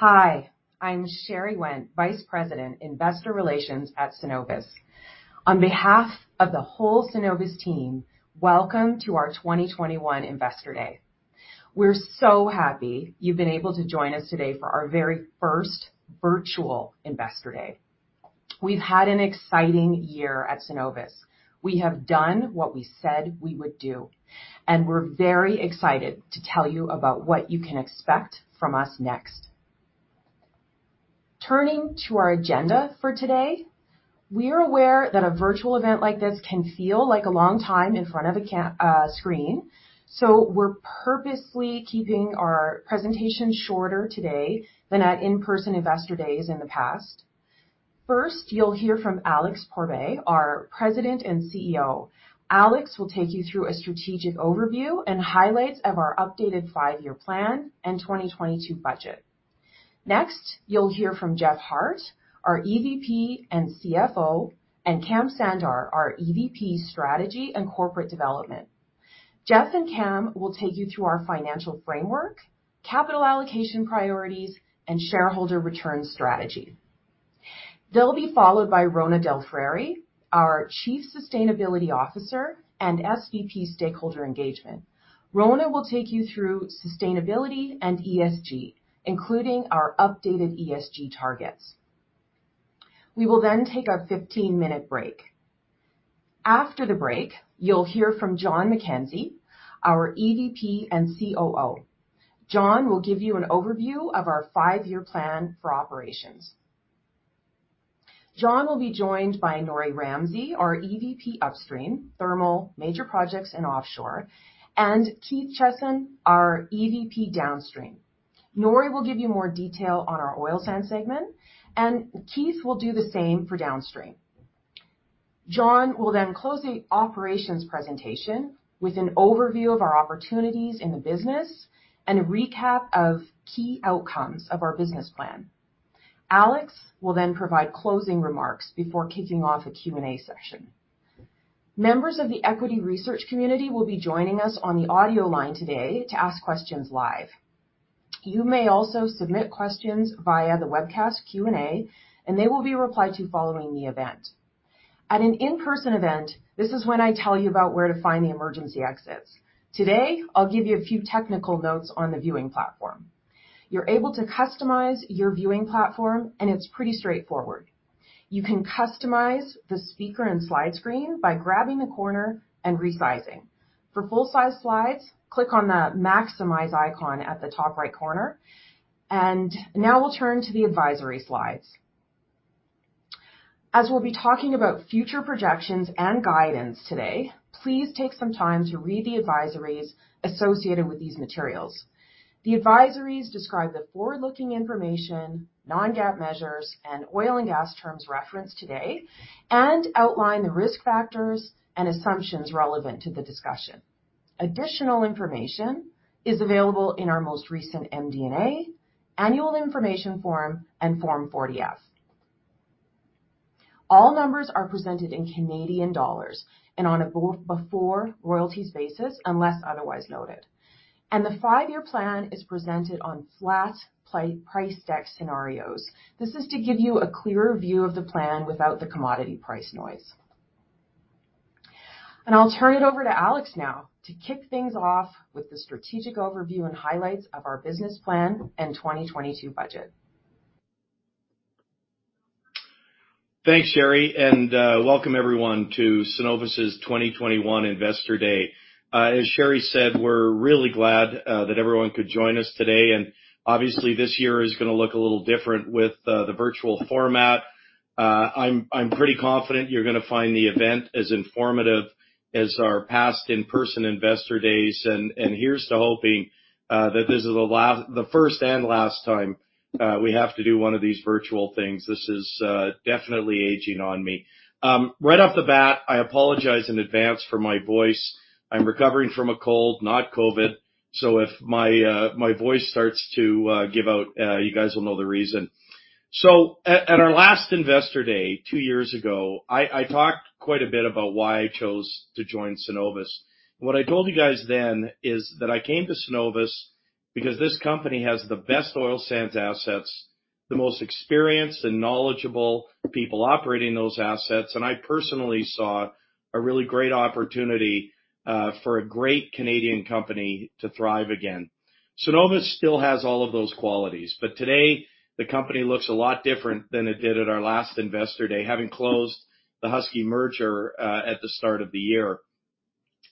Hi, I'm Sherry Wendt, Vice President, Investor Relations at Cenovus. On behalf of the whole Cenovus team, welcome to our 2021 Investor Day. We're so happy you've been able to join us today for our very first virtual Investor Day. We've had an exciting year at Cenovus. We have done what we said we would do, and we're very excited to tell you about what you can expect from us next. Turning to our agenda for today, we are aware that a virtual event like this can feel like a long time in front of a screen, so we're purposely keeping our presentation shorter today than at in-person investor days in the past. First, you'll hear from Alex Pourbaix, our President and CEO. Alex will take you through a strategic overview and highlights of our updated five-year plan and 2022 budget. Next, you'll hear from Jeff Hart, our EVP and CFO, and Kam Sandhar, our EVP Strategy and Corporate Development. Jeff and Kam will take you through our financial framework, capital allocation priorities, and shareholder return strategy. They'll be followed by Rhona DelFrari, our Chief Sustainability Officer and SVP Stakeholder Engagement. Rhona will take you through sustainability and ESG, including our updated ESG targets. We will then take a 15-minute break. After the break, you'll hear from Jon McKenzie, our EVP and COO. Jon will give you an overview of our 5-year plan for operations. Jon will be joined by Norrie Ramsay, our EVP Upstream, Thermal, Major Projects, and Offshore, and Keith Chiasson, our EVP Downstream. Norrie will give you more detail on our oil sands segment, and Keith will do the same for Downstream. Jon will then close the operations presentation with an overview of our opportunities in the business and a recap of key outcomes of our business plan. Alex will then provide closing remarks before kicking off a Q&A session. Members of the equity research community will be joining us on the audio line today to ask questions live. You may also submit questions via the webcast Q&A, and they will be replied to following the event. At an in-person event, this is when I tell you about where to find the emergency exits. Today, I'll give you a few technical notes on the viewing platform. You're able to customize your viewing platform, and it's pretty straightforward. You can customize the speaker and slide screen by grabbing the corner and resizing. For full-size slides, click on the maximize icon at the top right corner. Now we'll turn to the advisory slides. As we'll be talking about future projections and guidance today, please take some time to read the advisories associated with these materials. The advisories describe the forward-looking information, non-GAAP measures, and oil and gas terms referenced today and outline the risk factors and assumptions relevant to the discussion. Additional information is available in our most recent MD&A, Annual Information Form, and Form 40-F. All numbers are presented in Canadian dollars and on a before royalties basis, unless otherwise noted. The five-year plan is presented on flat price deck scenarios. This is to give you a clearer view of the plan without the commodity price noise. I'll turn it over to Alex now to kick things off with the strategic overview and highlights of our business plan and 2022 budget. Thanks, Sherry, and welcome everyone to Cenovus's 2021 Investor Day. As Sherry said, we're really glad that everyone could join us today, and obviously, this year is gonna look a little different with the virtual format. I'm pretty confident you're gonna find the event as informative as our past in-person investor days. Here's to hoping that this is the first and last time we have to do one of these virtual things. This is definitely aging on me. Right off the bat, I apologize in advance for my voice. I'm recovering from a cold, not COVID. So if my voice starts to give out, you guys will know the reason. At our last Investor Day two years ago, I talked quite a bit about why I chose to join Cenovus. What I told you guys then is that I came to Cenovus because this company has the best oil sands assets, the most experienced and knowledgeable people operating those assets, and I personally saw a really great opportunity for a great Canadian company to thrive again. Cenovus still has all of those qualities, but today, the company looks a lot different than it did at our last Investor Day, having closed the Husky merger at the start of the year.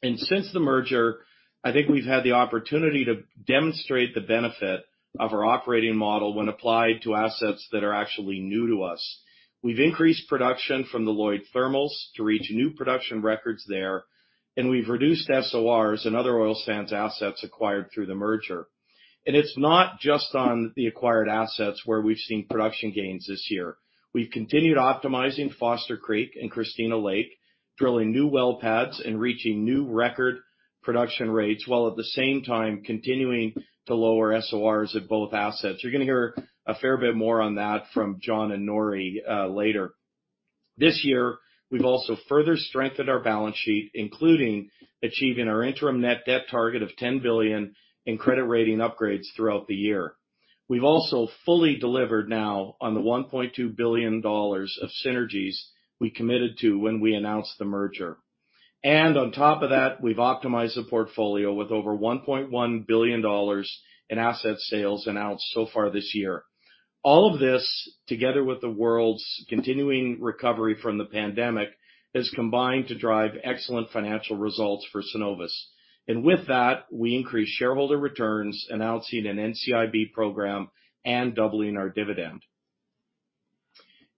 Since the merger, I think we've had the opportunity to demonstrate the benefit of our operating model when applied to assets that are actually new to us. We've increased production from the Lloyd thermals to reach new production records there, and we've reduced SORs and other oil sands assets acquired through the merger. It's not just on the acquired assets where we've seen production gains this year. We've continued optimizing Foster Creek and Christina Lake, drilling new well pads and reaching new record production rates, while at the same time continuing to lower SORs at both assets. You're gonna hear a fair bit more on that from Jon and Norrie later. This year, we've also further strengthened our balance sheet, including achieving our interim net debt target of 10 billion and credit rating upgrades throughout the year. We've also fully delivered now on the 1.2 billion dollars of synergies we committed to when we announced the merger. On top of that, we've optimized the portfolio with over 1.1 billion dollars in asset sales announced so far this year. All of this, together with the world's continuing recovery from the pandemic, has combined to drive excellent financial results for Cenovus. With that, we increased shareholder returns, announcing an NCIB program and doubling our dividend.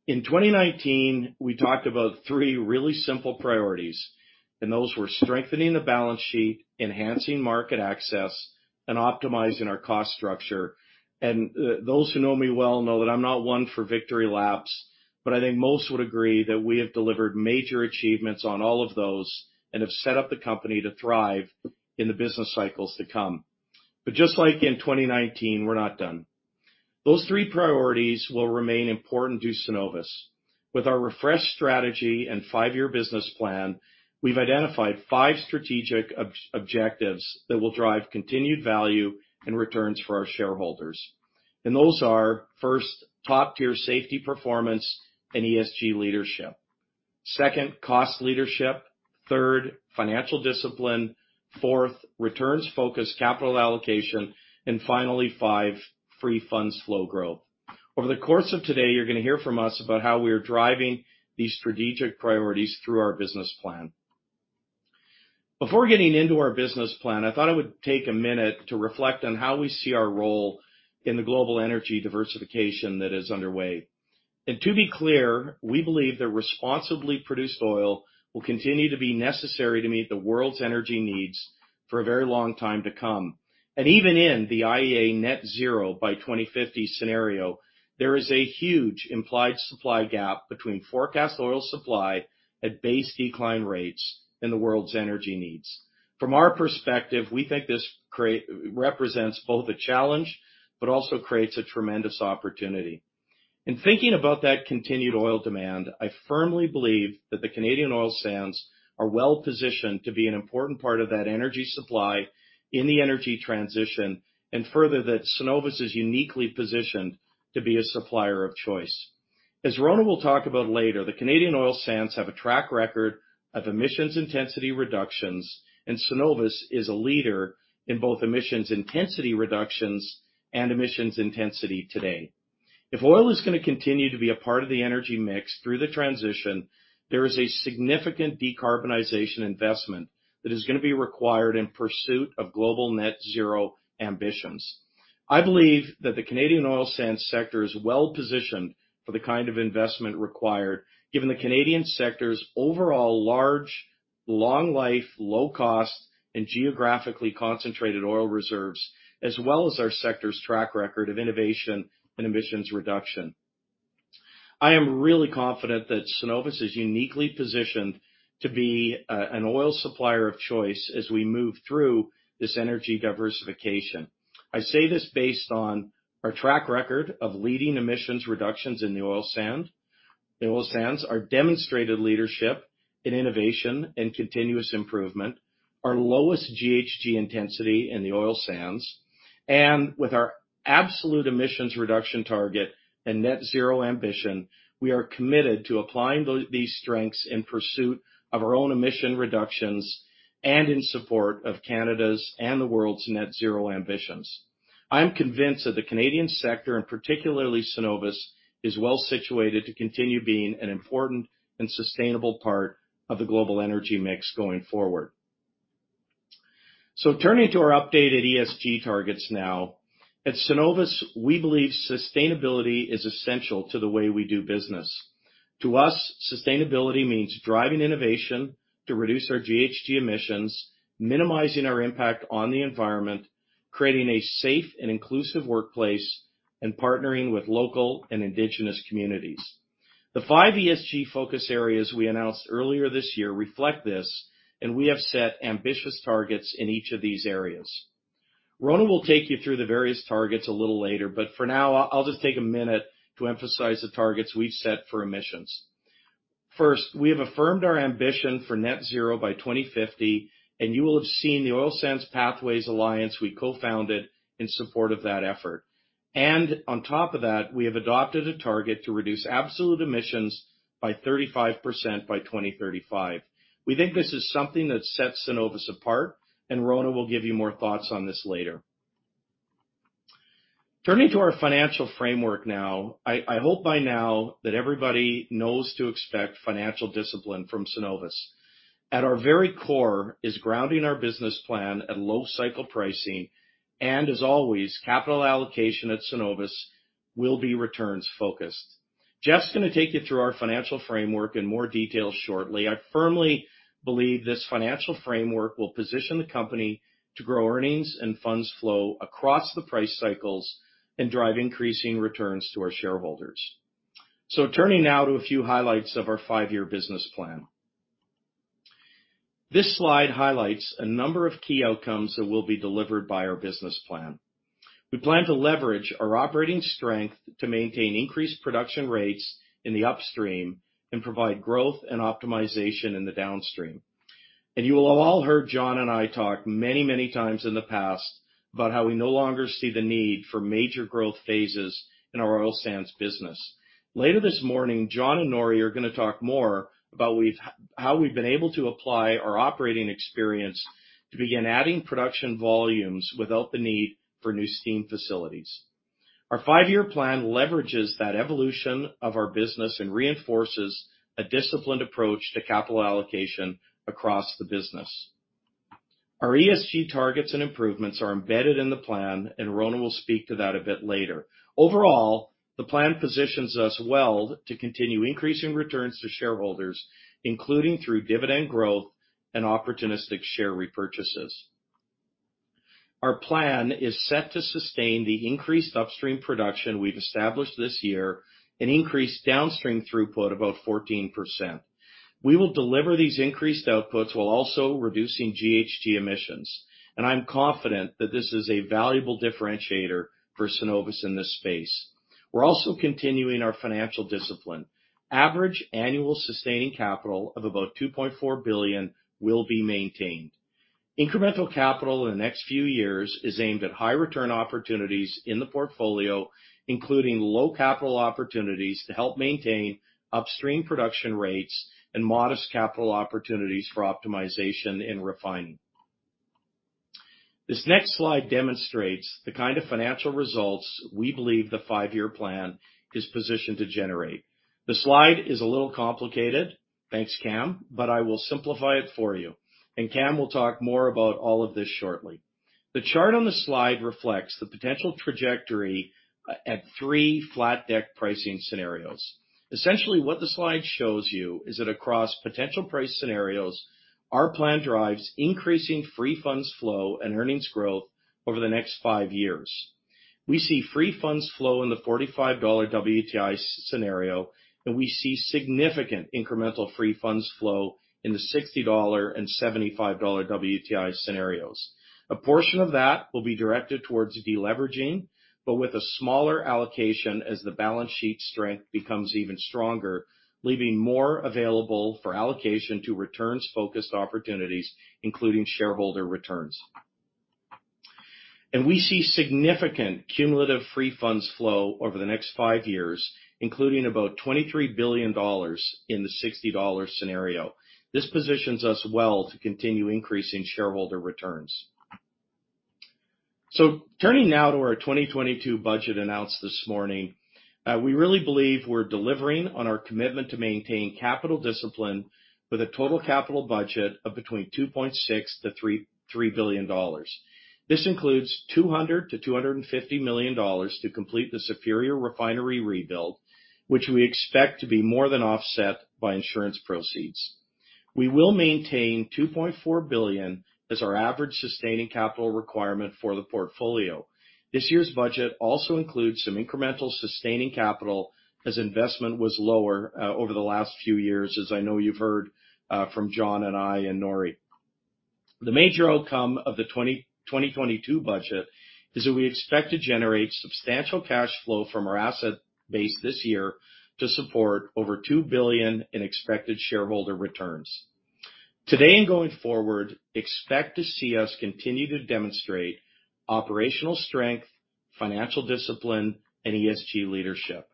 In 2019, we talked about three really simple priorities, and those were strengthening the balance sheet, enhancing market access and optimizing our cost structure. Those who know me well know that I'm not one for victory laps, but I think most would agree that we have delivered major achievements on all of those and have set up the company to thrive in the business cycles to come. Just like in 2019, we're not done. Those three priorities will remain important to Cenovus. With our refreshed strategy and five-year business plan, we've identified five strategic objectives that will drive continued value and returns for our shareholders. Those are, first, top-tier safety performance and ESG leadership. Second, cost leadership. Third, financial discipline. Fourth, returns-focused capital allocation. Finally, five, free funds flow growth. Over the course of today, you're gonna hear from us about how we are driving these strategic priorities through our business plan. Before getting into our business plan, I thought I would take a minute to reflect on how we see our role in the global energy diversification that is underway. To be clear, we believe that responsibly produced oil will continue to be necessary to meet the world's energy needs for a very long time to come. Even in the IEA net zero by 2050 scenario, there is a huge implied supply gap between forecast oil supply at base decline rates and the world's energy needs. From our perspective, we think this represents both a challenge but also creates a tremendous opportunity. In thinking about that continued oil demand, I firmly believe that the Canadian oil sands are well-positioned to be an important part of that energy supply in the energy transition, and further, that Cenovus is uniquely positioned to be a supplier of choice. As Rhona will talk about later, the Canadian oil sands have a track record of emissions intensity reductions, and Cenovus is a leader in both emissions intensity reductions and emissions intensity today. If oil is gonna continue to be a part of the energy mix through the transition, there is a significant decarbonization investment that is gonna be required in pursuit of global net zero ambitions. I believe that the Canadian oil sands sector is well-positioned for the kind of investment required, given the Canadian sector's overall large, long life, low cost, and geographically concentrated oil reserves, as well as our sector's track record of innovation and emissions reduction. I am really confident that Cenovus is uniquely positioned to be an oil supplier of choice as we move through this energy diversification. I say this based on our track record of leading emissions reductions in the oil sands, our demonstrated leadership in innovation and continuous improvement, our lowest GHG intensity in the oil sands, and with our absolute emissions reduction target and net zero ambition, we are committed to applying these strengths in pursuit of our own emission reductions and in support of Canada's and the world's net zero ambitions. I'm convinced that the Canadian sector, and particularly Cenovus, is well-situated to continue being an important and sustainable part of the global energy mix going forward. Turning to our updated ESG targets now, at Cenovus, we believe sustainability is essential to the way we do business. To us, sustainability means driving innovation to reduce our GHG emissions, minimizing our impact on the environment, creating a safe and inclusive workplace, and partnering with local and Indigenous communities. The five ESG focus areas we announced earlier this year reflect this, and we have set ambitious targets in each of these areas. Rhona will take you through the various targets a little later, but for now I'll just take a minute to emphasize the targets we've set for emissions. First, we have affirmed our ambition for net zero by 2050, and you will have seen the Oil Sands Pathways Alliance we co-founded in support of that effort. On top of that, we have adopted a target to reduce absolute emissions by 35% by 2035. We think this is something that sets Cenovus apart, and Rhona will give you more thoughts on this later. Turning to our financial framework now. I hope by now that everybody knows to expect financial discipline from Cenovus. At our very core is grounding our business plan at low cycle pricing, and as always, capital allocation at Cenovus will be returns-focused. Jeff's gonna take you through our financial framework in more detail shortly. I firmly believe this financial framework will position the company to grow earnings and funds flow across the price cycles and drive increasing returns to our shareholders. Turning now to a few highlights of our five-year business plan. This slide highlights a number of key outcomes that will be delivered by our business plan. We plan to leverage our operating strength to maintain increased production rates in the upstream and provide growth and optimization in the downstream. You will have all heard Jon and I talk many, many times in the past about how we no longer see the need for major growth phases in our oil sands business. Later this morning, Jon and Norrie are gonna talk more about how we've been able to apply our operating experience to begin adding production volumes without the need for new steam facilities. Our five-year plan leverages that evolution of our business and reinforces a disciplined approach to capital allocation across the business. Our ESG targets and improvements are embedded in the plan, and Rhona will speak to that a bit later. Overall, the plan positions us well to continue increasing returns to shareholders, including through dividend growth and opportunistic share repurchases. Our plan is set to sustain the increased upstream production we've established this year and increase downstream throughput about 14%. We will deliver these increased outputs while also reducing GHG emissions, and I'm confident that this is a valuable differentiator for Cenovus in this space. We're also continuing our financial discipline. Average annual sustaining capital of about 2.4 billion will be maintained. Incremental capital in the next few years is aimed at high return opportunities in the portfolio, including low capital opportunities to help maintain upstream production rates and modest capital opportunities for optimization and refining. This next slide demonstrates the kind of financial results we believe the five-year plan is positioned to generate. The slide is a little complicated, thanks, Kam, but I will simplify it for you, and Kam will talk more about all of this shortly. The chart on the slide reflects the potential trajectory at three flat deck pricing scenarios. Essentially, what the slide shows you is that across potential price scenarios, our plan drives increasing free funds flow and earnings growth over the next five years. We see free funds flow in the $45 WTI scenario, and we see significant incremental free funds flow in the $60 and $75 WTI scenarios. A portion of that will be directed towards deleveraging, but with a smaller allocation as the balance sheet strength becomes even stronger, leaving more available for allocation to returns-focused opportunities, including shareholder returns. We see significant cumulative free funds flow over the next five years, including about 23 billion dollars in the $60 scenario. This positions us well to continue increasing shareholder returns. Turning now to our 2022 budget announced this morning, we really believe we're delivering on our commitment to maintain capital discipline with a total capital budget of between 2.6 billion-3 billion dollars. This includes 200 million-250 million dollars to complete the Superior refinery rebuild, which we expect to be more than offset by insurance proceeds. We will maintain 2.4 billion as our average sustaining capital requirement for the portfolio. This year's budget also includes some incremental sustaining capital as investment was lower over the last few years, as I know you've heard from Jon and I and Norrie. The major outcome of the 2022 budget is that we expect to generate substantial cash flow from our asset base this year to support over 2 billion in expected shareholder returns. Today and going forward, expect to see us continue to demonstrate operational strength, financial discipline, and ESG leadership.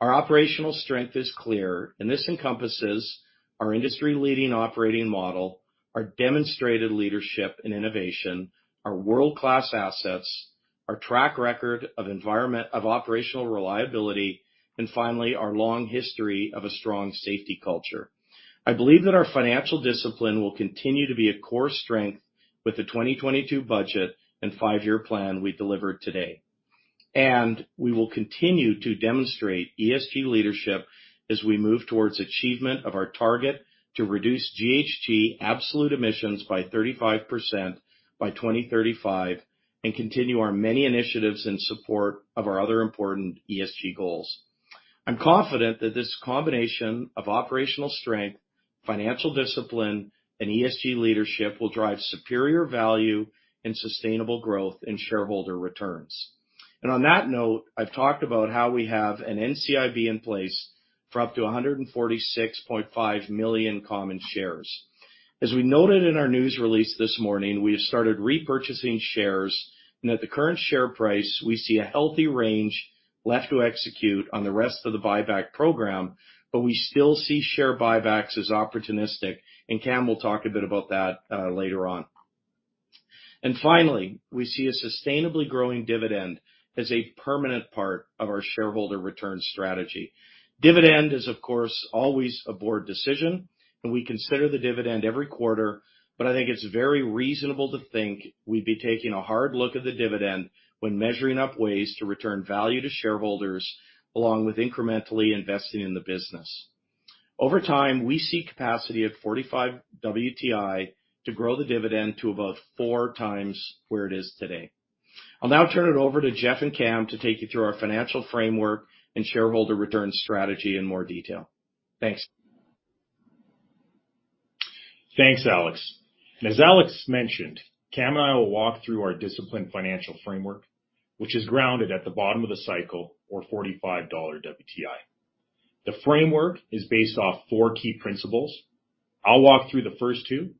Our operational strength is clear, and this encompasses our industry-leading operating model, our demonstrated leadership in innovation, our world-class assets, our track record of operational reliability, and finally, our long history of a strong safety culture. I believe that our financial discipline will continue to be a core strength with the 2022 budget and five-year plan we delivered today. We will continue to demonstrate ESG leadership as we move towards achievement of our target to reduce GHG absolute emissions by 35% by 2035 and continue our many initiatives in support of our other important ESG goals. I'm confident that this combination of operational strength, financial discipline, and ESG leadership will drive superior value and sustainable growth in shareholder returns. On that note, I've talked about how we have an NCIB in place for up to 146.5 million common shares. As we noted in our news release this morning, we have started repurchasing shares. At the current share price, we see a healthy range left to execute on the rest of the buyback program, but we still see share buybacks as opportunistic, and Kam will talk a bit about that, later on. Finally, we see a sustainably growing dividend as a permanent part of our shareholder return strategy. Dividend is, of course, always a board decision, and we consider the dividend every quarter, but I think it's very reasonable to think we'd be taking a hard look at the dividend when measuring up ways to return value to shareholders along with incrementally investing in the business. Over time, we see capacity at $45 WTI to grow the dividend to about 4 times where it is today. I'll now turn it over to Jeff and Kam to take you through our financial framework and shareholder return strategy in more detail. Thanks. Thanks, Alex. As Alex mentioned, Kam and I will walk through our disciplined financial framework, which is grounded at the bottom of the cycle or $45 WTI. The framework is based off four key principles. I'll walk through the first two,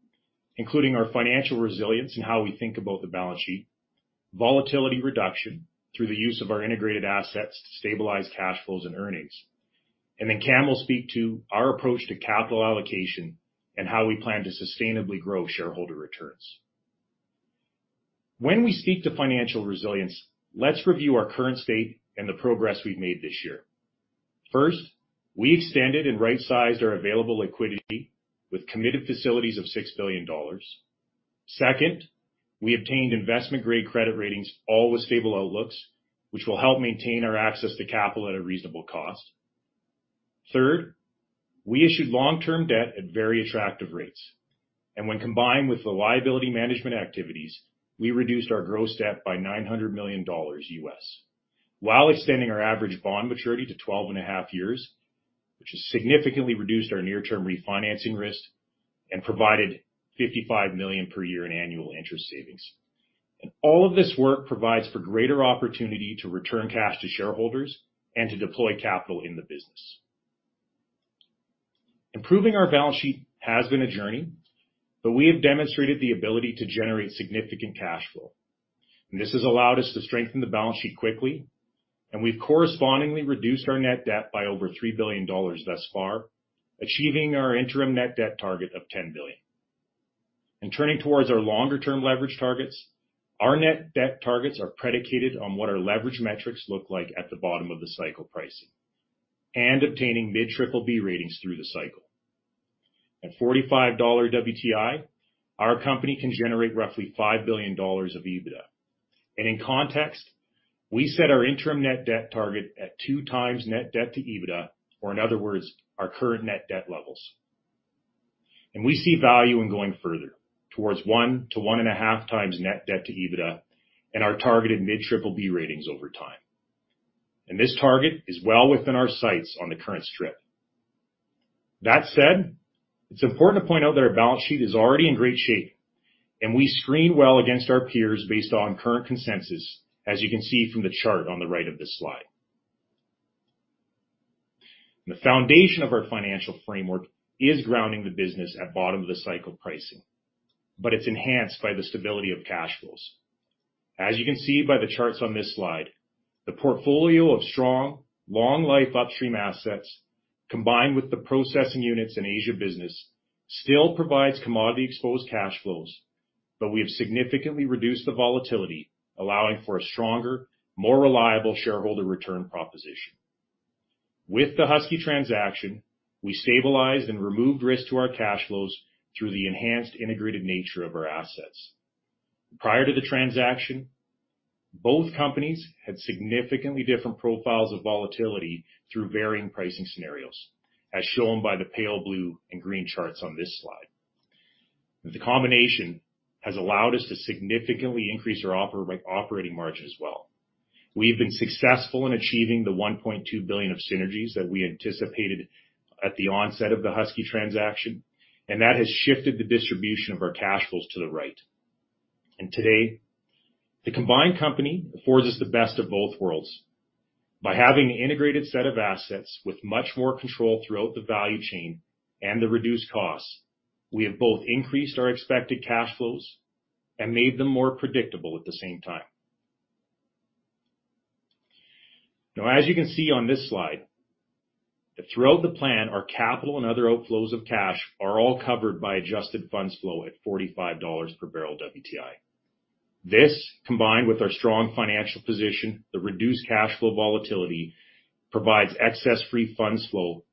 including our financial resilience and how we think about the balance sheet, volatility reduction through the use of our integrated assets to stabilize cash flows and earnings. Then Kam will speak to our approach to capital allocation and how we plan to sustainably grow shareholder returns. When we speak to financial resilience, let's review our current state and the progress we've made this year. First, we extended and right-sized our available liquidity with committed facilities of 6 billion dollars. Second, we obtained investment-grade credit ratings, all with stable outlooks, which will help maintain our access to capital at a reasonable cost. Third, we issued long-term debt at very attractive rates, and when combined with the liability management activities, we reduced our gross debt by $900 million, while extending our average bond maturity to 12.5 years, which has significantly reduced our near-term refinancing risk and provided $55 million per year in annual interest savings. All of this work provides for greater opportunity to return cash to shareholders and to deploy capital in the business. Improving our balance sheet has been a journey, but we have demonstrated the ability to generate significant cash flow. This has allowed us to strengthen the balance sheet quickly, and we've correspondingly reduced our net debt by over $3 billion thus far, achieving our interim net debt target of $10 billion. Turning towards our longer-term leverage targets, our net debt targets are predicated on what our leverage metrics look like at the bottom of the cycle pricing and obtaining mid-triple-B ratings through the cycle. At $45 WTI, our company can generate roughly $5 billion of EBITDA. In context, we set our interim net debt target at 2x net debt to EBITDA, or in other words, our current net debt levels. We see value in going further towards 1-1.5x net debt to EBITDA and our targeted mid-triple-B ratings over time. This target is well within our sights on the current strip. That said, it's important to point out that our balance sheet is already in great shape, and we screen well against our peers based on current consensus, as you can see from the chart on the right of this slide. The foundation of our financial framework is grounding the business at bottom of the cycle pricing, but it's enhanced by the stability of cash flows. As you can see by the charts on this slide, the portfolio of strong, long-life upstream assets combined with the processing units and Asia business still provides commodity-exposed cash flows, but we have significantly reduced the volatility, allowing for a stronger, more reliable shareholder return proposition. With the Husky transaction, we stabilized and removed risk to our cash flows through the enhanced integrated nature of our assets. Prior to the transaction, both companies had significantly different profiles of volatility through varying pricing scenarios, as shown by the pale blue and green charts on this slide. The combination has allowed us to significantly increase our operating margin as well. We've been successful in achieving the 1.2 billion of synergies that we anticipated at the onset of the Husky transaction, and that has shifted the distribution of our cash flows to the right. Today, the combined company affords us the best of both worlds. By having an integrated set of assets with much more control throughout the value chain and the reduced costs, we have both increased our expected cash flows and made them more predictable at the same time. Now, as you can see on this slide, throughout the plan, our capital and other outflows of cash are all covered by adjusted funds flow at $45 per barrel WTI. This, combined with our strong financial position, the reduced cash flow volatility, provides excess free funds flow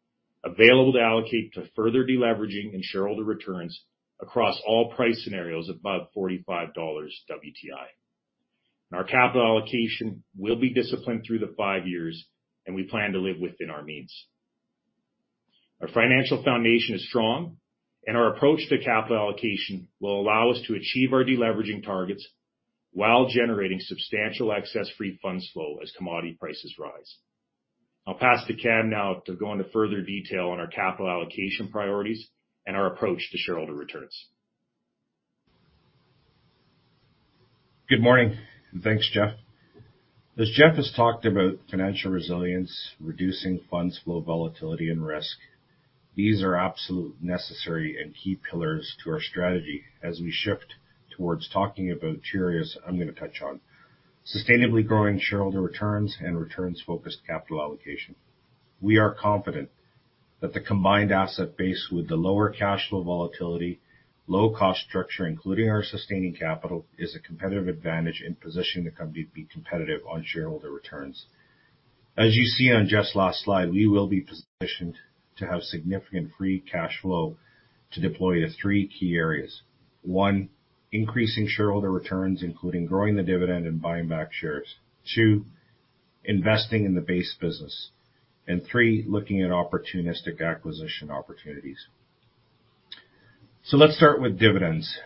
available to allocate to further deleveraging and shareholder returns across all price scenarios above $45 WTI. Our capital allocation will be disciplined through the 5 years, and we plan to live within our means. Our financial foundation is strong, and our approach to capital allocation will allow us to achieve our deleveraging targets while generating substantial excess free funds flow as commodity prices rise. I'll pass to Kam now to go into further detail on our capital allocation priorities and our approach to shareholder returns. Good morning, thanks, Jeff. As Jeff has talked about financial resilience, reducing funds flow volatility and risk, these are absolute necessary and key pillars to our strategy as we shift towards talking about areas I'm going to touch on, sustainably growing shareholder returns and returns-focused capital allocation. We are confident that the combined asset base with the lower cash flow volatility, low cost structure, including our sustaining capital, is a competitive advantage in positioning the company to be competitive on shareholder returns. As you see on Jeff's last slide, we will be positioned to have significant free cash flow to deploy to three key areas. One, increasing shareholder returns, including growing the dividend and buying back shares. Two, investing in the base business. And three, looking at opportunistic acquisition opportunities. So let's start with dividends.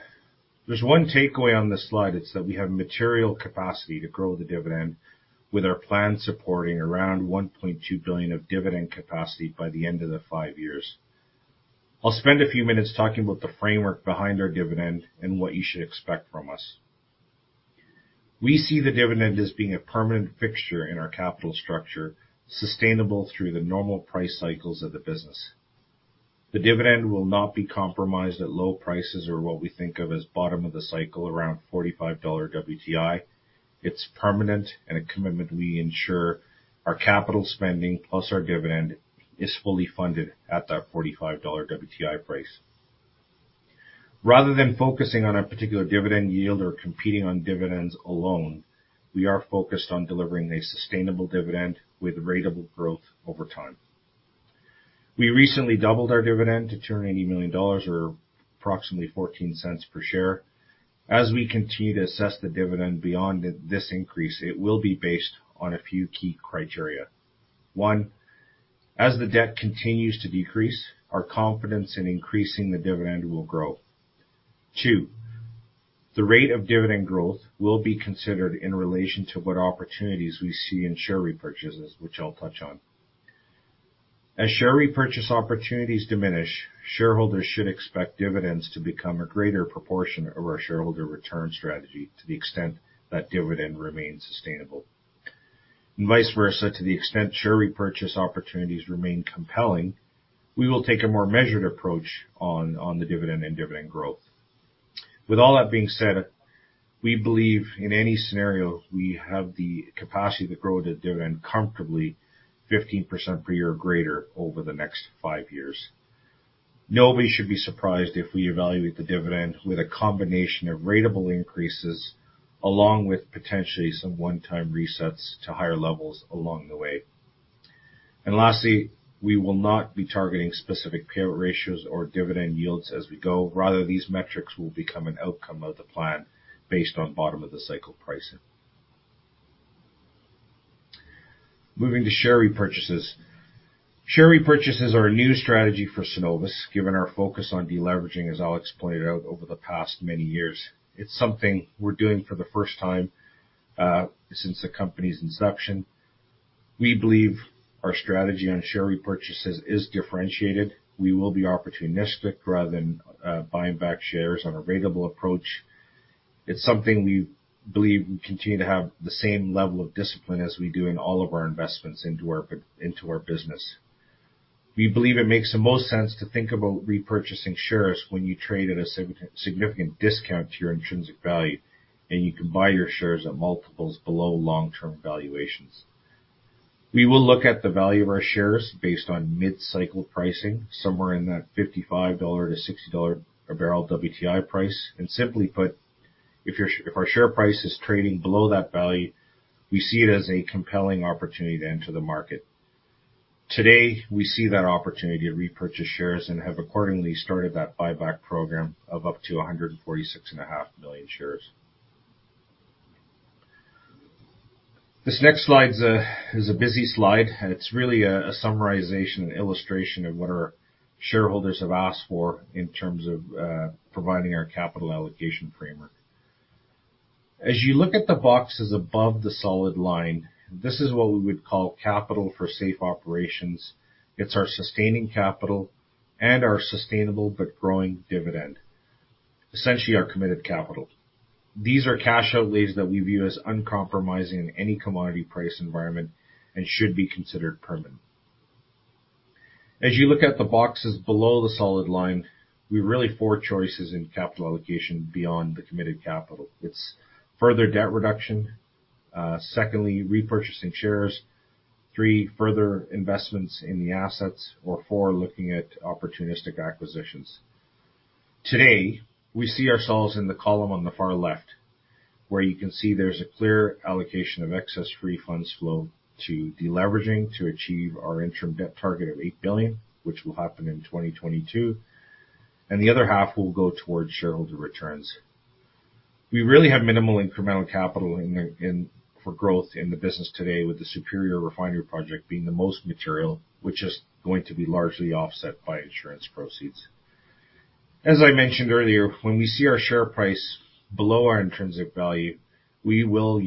There's one takeaway on this slide. It's that we have material capacity to grow the dividend with our plan supporting around 1.2 billion of dividend capacity by the end of the five years. I'll spend a few minutes talking about the framework behind our dividend and what you should expect from us. We see the dividend as being a permanent fixture in our capital structure, sustainable through the normal price cycles of the business. The dividend will not be compromised at low prices or what we think of as bottom of the cycle, around $45 WTI. It's permanent and a commitment we ensure our capital spending plus our dividend is fully funded at that $45 WTI price. Rather than focusing on a particular dividend yield or competing on dividends alone, we are focused on delivering a sustainable dividend with ratable growth over time. We recently doubled our dividend to 280 million dollars or approximately 0.14 per share. As we continue to assess the dividend beyond this increase, it will be based on a few key criteria. One, as the debt continues to decrease, our confidence in increasing the dividend will grow. Two, the rate of dividend growth will be considered in relation to what opportunities we see in share repurchases, which I'll touch on. As share repurchase opportunities diminish, shareholders should expect dividends to become a greater proportion of our shareholder return strategy to the extent that dividend remains sustainable. Vice versa, to the extent share repurchase opportunities remain compelling, we will take a more measured approach on the dividend and dividend growth. With all that being said, we believe in any scenario, we have the capacity to grow the dividend comfortably 15% per year or greater over the next five years. Nobody should be surprised if we evaluate the dividend with a combination of ratable increases along with potentially some one-time resets to higher levels along the way. Lastly, we will not be targeting specific payout ratios or dividend yields as we go. Rather, these metrics will become an outcome of the plan based on bottom of the cycle pricing. Moving to share repurchases. Share repurchases are a new strategy for Cenovus, given our focus on deleveraging, as I'll explain it out over the past many years. It's something we're doing for the first time, since the company's inception. We believe our strategy on share repurchases is differentiated. We will be opportunistic rather than buying back shares on a ratable approach. It's something we believe we continue to have the same level of discipline as we do in all of our investments into our business. We believe it makes the most sense to think about repurchasing shares when you trade at a significant discount to your intrinsic value, and you can buy your shares at multiples below long-term valuations. We will look at the value of our shares based on mid-cycle pricing, somewhere in that $55-$60 a barrel WTI price. Simply put, if our share price is trading below that value, we see it as a compelling opportunity to enter the market. Today, we see that opportunity to repurchase shares and have accordingly started that buyback program of up to 146.5 million shares. This next slide is a busy slide, and it's really a summarization and illustration of what our shareholders have asked for in terms of providing our capital allocation framework. As you look at the boxes above the solid line, this is what we would call capital for safe operations. It's our sustaining capital and our sustainable but growing dividend, essentially our committed capital. These are cash outflows that we view as uncompromising in any commodity price environment and should be considered permanent. As you look at the boxes below the solid line, we have four choices in capital allocation beyond the committed capital. It's further debt reduction, secondly, repurchasing shares, 3, further investments in the assets, or 4, looking at opportunistic acquisitions. Today, we see ourselves in the column on the far left, where you can see there's a clear allocation of excess free funds flow to deleveraging to achieve our interim debt target of 8 billion, which will happen in 2022, and the other half will go towards shareholder returns. We really have minimal incremental capital for growth in the business today, with the superior refinery project being the most material, which is going to be largely offset by insurance proceeds. As I mentioned earlier, when we see our share price below our intrinsic value, we will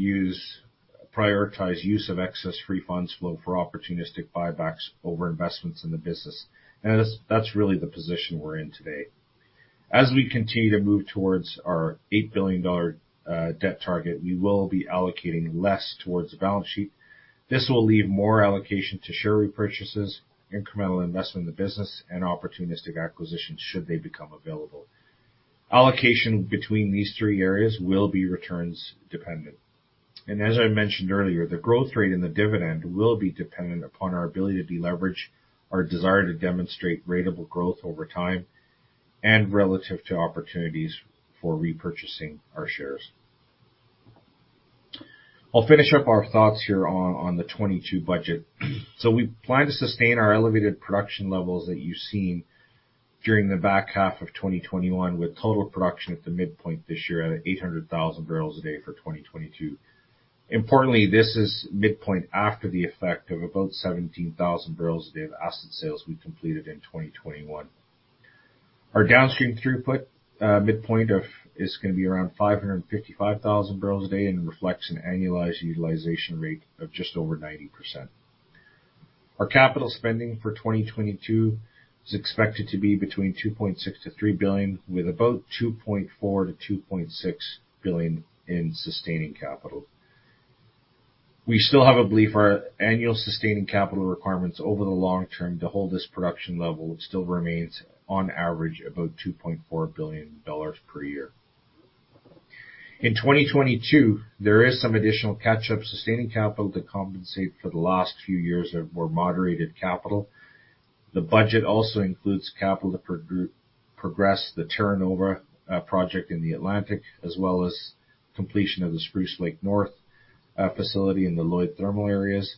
prioritize use of excess free funds flow for opportunistic buybacks over investments in the business. That's really the position we're in today. As we continue to move towards our 8 billion dollar debt target, we will be allocating less towards the balance sheet. This will leave more allocation to share repurchases, incremental investment in the business and opportunistic acquisitions should they become available. Allocation between these three areas will be returns dependent. As I mentioned earlier, the growth rate in the dividend will be dependent upon our ability to deleverage, our desire to demonstrate ratable growth over time, and relative to opportunities for repurchasing our shares. I'll finish up our thoughts here on the 2022 budget. We plan to sustain our elevated production levels that you've seen during the back half of 2021, with total production at the midpoint this year at 800,000 barrels a day for 2022. Importantly, this is midpoint after the effect of about 17,000 barrels a day of asset sales we completed in 2021. Our downstream throughput, midpoint of is gonna be around 555,000 barrels a day and reflects an annualized utilization rate of just over 90%. Our capital spending for 2022 is expected to be between 2.6 billion-3 billion, with about 2.4 billion-2.6 billion in sustaining capital. We still have a belief our annual sustaining capital requirements over the long term to hold this production level still remains on average about 2.4 billion dollars per year. In 2022, there is some additional catch-up sustaining capital to compensate for the last few years of more moderated capital. The budget also includes capital to progress the Terra Nova project in the Atlantic, as well as completion of the Spruce Lake North in the Lloyd thermal areas.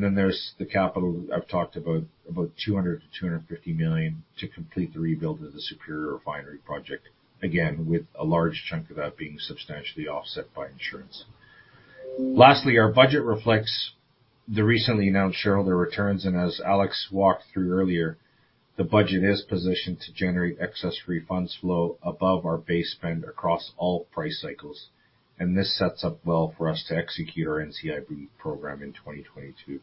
Then there's the capital I've talked about 200 million-250 million to complete the rebuild of the Superior Refinery project, again, with a large chunk of that being substantially offset by insurance. Lastly, our budget reflects the recently announced shareholder returns, and as Alex walked through earlier, the budget is positioned to generate excess free funds flow above our base spend across all price cycles. This sets up well for us to execute our NCIB program in 2022.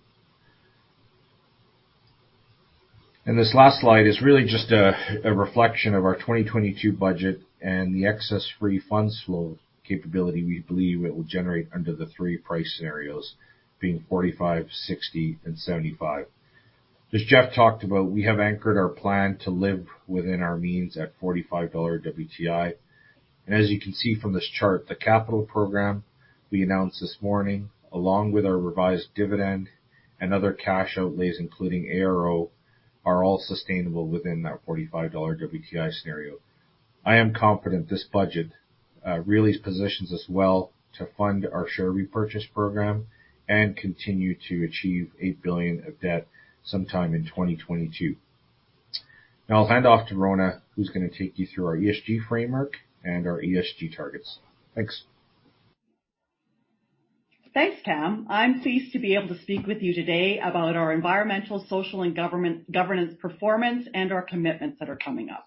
This last slide is really just a reflection of our 2022 budget and the excess free funds flow capability we believe it will generate under the three price scenarios, being $45, $60, and $75. As Jeff talked about, we have anchored our plan to live within our means at $45 WTI. As you can see from this chart, the capital program we announced this morning, along with our revised dividend and other cash outlays, including ARO, are all sustainable within that $45 WTI scenario. I am confident this budget really positions us well to fund our share repurchase program and continue to achieve 8 billion of debt sometime in 2022. Now I'll hand off to Rhona, who's gonna take you through our ESG framework and our ESG targets. Thanks. Thanks, Kam. I'm pleased to be able to speak with you today about our environmental, social, and governance performance and our commitments that are coming up.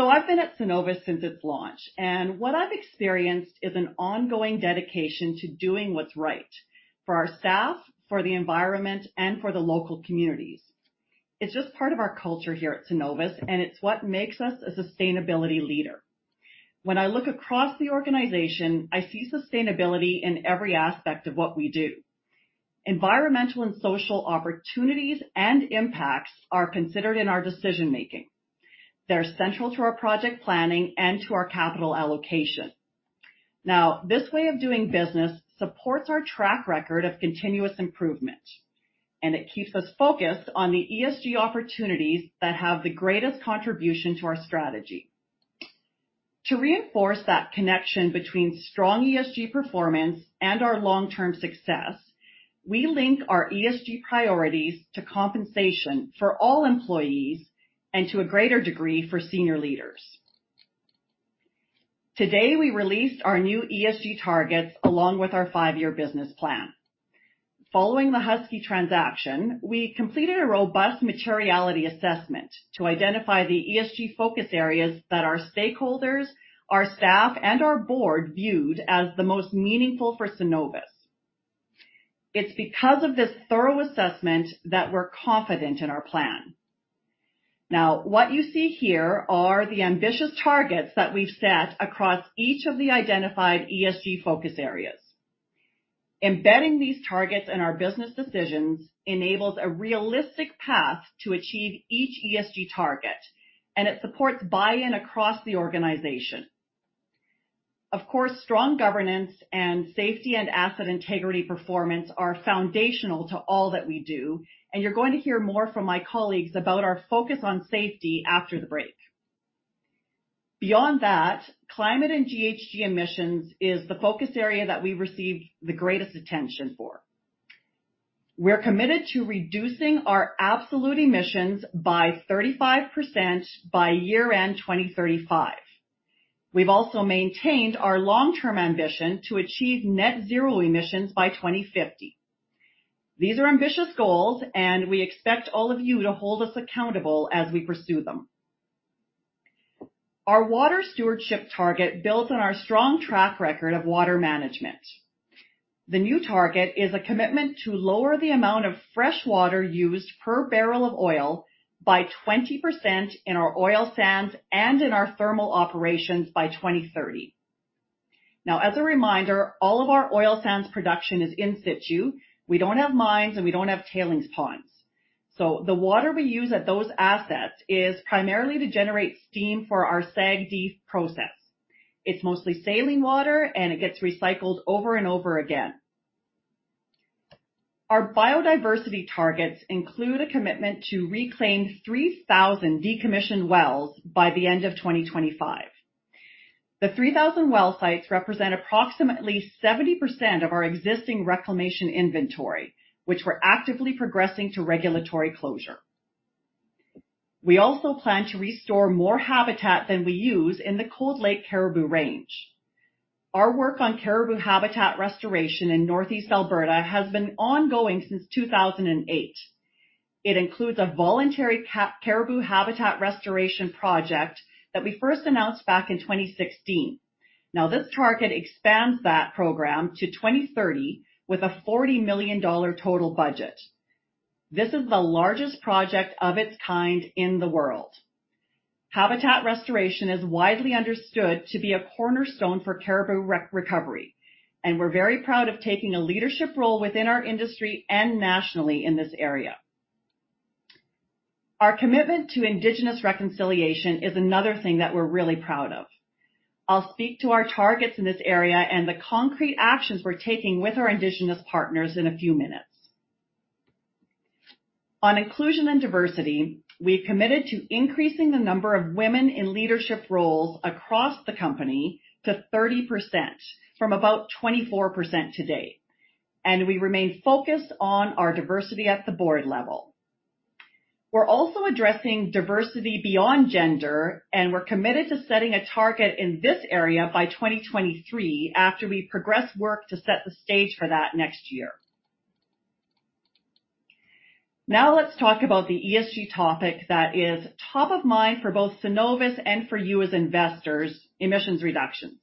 I've been at Cenovus since its launch, and what I've experienced is an ongoing dedication to doing what's right for our staff, for the environment, and for the local communities. It's just part of our culture here at Cenovus, and it's what makes us a sustainability leader. When I look across the organization, I see sustainability in every aspect of what we do. Environmental and social opportunities and impacts are considered in our decision making. They're central to our project planning and to our capital allocation. This way of doing business supports our track record of continuous improvement, and it keeps us focused on the ESG opportunities that have the greatest contribution to our strategy. To reinforce that connection between strong ESG performance and our long-term success, we link our ESG priorities to compensation for all employees and to a greater degree for senior leaders. Today, we released our new ESG targets along with our five-year business plan. Following the Husky transaction, we completed a robust materiality assessment to identify the ESG focus areas that our stakeholders, our staff, and our board viewed as the most meaningful for Cenovus. It's because of this thorough assessment that we're confident in our plan. Now, what you see here are the ambitious targets that we've set across each of the identified ESG focus areas. Embedding these targets in our business decisions enables a realistic path to achieve each ESG target, and it supports buy-in across the organization. Of course, strong governance and safety and asset integrity performance are foundational to all that we do, and you're going to hear more from my colleagues about our focus on safety after the break. Beyond that, climate and GHG emissions is the focus area that we received the greatest attention for. We're committed to reducing our absolute emissions by 35% by year-end 2035. We've also maintained our long-term ambition to achieve net zero emissions by 2050. These are ambitious goals, and we expect all of you to hold us accountable as we pursue them. Our water stewardship target builds on our strong track record of water management. The new target is a commitment to lower the amount of fresh water used per barrel of oil by 20% in our oil sands and in our thermal operations by 2030. Now, as a reminder, all of our oil sands production is in situ. We don't have mines, and we don't have tailings ponds. The water we use at those assets is primarily to generate steam for our SAGD process. It's mostly saline water, and it gets recycled over and over again. Our biodiversity targets include a commitment to reclaim 3,000 decommissioned wells by the end of 2025. The 3,000 well sites represent approximately 70% of our existing reclamation inventory, which we're actively progressing to regulatory closure. We also plan to restore more habitat than we use in the Cold Lake caribou range. Our work on caribou habitat restoration in Northeast Alberta has been ongoing since 2008. It includes a voluntary caribou habitat restoration project that we first announced back in 2016. Now this target expands that program to 2030 with a 40 million dollar total budget. This is the largest project of its kind in the world. Habitat restoration is widely understood to be a cornerstone for caribou recovery, and we're very proud of taking a leadership role within our industry and nationally in this area. Our commitment to Indigenous reconciliation is another thing that we're really proud of. I'll speak to our targets in this area and the concrete actions we're taking with our Indigenous partners in a few minutes. On inclusion and diversity, we've committed to increasing the number of women in leadership roles across the company to 30% from about 24% to date, and we remain focused on our diversity at the board level. We're also addressing diversity beyond gender, and we're committed to setting a target in this area by 2023 after we progress work to set the stage for that next year. Now let's talk about the ESG topic that is top of mind for both Cenovus and for you as investors, emissions reductions.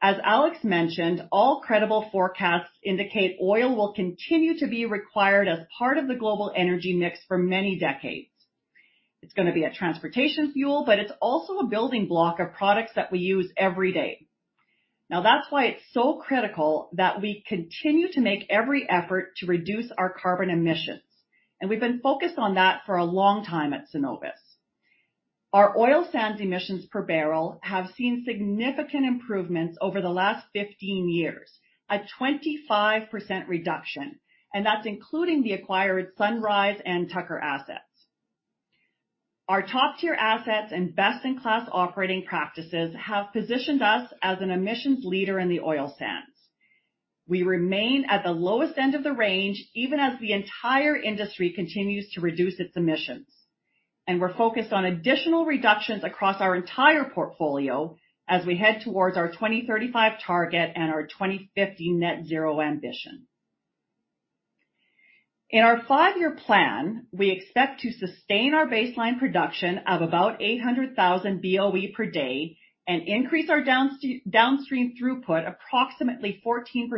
As Alex mentioned, all credible forecasts indicate oil will continue to be required as part of the global energy mix for many decades. It's gonna be a transportation fuel, but it's also a building block of products that we use every day. Now, that's why it's so critical that we continue to make every effort to reduce our carbon emissions, and we've been focused on that for a long time at Cenovus. Our oil sands emissions per barrel have seen significant improvements over the last 15 years, a 25% reduction, and that's including the acquired Sunrise and Tucker assets. Our top-tier assets and best-in-class operating practices have positioned us as an emissions leader in the oil sands. We remain at the lowest end of the range, even as the entire industry continues to reduce its emissions. We're focused on additional reductions across our entire portfolio as we head towards our 2035 target and our 2050 net zero ambition. In our five-year plan, we expect to sustain our baseline production of about 800,000 BOE per day and increase our downstream throughput approximately 14%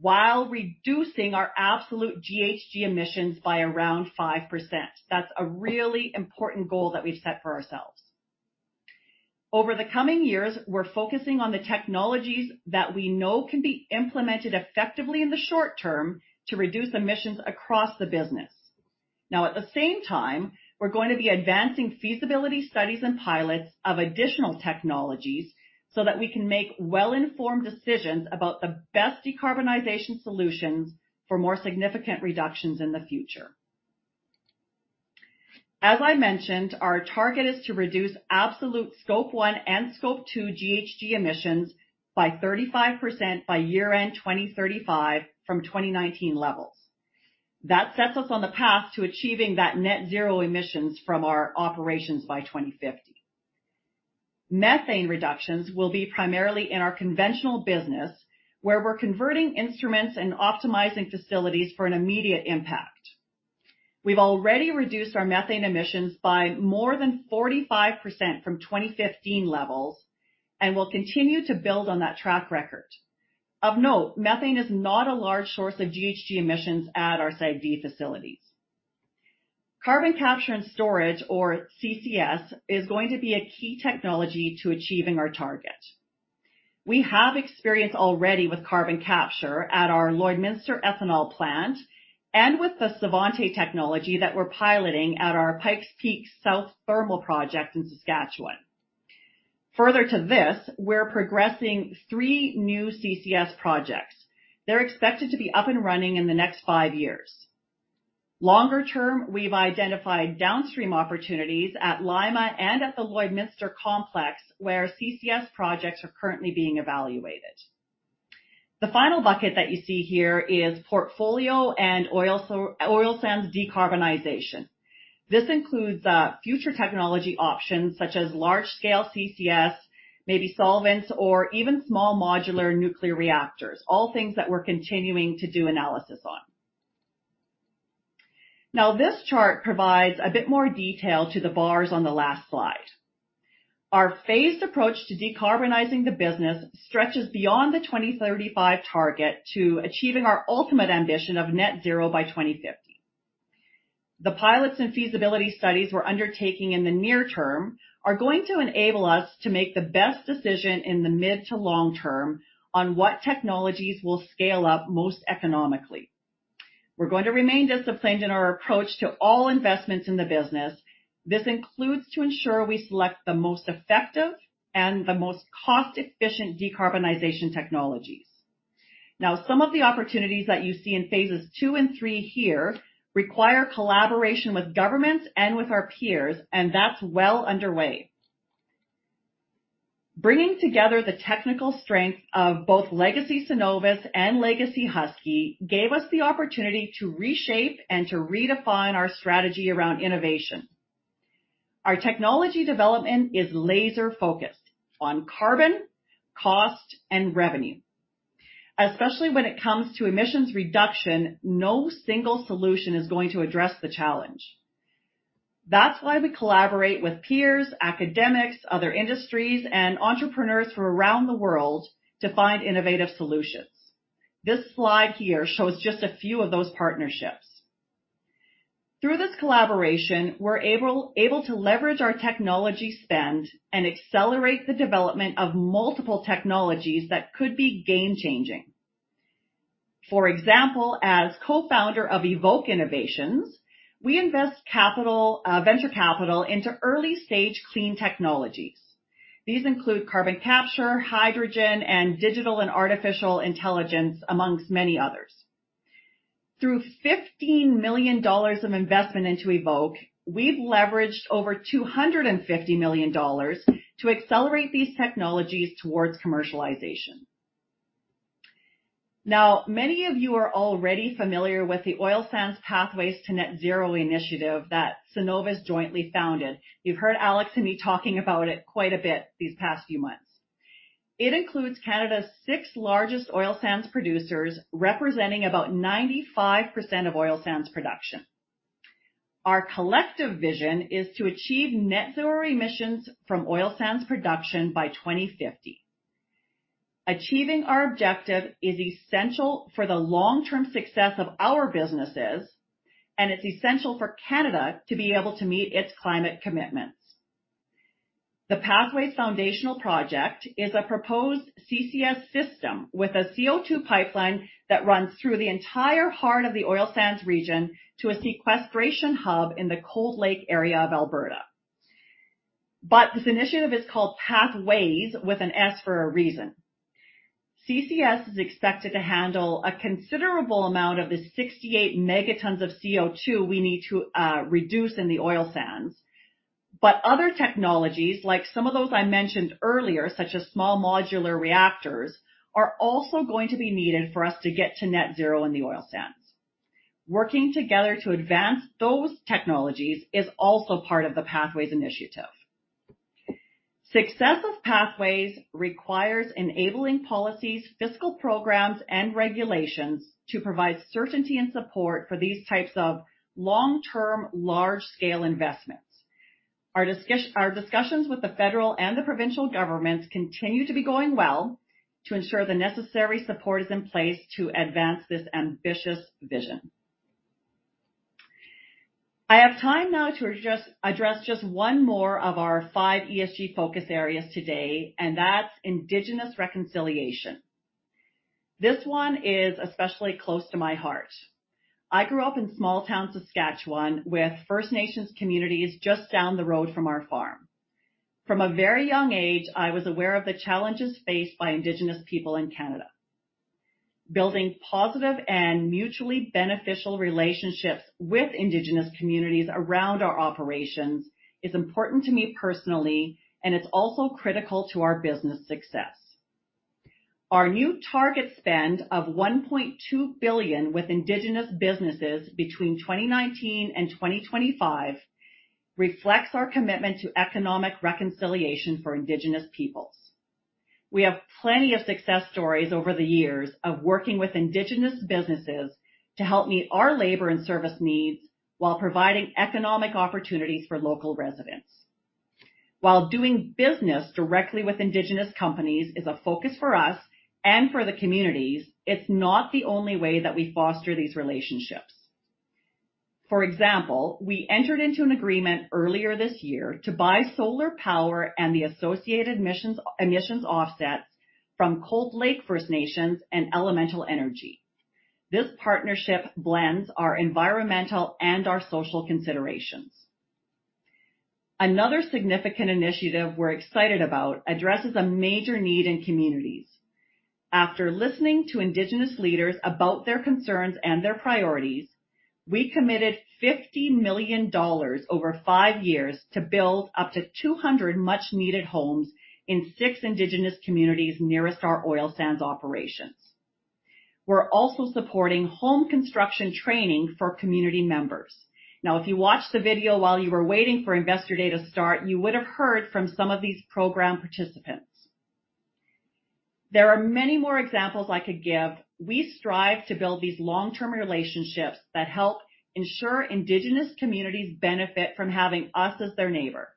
while reducing our absolute GHG emissions by around 5%. That's a really important goal that we've set for ourselves. Over the coming years, we're focusing on the technologies that we know can be implemented effectively in the short term to reduce emissions across the business. Now, at the same time, we're going to be advancing feasibility studies and pilots of additional technologies so that we can make well-informed decisions about the best decarbonization solutions for more significant reductions in the future. As I mentioned, our target is to reduce absolute Scope 1 and Scope 2 GHG emissions by 35% by year-end 2035 from 2019 levels. That sets us on the path to achieving that net zero emissions from our operations by 2050. Methane reductions will be primarily in our conventional business, where we're converting instruments and optimizing facilities for an immediate impact. We've already reduced our methane emissions by more than 45% from 2015 levels and will continue to build on that track record. Of note, methane is not a large source of GHG emissions at our SAGD facilities. Carbon capture and storage or CCS is going to be a key technology to achieving our target. We have experience already with carbon capture at our Lloydminster ethanol plant and with the Svante technology that we're piloting at our Pikes Peak South thermal project in Saskatchewan. Further to this, we're progressing three new CCS projects. They're expected to be up and running in the next 5 years. Longer term, we've identified downstream opportunities at Lima and at the Lloydminster complex, where CCS projects are currently being evaluated. The final bucket that you see here is portfolio and oil sands decarbonization. This includes future technology options such as large-scale CCS, maybe solvents or even small modular nuclear reactors, all things that we're continuing to do analysis on. Now, this chart provides a bit more detail to the bars on the last slide. Our phased approach to decarbonizing the business stretches beyond the 2035 target to achieving our ultimate ambition of net zero by 2050. The pilots and feasibility studies we're undertaking in the near term are going to enable us to make the best decision in the mid to long term on what technologies will scale up most economically. We're going to remain disciplined in our approach to all investments in the business. This includes to ensure we select the most effective and the most cost-efficient decarbonization technologies. Now, some of the opportunities that you see in phases two and three here require collaboration with governments and with our peers, and that's well underway. Bringing together the technical strength of both Legacy Cenovus and Legacy Husky gave us the opportunity to reshape and to redefine our strategy around innovation. Our technology development is laser-focused on carbon, cost, and revenue. Especially when it comes to emissions reduction, no single solution is going to address the challenge. That's why we collaborate with peers, academics, other industries, and entrepreneurs from around the world to find innovative solutions. This slide here shows just a few of those partnerships. Through this collaboration, we're able to leverage our technology spend and accelerate the development of multiple technologies that could be game-changing. For example, as co-founder of Evok Innovations, we invest capital, venture capital into early-stage clean technologies. These include carbon capture, hydrogen, and digital and artificial intelligence, among many others. Through 15 million dollars of investment into Evok, we've leveraged over 250 million dollars to accelerate these technologies towards commercialization. Now, many of you are already familiar with the Oil Sands Pathways to Net Zero initiative that Cenovus jointly founded. You've heard Alex and me talking about it quite a bit these past few months. It includes Canada's six largest oil sands producers, representing about 95% of oil sands production. Our collective vision is to achieve net zero emissions from oil sands production by 2050. Achieving our objective is essential for the long-term success of our businesses, and it's essential for Canada to be able to meet its climate commitments. The Pathways Foundational project is a proposed CCS system with a CO2 pipeline that runs through the entire heart of the oil sands region to a sequestration hub in the Cold Lake area of Alberta. This initiative is called Pathways, with an S, for a reason. CCS is expected to handle a considerable amount of the 68 megatons of CO2 we need to reduce in the oil sands. Other technologies, like some of those I mentioned earlier, such as small modular reactors, are also going to be needed for us to get to net zero in the oil sands. Working together to advance those technologies is also part of the Pathways initiative. Success of Pathways requires enabling policies, fiscal programs, and regulations to provide certainty and support for these types of long-term, large-scale investments. discussions with the federal and the provincial governments continue to be going well to ensure the necessary support is in place to advance this ambitious vision. I have time now to address just one more of our five ESG focus areas today, and that's Indigenous reconciliation. This one is especially close to my heart. I grew up in small-town Saskatchewan with First Nations communities just down the road from our farm. From a very young age, I was aware of the challenges faced by Indigenous people in Canada. Building positive and mutually beneficial relationships with Indigenous communities around our operations is important to me personally, and it's also critical to our business success. Our new target spend of 1.2 billion with Indigenous businesses between 2019 and 2025 reflects our commitment to economic reconciliation for Indigenous peoples. We have plenty of success stories over the years of working with Indigenous businesses to help meet our labor and service needs while providing economic opportunities for local residents. While doing business directly with Indigenous companies is a focus for us and for the communities, it's not the only way that we foster these relationships. For example, we entered into an agreement earlier this year to buy solar power and the associated emissions offsets from Cold Lake First Nations and Elemental Energy. This partnership blends our environmental and our social considerations. Another significant initiative we're excited about addresses a major need in communities. After listening to Indigenous leaders about their concerns and their priorities, we committed 50 million dollars over 5 years to build up to 200 much-needed homes in 6 Indigenous communities nearest our oil sands operations. We're also supporting home construction training for community members. Now, if you watched the video while you were waiting for Investor Day to start, you would have heard from some of these program participants. There are many more examples I could give. We strive to build these long-term relationships that help ensure Indigenous communities benefit from having us as their neighbor.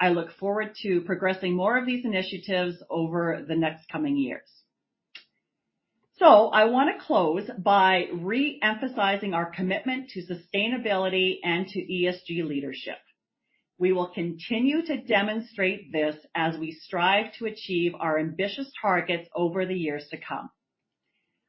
I look forward to progressing more of these initiatives over the next coming years. I wanna close by re-emphasizing our commitment to sustainability and to ESG leadership. We will continue to demonstrate this as we strive to achieve our ambitious targets over the years to come.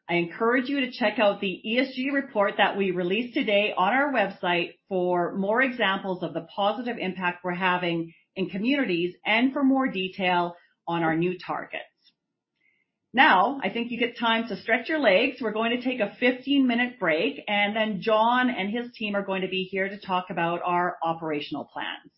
I encourage you to check out the ESG report that we released today on our website for more examples of the positive impact we're having in communities and for more detail on our new targets. Now I think you get time to stretch your legs. We're going to take a 15-minute break, and then Jon and his team are going to be here to talk about our operational plans.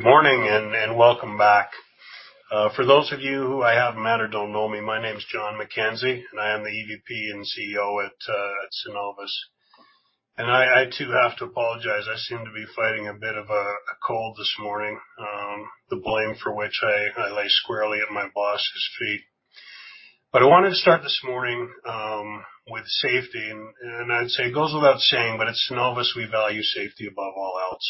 Good morning and welcome back. For those of you who I haven't met or don't know me, my name is Jon McKenzie, and I am the EVP and CEO at Cenovus. I too have to apologize, I seem to be fighting a bit of a cold this morning, the blame for which I lay squarely at my boss's feet. I wanted to start this morning with safety. I'd say it goes without saying, but at Cenovus we value safety above all else.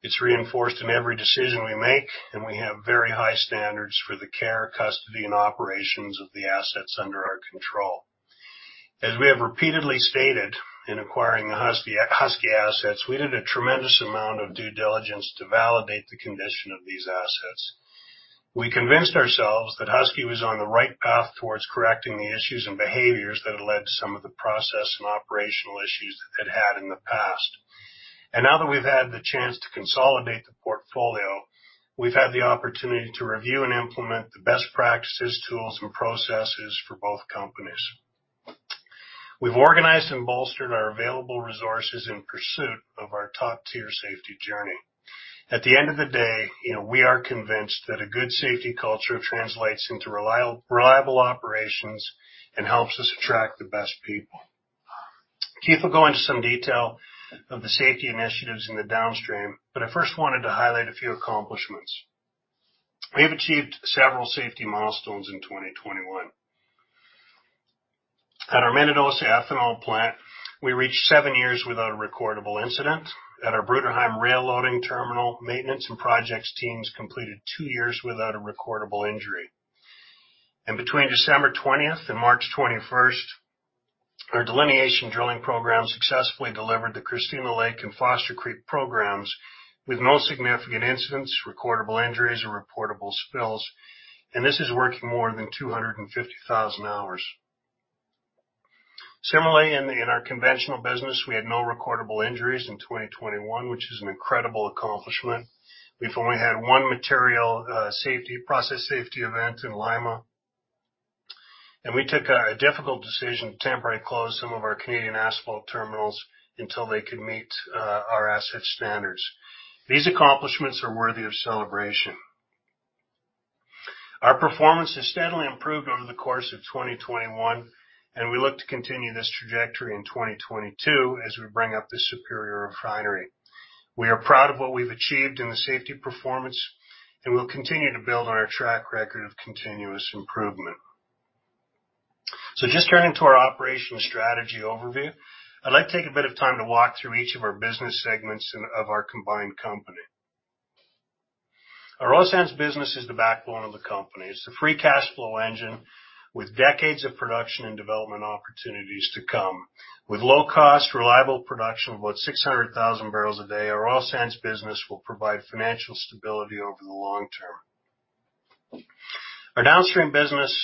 It's reinforced in every decision we make, and we have very high standards for the care, custody, and operations of the assets under our control. As we have repeatedly stated in acquiring the Husky assets, we did a tremendous amount of due diligence to validate the condition of these assets. We convinced ourselves that Husky was on the right path towards correcting the issues and behaviors that had led to some of the process and operational issues that it had in the past. Now that we've had the chance to consolidate the portfolio, we've had the opportunity to review and implement the best practices, tools and processes for both companies. We've organized and bolstered our available resources in pursuit of our top-tier safety journey. At the end of the day, you know, we are convinced that a good safety culture translates into reliable operations and helps us attract the best people. Keith will go into some detail of the safety initiatives in the Downstream, but I first wanted to highlight a few accomplishments. We have achieved several safety milestones in 2021. At our Manitoba ethanol plant, we reached seven years without a recordable incident. At our Bruderheim rail loading terminal, maintenance and projects teams completed two years without a recordable injury. Between December 20 and March 21, our delineation drilling program successfully delivered the Christina Lake and Foster Creek programs with no significant incidents, recordable injuries or reportable spills, and this is working more than 250,000 hours. Similarly, in our conventional business, we had no recordable injuries in 2021, which is an incredible accomplishment. We've only had one material process safety event in Lima. We took a difficult decision to temporarily close some of our Canadian asphalt terminals until they could meet our asset standards. These accomplishments are worthy of celebration. Our performance has steadily improved over the course of 2021, and we look to continue this trajectory in 2022 as we bring up the Superior Refinery. We are proud of what we've achieved in the safety performance, and we'll continue to build on our track record of continuous improvement. Just turning to our operational strategy overview, I'd like to take a bit of time to walk through each of our business segments and of our combined company. Our oil sands business is the backbone of the company. It's the free cash flow engine with decades of production and development opportunities to come. With low cost, reliable production of about 600,000 barrels a day, our oil sands business will provide financial stability over the long term. Our downstream business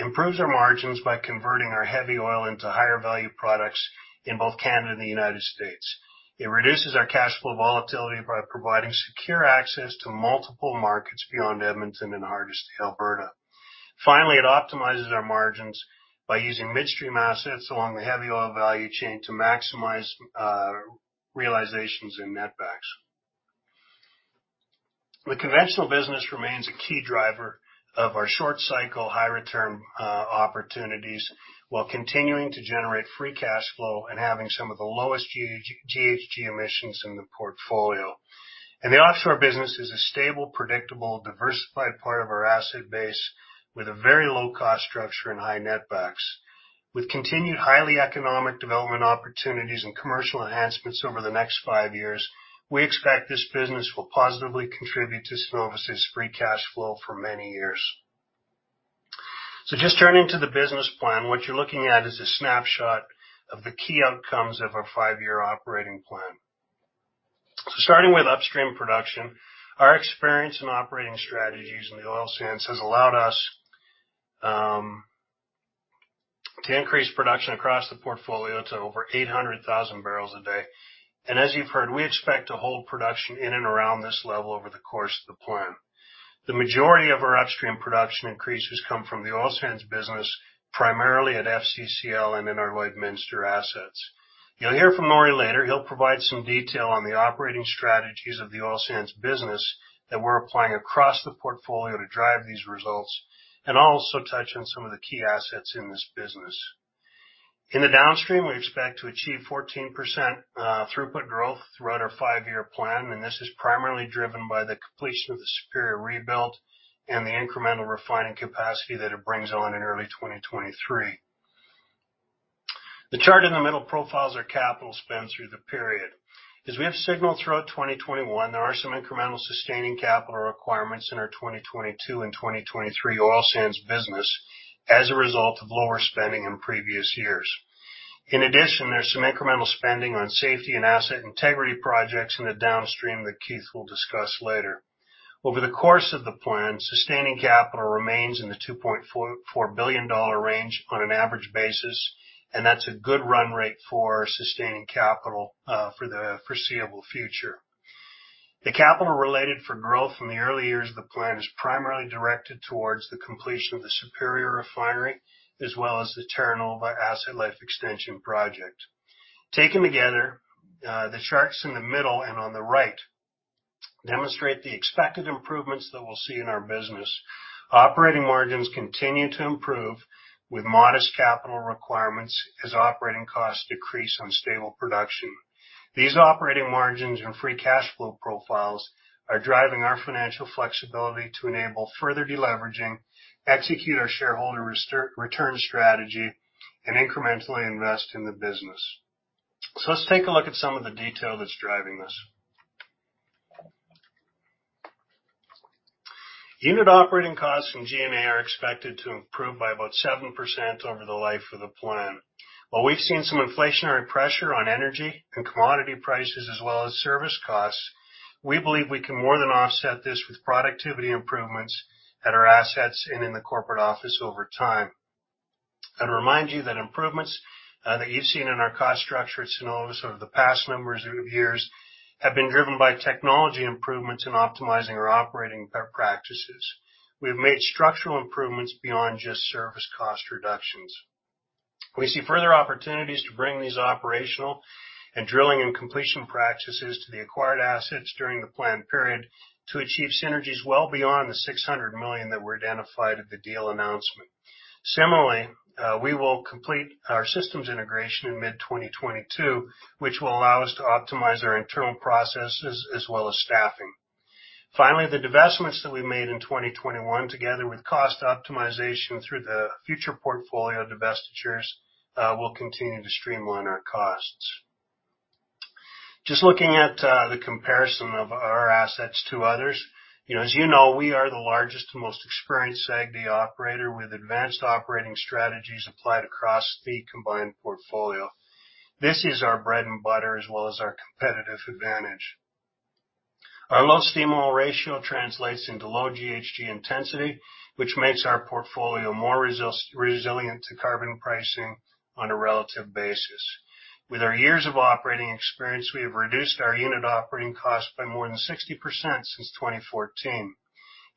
improves our margins by converting our heavy oil into higher value products in both Canada and the United States. It reduces our cash flow volatility by providing secure access to multiple markets beyond Edmonton and Hardisty, Alberta. Finally, it optimizes our margins by using midstream assets along the heavy oil value chain to maximize realizations in netbacks. The conventional business remains a key driver of our short cycle, high return opportunities, while continuing to generate free cash flow and having some of the lowest GHG emissions in the portfolio. The offshore business is a stable, predictable, diversified part of our asset base with a very low cost structure and high netbacks. With continued highly economic development opportunities and commercial enhancements over the next five years, we expect this business will positively contribute to Cenovus' free cash flow for many years. Just turning to the business plan, what you're looking at is a snapshot of the key outcomes of our five-year operating plan. Starting with upstream production, our experience in operating strategies in the oil sands has allowed us to increase production across the portfolio to over 800,000 barrels a day. As you've heard, we expect to hold production in and around this level over the course of the plan. The majority of our upstream production increases come from the oil sands business, primarily at FCCL and in our Lloydminster assets. You'll hear from Norrie later. He'll provide some detail on the operating strategies of the oil sands business that we're applying across the portfolio to drive these results and also touch on some of the key assets in this business. In the downstream, we expect to achieve 14% throughput growth throughout our five-year plan, and this is primarily driven by the completion of the Superior rebuild and the incremental refining capacity that it brings on in early 2023. The chart in the middle profiles our capital spend through the period. As we have signaled throughout 2021, there are some incremental sustaining capital requirements in our 2022 and 2023 oil sands business as a result of lower spending in previous years. In addition, there's some incremental spending on safety and asset integrity projects in the downstream that Keith will discuss later. Over the course of the plan, sustaining capital remains in the 2.4 billion-4 billion dollar range on an average basis, and that's a good run rate for sustaining capital for the foreseeable future. The capital related for growth in the early years of the plan is primarily directed towards the completion of the Superior Refinery, as well as the Thermal asset life extension project. Taken together, the charts in the middle and on the right demonstrate the expected improvements that we'll see in our business. Operating margins continue to improve with modest capital requirements as operating costs decrease on stable production. These operating margins and free cash flow profiles are driving our financial flexibility to enable further deleveraging, execute our shareholder return strategy, and incrementally invest in the business. Let's take a look at some of the detail that's driving this. Unit operating costs from G&A are expected to improve by about 7% over the life of the plan. While we've seen some inflationary pressure on energy and commodity prices, as well as service costs, we believe we can more than offset this with productivity improvements at our assets and in the corporate office over time. I'd remind you that improvements that you've seen in our cost structure at Cenovus over the past number of years have been driven by technology improvements in optimizing our operating practices. We have made structural improvements beyond just service cost reductions. We see further opportunities to bring these operational and drilling and completion practices to the acquired assets during the planned period to achieve synergies well beyond the 600 million that were identified at the deal announcement. Similarly, we will complete our systems integration in mid-2022, which will allow us to optimize our internal processes as well as staffing. Finally, the divestments that we made in 2021, together with cost optimization through the future portfolio divestitures, will continue to streamline our costs. Just looking at the comparison of our assets to others. You know, as you know, we are the largest and most experienced SAGD operator with advanced operating strategies applied across the combined portfolio. This is our bread and butter, as well as our competitive advantage. Our low steam oil ratio translates into low GHG intensity, which makes our portfolio more resilient to carbon pricing on a relative basis. With our years of operating experience, we have reduced our unit operating costs by more than 60% since 2014.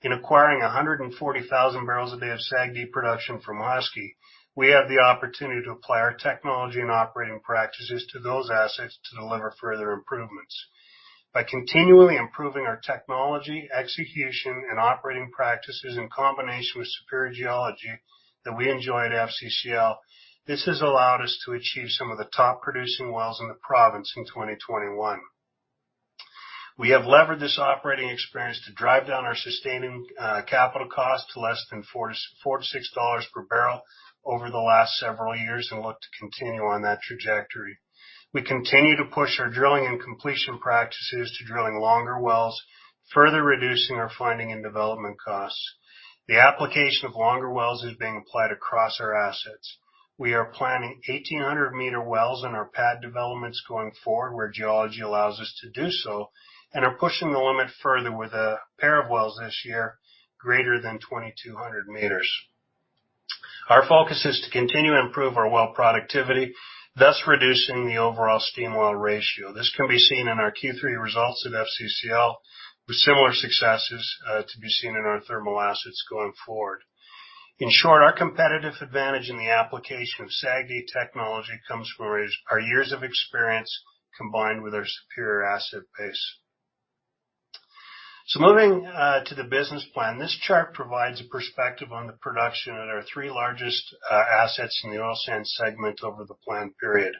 In acquiring 140,000 barrels a day of SAGD production from Husky, we have the opportunity to apply our technology and operating practices to those assets to deliver further improvements. By continually improving our technology, execution, and operating practices in combination with superior geology that we enjoy at FCCL, this has allowed us to achieve some of the top producing wells in the province in 2021. We have levered this operating experience to drive down our sustaining capital cost to less than 4-6 dollars per barrel over the last several years and look to continue on that trajectory. We continue to push our drilling and completion practices to drilling longer wells, further reducing our finding and development costs. The application of longer wells is being applied across our assets. We are planning 1,800-meter wells in our pad developments going forward, where geology allows us to do so, and are pushing the limit further with a pair of wells this year, greater than 2,200 meters. Our focus is to continue to improve our well productivity, thus reducing the overall steam oil ratio. This can be seen in our Q3 results at FCCL, with similar successes to be seen in our thermal assets going forward. In short, our competitive advantage in the application of SAGD technology comes from our years of experience combined with our superior asset base. Moving to the business plan, this chart provides a perspective on the production at our 3 largest assets in the oil sands segment over the plan period.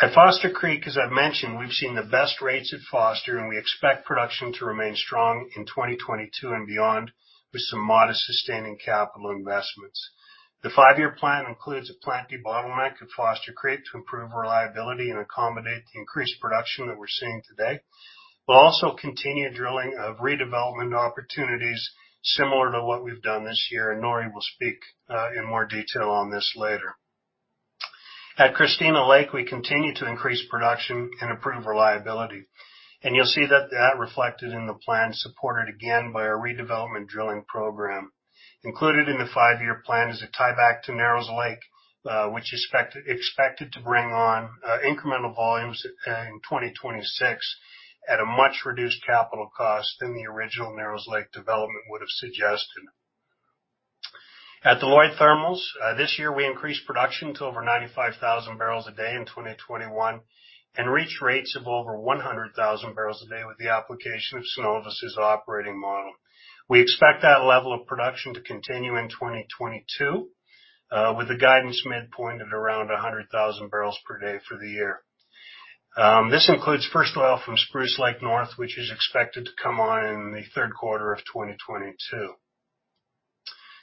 At Foster Creek, as I've mentioned, we've seen the best rates at Foster, and we expect production to remain strong in 2022 and beyond, with some modest sustaining capital investments. The 5-year plan includes a plant debottleneck at Foster Creek to improve reliability and accommodate the increased production that we're seeing today. We'll also continue drilling of redevelopment opportunities similar to what we've done this year, and Norrie will speak in more detail on this later. At Christina Lake, we continue to increase production and improve reliability, and you'll see that reflected in the plan, supported again by our redevelopment drilling program. Included in the five-year plan is a tieback to Narrows Lake, which expected to bring on incremental volumes in 2026 at a much reduced capital cost than the original Narrows Lake development would have suggested. At the Lloydminster Thermals, this year, we increased production to over 95,000 barrels a day in 2021, and reached rates of over 100,000 barrels a day with the application of Cenovus' operating model. We expect that level of production to continue in 2022, with the guidance midpoint at around 100,000 barrels per day for the year. This includes first oil from Spruce Lake North, which is expected to come on in the third quarter of 2022.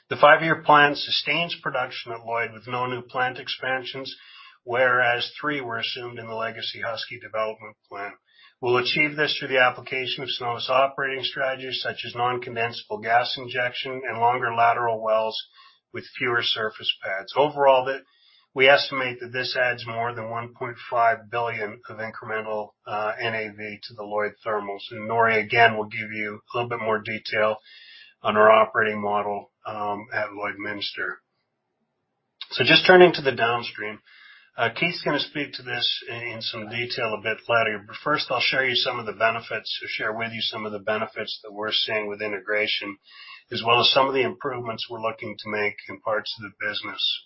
The five-year plan sustains production at Lloyd with no new plant expansions, whereas three were assumed in the Legacy Husky development plan. We'll achieve this through the application of Cenovus operating strategies, such as non-condensable gas injection and longer lateral wells with fewer surface pads. Overall, we estimate that this adds more than 1.5 billion of incremental NAV to the Lloyd Thermals, and Norrie, again, will give you a little bit more detail on our operating model at Lloydminster. Just turning to the downstream, Keith's gonna speak to this in some detail a bit later. First, I'll show you some of the benefits or share with you some of the benefits that we're seeing with integration, as well as some of the improvements we're looking to make in parts of the business.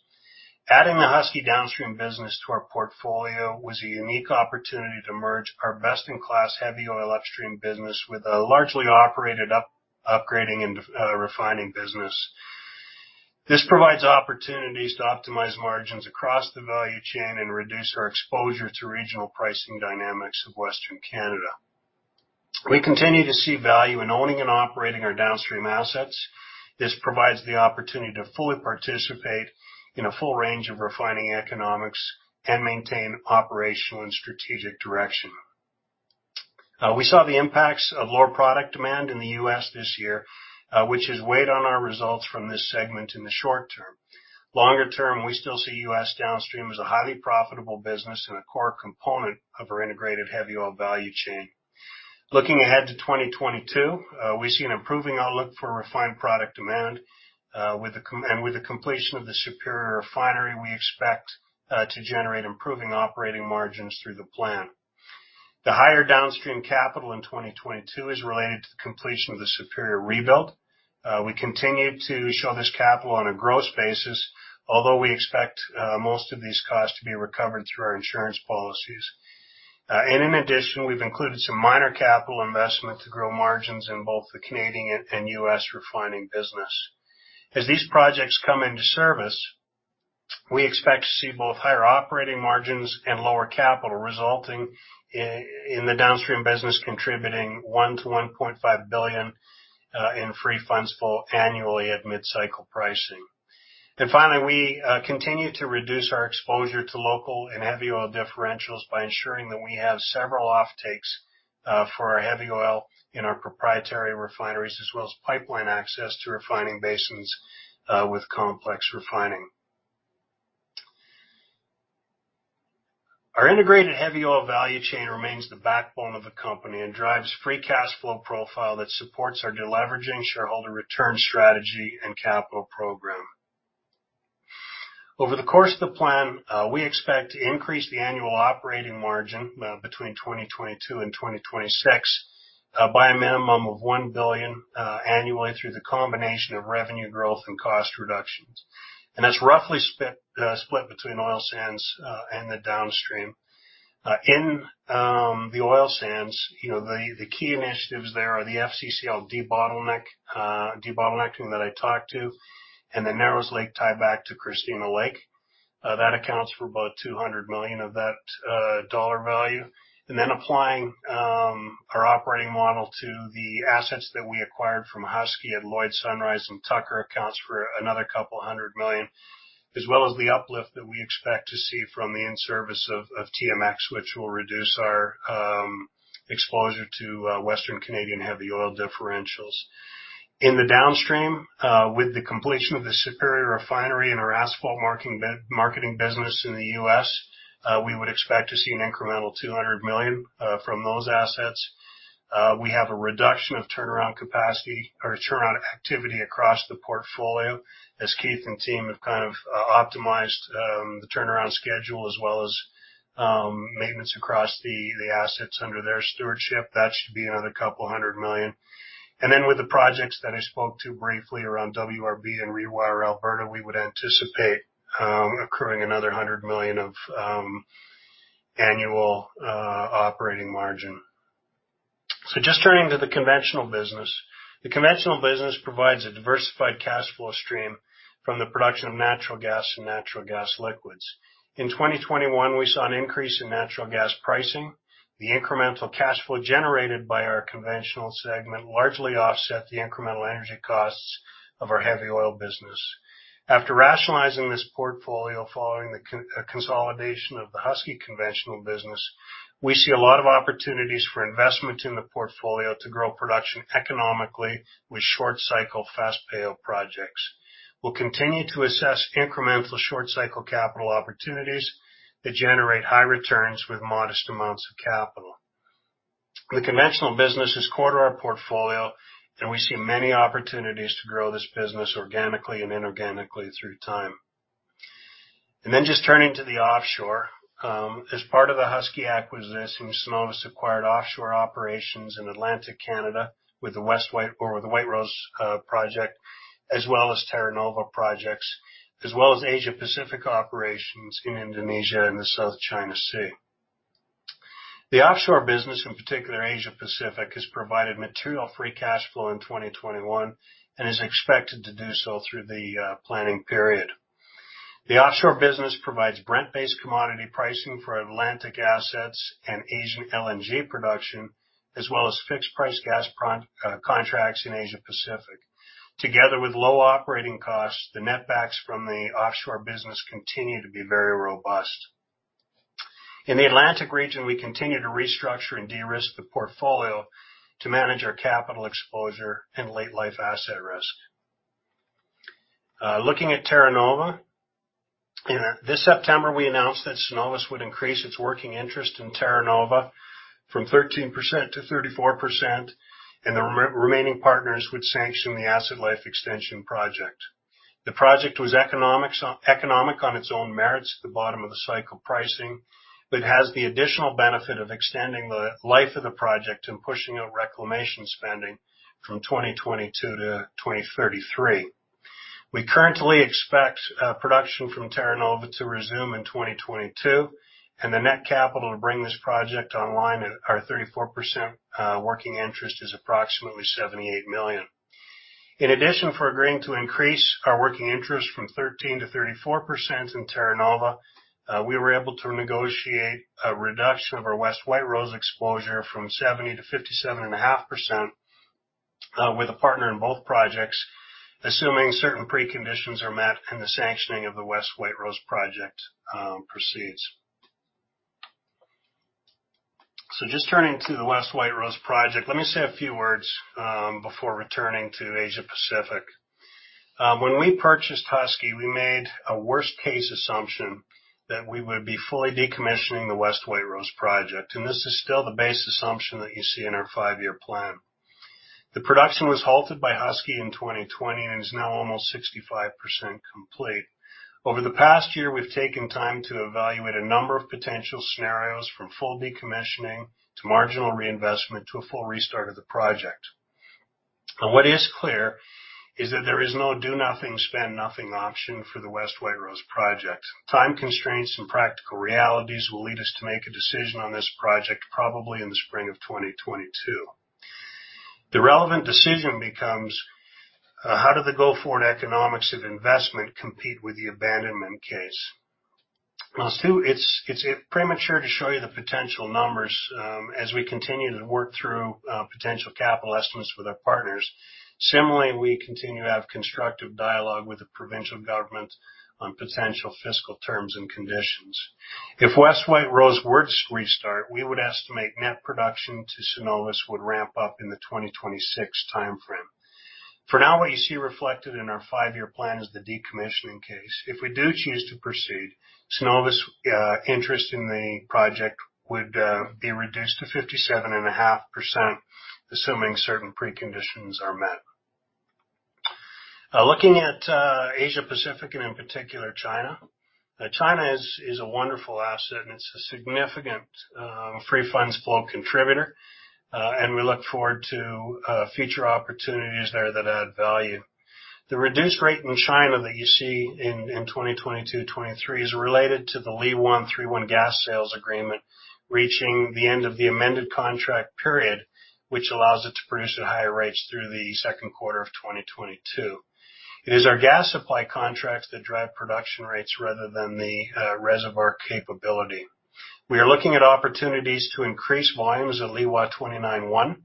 Adding the Husky Downstream business to our portfolio was a unique opportunity to merge our best-in-class heavy oil upstream business with a largely operated upgrading and refining business. This provides opportunities to optimize margins across the value chain and reduce our exposure to regional pricing dynamics of Western Canada. We continue to see value in owning and operating our downstream assets. This provides the opportunity to fully participate in a full range of refining economics and maintain operational and strategic direction. We saw the impacts of lower product demand in the U.S. this year, which has weighed on our results from this segment in the short term. Longer term, we still see U.S. Downstream as a highly profitable business and a core component of our integrated heavy oil value chain. Looking ahead to 2022, we see an improving outlook for refined product demand, with the completion of the Superior Refinery. We expect to generate improving operating margins through the plan. The higher downstream capital in 2022 is related to the completion of the Superior rebuild. We continue to show this capital on a gross basis, although we expect most of these costs to be recovered through our insurance policies. In addition, we've included some minor capital investment to grow margins in both the Canadian and U.S. refining business. As these projects come into service, we expect to see both higher operating margins and lower capital resulting in the Downstream business, contributing 1 billion-1.5 billion in free funds flow annually at mid-cycle pricing. Finally, we continue to reduce our exposure to local and heavy oil differentials by ensuring that we have several offtakes for our heavy oil in our proprietary refineries, as well as pipeline access to refining basins with complex refining. Our integrated heavy oil value chain remains the backbone of the company and drives free cash flow profile that supports our deleveraging shareholder return strategy and capital program. Over the course of the plan, we expect to increase the annual operating margin between 2022 and 2026 by a minimum of 1 billion annually through the combination of revenue growth and cost reductions. That's roughly split between oil sands and the downstream. In the oil sands, you know, the key initiatives there are the FCCL debottlenecking that I talked about and the Narrows Lake tieback to Christina Lake. That accounts for about 200 million of that dollar value. Applying our operating model to the assets that we acquired from Husky at Lloyd Sunrise and Tucker accounts for another couple hundred million, as well as the uplift that we expect to see from the in-service of TMX, which will reduce our exposure to Western Canadian heavy oil differentials. In the downstream, with the completion of the Superior Refinery and our asphalt marketing business in the U.S., we would expect to see an incremental 200 million from those assets. We have a reduction of turnaround capacity or turnaround activity across the portfolio as Keith and team have kind of optimized the turnaround schedule as well as maintenance across the assets under their stewardship. That should be another 200 million. With the projects that I spoke to briefly around WRB and Rewire Alberta, we would anticipate accruing another 100 million of annual operating margin. Just turning to the Conventional business. The Conventional business provides a diversified cash flow stream from the production of natural gas and natural gas liquids. In 2021, we saw an increase in natural gas pricing. The incremental cash flow generated by our Conventional segment largely offset the incremental energy costs of our heavy oil business. After rationalizing this portfolio following the consolidation of the Husky conventional business, we see a lot of opportunities for investment in the portfolio to grow production economically with short cycle, fast payout projects. We'll continue to assess incremental short cycle capital opportunities that generate high returns with modest amounts of capital. The conventional business is core to our portfolio, and we see many opportunities to grow this business organically and inorganically through time. Just turning to the offshore, as part of the Husky acquisition, Cenovus acquired offshore operations in Atlantic Canada with the White Rose Project, as well as Terra Nova projects, as well as Asia Pacific operations in Indonesia and the South China Sea. The offshore business, in particular Asia Pacific, has provided material free cash flow in 2021 and is expected to do so through the planning period. The offshore business provides Brent-based commodity pricing for Atlantic assets and Asian LNG production, as well as fixed price gas contracts in Asia Pacific. Together with low operating costs, the net backs from the offshore business continue to be very robust. In the Atlantic region, we continue to restructure and de-risk the portfolio to manage our capital exposure and late life asset risk. Looking at Terra Nova. This September, we announced that Cenovus would increase its working interest in Terra Nova from 13% to 34%, and the remaining partners would sanction the asset life extension project. The project was economic on its own merits at the bottom of the cycle pricing, but has the additional benefit of extending the life of the project and pushing out reclamation spending from 2022 to 2033. We currently expect production from Terra Nova to resume in 2022, and the net capital to bring this project online at our 34%, working interest is approximately 78 million. In addition, if we're agreeing to increase our working interest from 13%-34% in Terra Nova, we were able to negotiate a reduction of our West White Rose Project exposure from 70%-57.5%, with a partner in both projects, assuming certain preconditions are met and the sanctioning of the West White Rose Project proceeds. Just turning to the West White Rose Project, let me say a few words before returning to Asia Pacific. When we purchased Husky, we made a worst case assumption that we would be fully decommissioning the West White Rose Project, and this is still the base assumption that you see in our five-year plan. The production was halted by Husky in 2020 and is now almost 65% complete. Over the past year, we've taken time to evaluate a number of potential scenarios from full decommissioning to marginal reinvestment to a full restart of the project. What is clear is that there is no do nothing, spend nothing option for the West White Rose Project. Time constraints and practical realities will lead us to make a decision on this project, probably in the spring of 2022. The relevant decision becomes how do the go forward economics of investment compete with the abandonment case? Now, So, it's premature to show you the potential numbers as we continue to work through potential capital estimates with our partners. Similarly, we continue to have constructive dialogue with the provincial government on potential fiscal terms and conditions. If West White Rose Project were to restart, we would estimate net production to Cenovus would ramp up in the 2026 timeframe. For now, what you see reflected in our five-year plan is the decommissioning case. If we do choose to proceed, Cenovus interest in the project would be reduced to 57.5%, assuming certain preconditions are met. Looking at Asia Pacific and in particular China. China is a wonderful asset, and it's a significant free funds flow contributor, and we look forward to future opportunities there that add value. The reduced rate in China that you see in 2022, 2023 is related to the Liwan 3-1 gas sales agreement reaching the end of the amended contract period, which allows it to produce at higher rates through the second quarter of 2022. It is our gas supply contracts that drive production rates rather than the reservoir capability. We are looking at opportunities to increase volumes at Liwan 29-1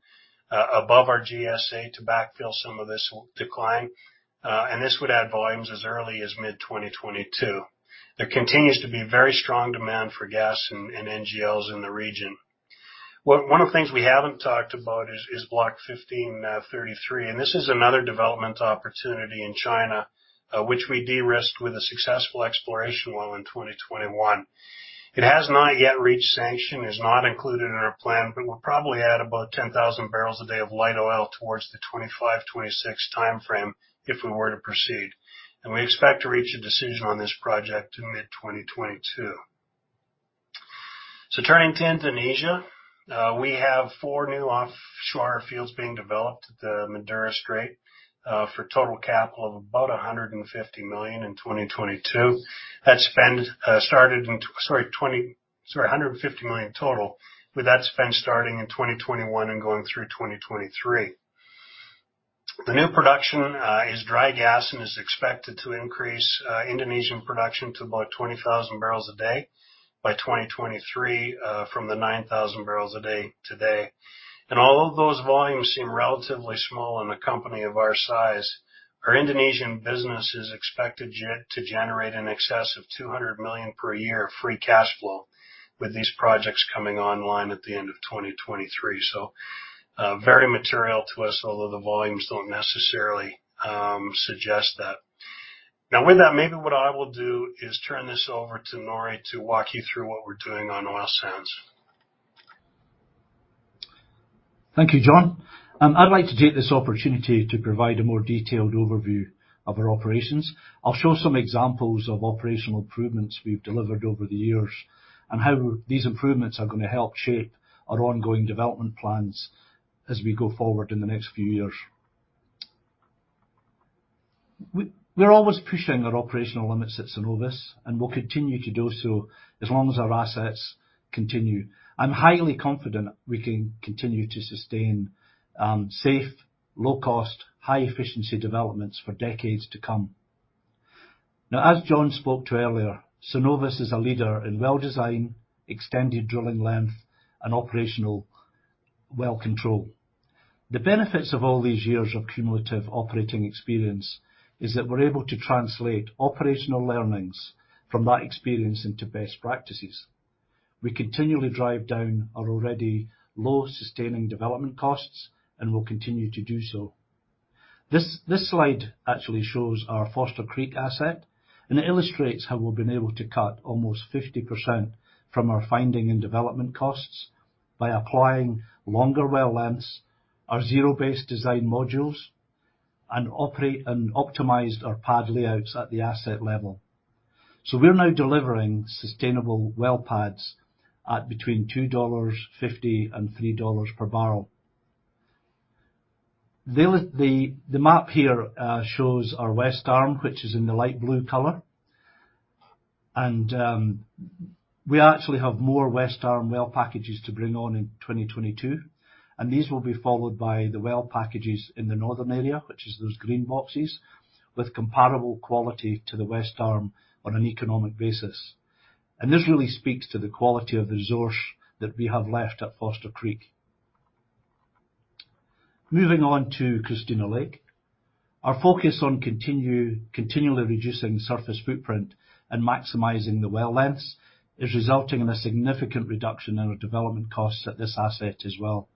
above our GSA to backfill some of this decline, and this would add volumes as early as mid-2022. There continues to be very strong demand for gas and NGLs in the region. One of the things we haven't talked about is Block 1533, and this is another development opportunity in China, which we de-risked with a successful exploration well in 2021. It has not yet reached sanction, it's not included in our plan, but we'll probably add about 10,000 barrels a day of light oil towards the 25, 26 timeframe if we were to proceed. We expect to reach a decision on this project in mid-2022. Turning to Indonesia, we have four new offshore fields being developed at the Madura Strait for total capital of about 150 million in total, with that spend starting in 2021 and going through 2023. The new production is dry gas and is expected to increase Indonesian production to about 20,000 barrels a day by 2023 from the 9,000 barrels a day today. Although those volumes seem relatively small in the company of our size, our Indonesian business is expected to generate in excess of 200 million per year free cash flow with these projects coming online at the end of 2023. Very material to us, although the volumes don't necessarily suggest that. Now, with that, maybe what I will do is turn this over to Norrie to walk you through what we're doing on oil sands. Thank you, Jon. I'd like to take this opportunity to provide a more detailed overview of our operations. I'll show some examples of operational improvements we've delivered over the years, and how these improvements are gonna help shape our ongoing development plans as we go forward in the next few years. We're always pushing our operational limits at Cenovus, and we'll continue to do so as long as our assets continue. I'm highly confident we can continue to sustain safe, low cost, high efficiency developments for decades to come. Now, as Jon spoke to earlier, Cenovus is a leader in well design, extended drilling length, and operational well control. The benefits of all these years of cumulative operating experience is that we're able to translate operational learnings from that experience into best practices. We continually drive down our already low sustaining development costs and will continue to do so. This slide actually shows our Foster Creek asset, and it illustrates how we've been able to cut almost 50% from our finding and development costs by applying longer well lengths, our zero-based design modules, and operate and optimized our pad layouts at the asset level. We're now delivering sustainable well pads at between $2.50 and $3 per barrel. The map here shows our West Arm, which is in the light blue color. We actually have more West Arm well packages to bring on in 2022, and these will be followed by the well packages in the northern area, which is those green boxes, with comparable quality to the West Arm on an economic basis. This really speaks to the quality of the resource that we have left at Foster Creek. Moving on to Christina Lake. Our focus on continually reducing surface footprint and maximizing the well lengths is resulting in a significant reduction in our development costs at this asset as well.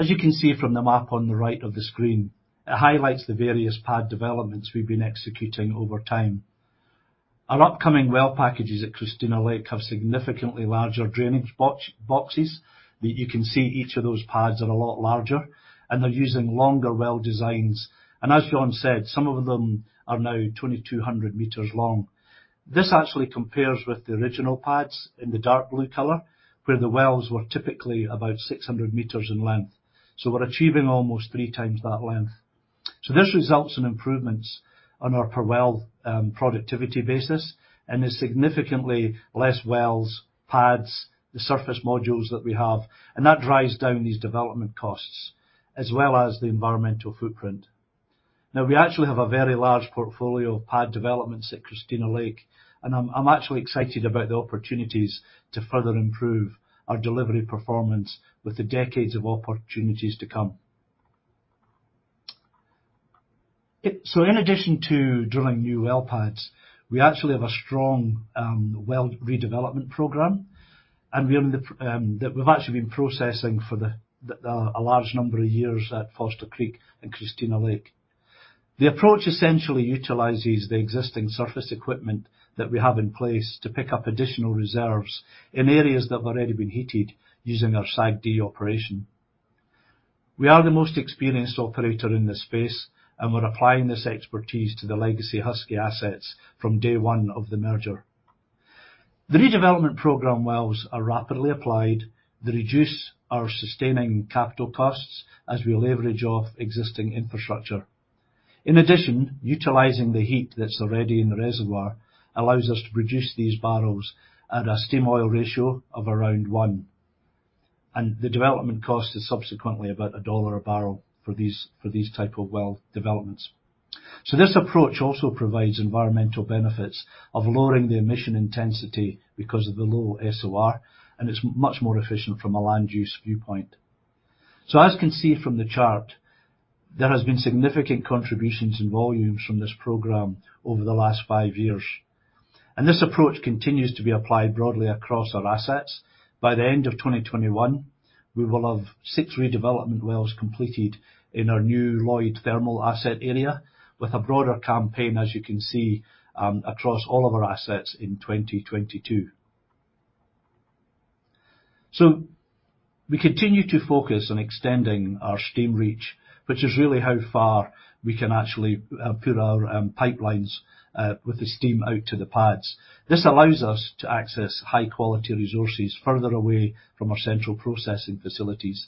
As you can see from the map on the right of the screen, it highlights the various pad developments we've been executing over time. Our upcoming well packages at Christina Lake have significantly larger drainage boxes. You can see each of those pads are a lot larger, and they're using longer well designs. As Jon said, some of them are now 2,200 meters long. This actually compares with the original pads in the dark blue color, where the wells were typically about 600 meters in length. We're achieving almost three times that length. This results in improvements on our per well productivity basis and is significantly less wells, pads, the surface modules that we have, and that drives down these development costs as well as the environmental footprint. Now, we actually have a very large portfolio of pad developments at Christina Lake, and I'm actually excited about the opportunities to further improve our delivery performance with the decades of opportunities to come. In addition to drilling new well pads, we actually have a strong well redevelopment program, and we've actually been practicing for a large number of years at Foster Creek and Christina Lake. The approach essentially utilizes the existing surface equipment that we have in place to pick up additional reserves in areas that have already been heated using our SAGD operation. We are the most experienced operator in this space, and we're applying this expertise to the legacy Husky assets from day one of the merger. The redevelopment program wells are rapidly applied. They reduce our sustaining capital costs as we leverage off existing infrastructure. In addition, utilizing the heat that's already in the reservoir allows us to produce these barrels at a steam oil ratio of around 1, and the development cost is subsequently about CAD 1 a barrel for these type of well developments. This approach also provides environmental benefits of lowering the emission intensity because of the low SOR, and it's much more efficient from a land use viewpoint. As you can see from the chart, there has been significant contributions in volumes from this program over the last 5 years. This approach continues to be applied broadly across our assets. By the end of 2021, we will have six redevelopment wells completed in our new Lloyd Thermal asset area with a broader campaign, as you can see, across all of our assets in 2022. We continue to focus on extending our steam reach, which is really how far we can actually put our pipelines with the steam out to the pads. This allows us to access high-quality resources further away from our central processing facilities.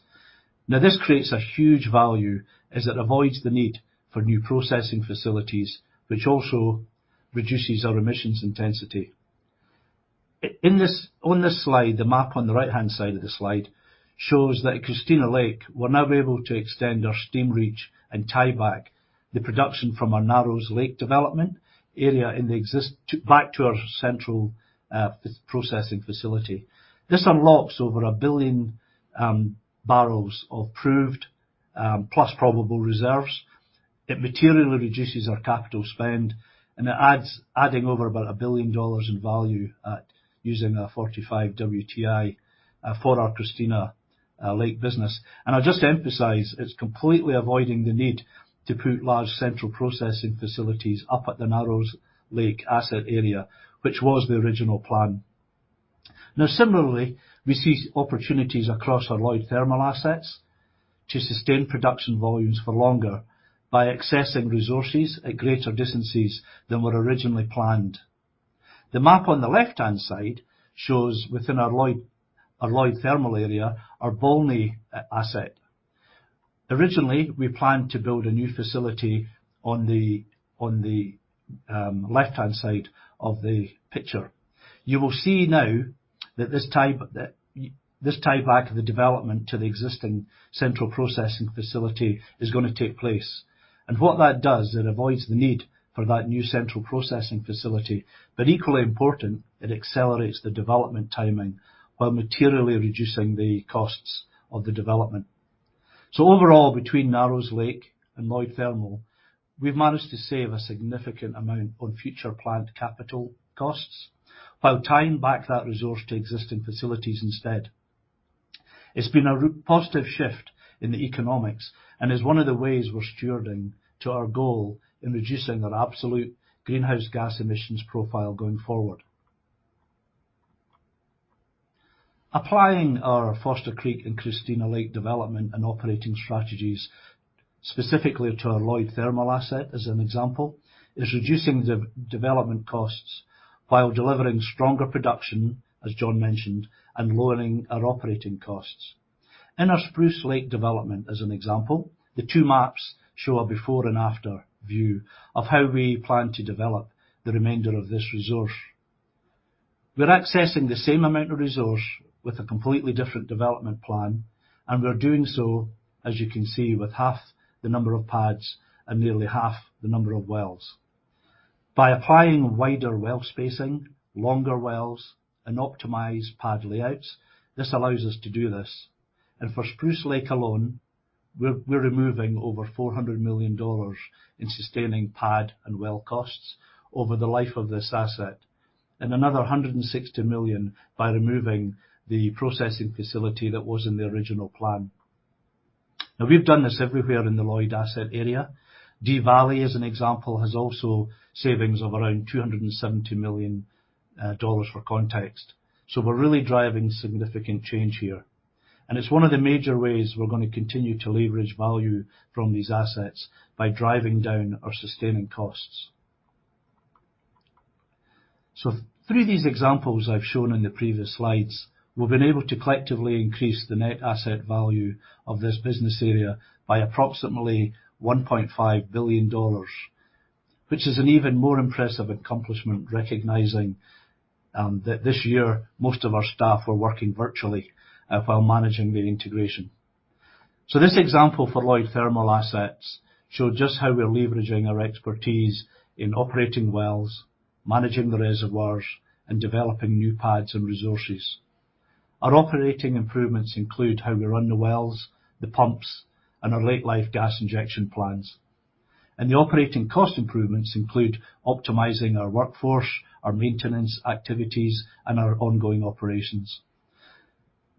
Now, this creates a huge value as it avoids the need for new processing facilities, which also reduces our emissions intensity. On this slide, the map on the right-hand side of the slide shows that Christina Lake will now be able to extend our steam reach and tie back the production from our Narrows Lake development area in the existing tie-back to our central processing facility. This unlocks over 1 billion barrels of proved plus probable reserves. It materially reduces our capital spend, and it adding over about $1 billion in value using $45 WTI for our Christina Lake business. I just emphasize, it's completely avoiding the need to put large central processing facilities up at the Narrows Lake asset area, which was the original plan. Now, similarly, we see opportunities across our Lloyd Thermal assets to sustain production volumes for longer by accessing resources at greater distances than were originally planned. The map on the left-hand side shows within our Lloyd, our Lloyd Thermal area, our Bolney asset. Originally, we planned to build a new facility on the left-hand side of the picture. You will see now that this tie back of the development to the existing central processing facility is gonna take place. What that does, it avoids the need for that new central processing facility. Equally important, it accelerates the development timing while materially reducing the costs of the development. Overall, between Narrows Lake and Lloyd Thermal, we've managed to save a significant amount on future planned capital costs while tying back that resource to existing facilities instead. It's been a real positive shift in the economics, and is one of the ways we're stewarding to our goal in reducing our absolute greenhouse gas emissions profile going forward. Applying our Foster Creek and Christina Lake development and operating strategies, specifically to our Lloyd Thermal asset, as an example, is reducing development costs while delivering stronger production, as Jon mentioned, and lowering our operating costs. In our Spruce Lake development, as an example, the two maps show a before-and-after view of how we plan to develop the remainder of this resource. We're accessing the same amount of resource with a completely different development plan, and we're doing so, as you can see, with half the number of pads and nearly half the number of wells. By applying wider well spacing, longer wells, and optimized pad layouts, this allows us to do this. For Spruce Lake alone, we're removing over 400 million dollars in sustaining pad and well costs over the life of this asset, and another 160 million by removing the processing facility that was in the original plan. Now, we've done this everywhere in the Lloyd asset area. Dee Valley, as an example, has also savings of around 270 million dollars for context. So we're really driving significant change here. It's one of the major ways we're gonna continue to leverage value from these assets by driving down our sustaining costs. Through these examples I've shown in the previous slides, we've been able to collectively increase the net asset value of this business area by approximately 1.5 billion dollars, which is an even more impressive accomplishment, recognizing that this year, most of our staff were working virtually while managing the integration. This example for Lloyd Thermal assets show just how we're leveraging our expertise in operating wells, managing the reservoirs, and developing new pads and resources. Our operating improvements include how we run the wells, the pumps, and our late-life gas injection plans. The operating cost improvements include optimizing our workforce, our maintenance activities, and our ongoing operations.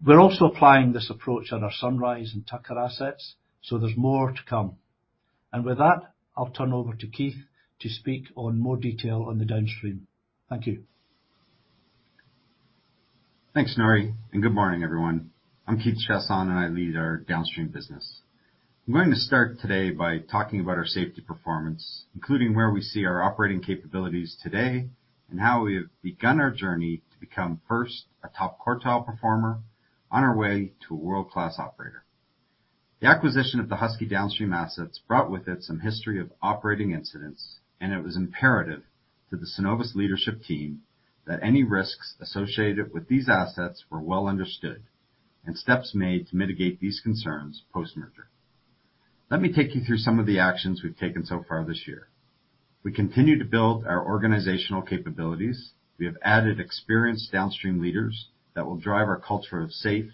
We're also applying this approach at our Sunrise and Tucker assets, so there's more to come. With that, I'll turn over to Keith to speak on more detail on the downstream. Thank you. Thanks, Norrie, and good morning, everyone. I'm Keith Chiasson, and I lead our Downstream business. I'm going to start today by talking about our safety performance, including where we see our operating capabilities today and how we have begun our journey to become first a top quartile performer on our way to a world-class operator. The acquisition of the Husky Downstream assets brought with it some history of operating incidents, and it was imperative to the Cenovus leadership team that any risks associated with these assets were well understood and steps made to mitigate these concerns post-merger. Let me take you through some of the actions we've taken so far this year. We continue to build our organizational capabilities. We have added experienced downstream leaders that will drive our culture of safe,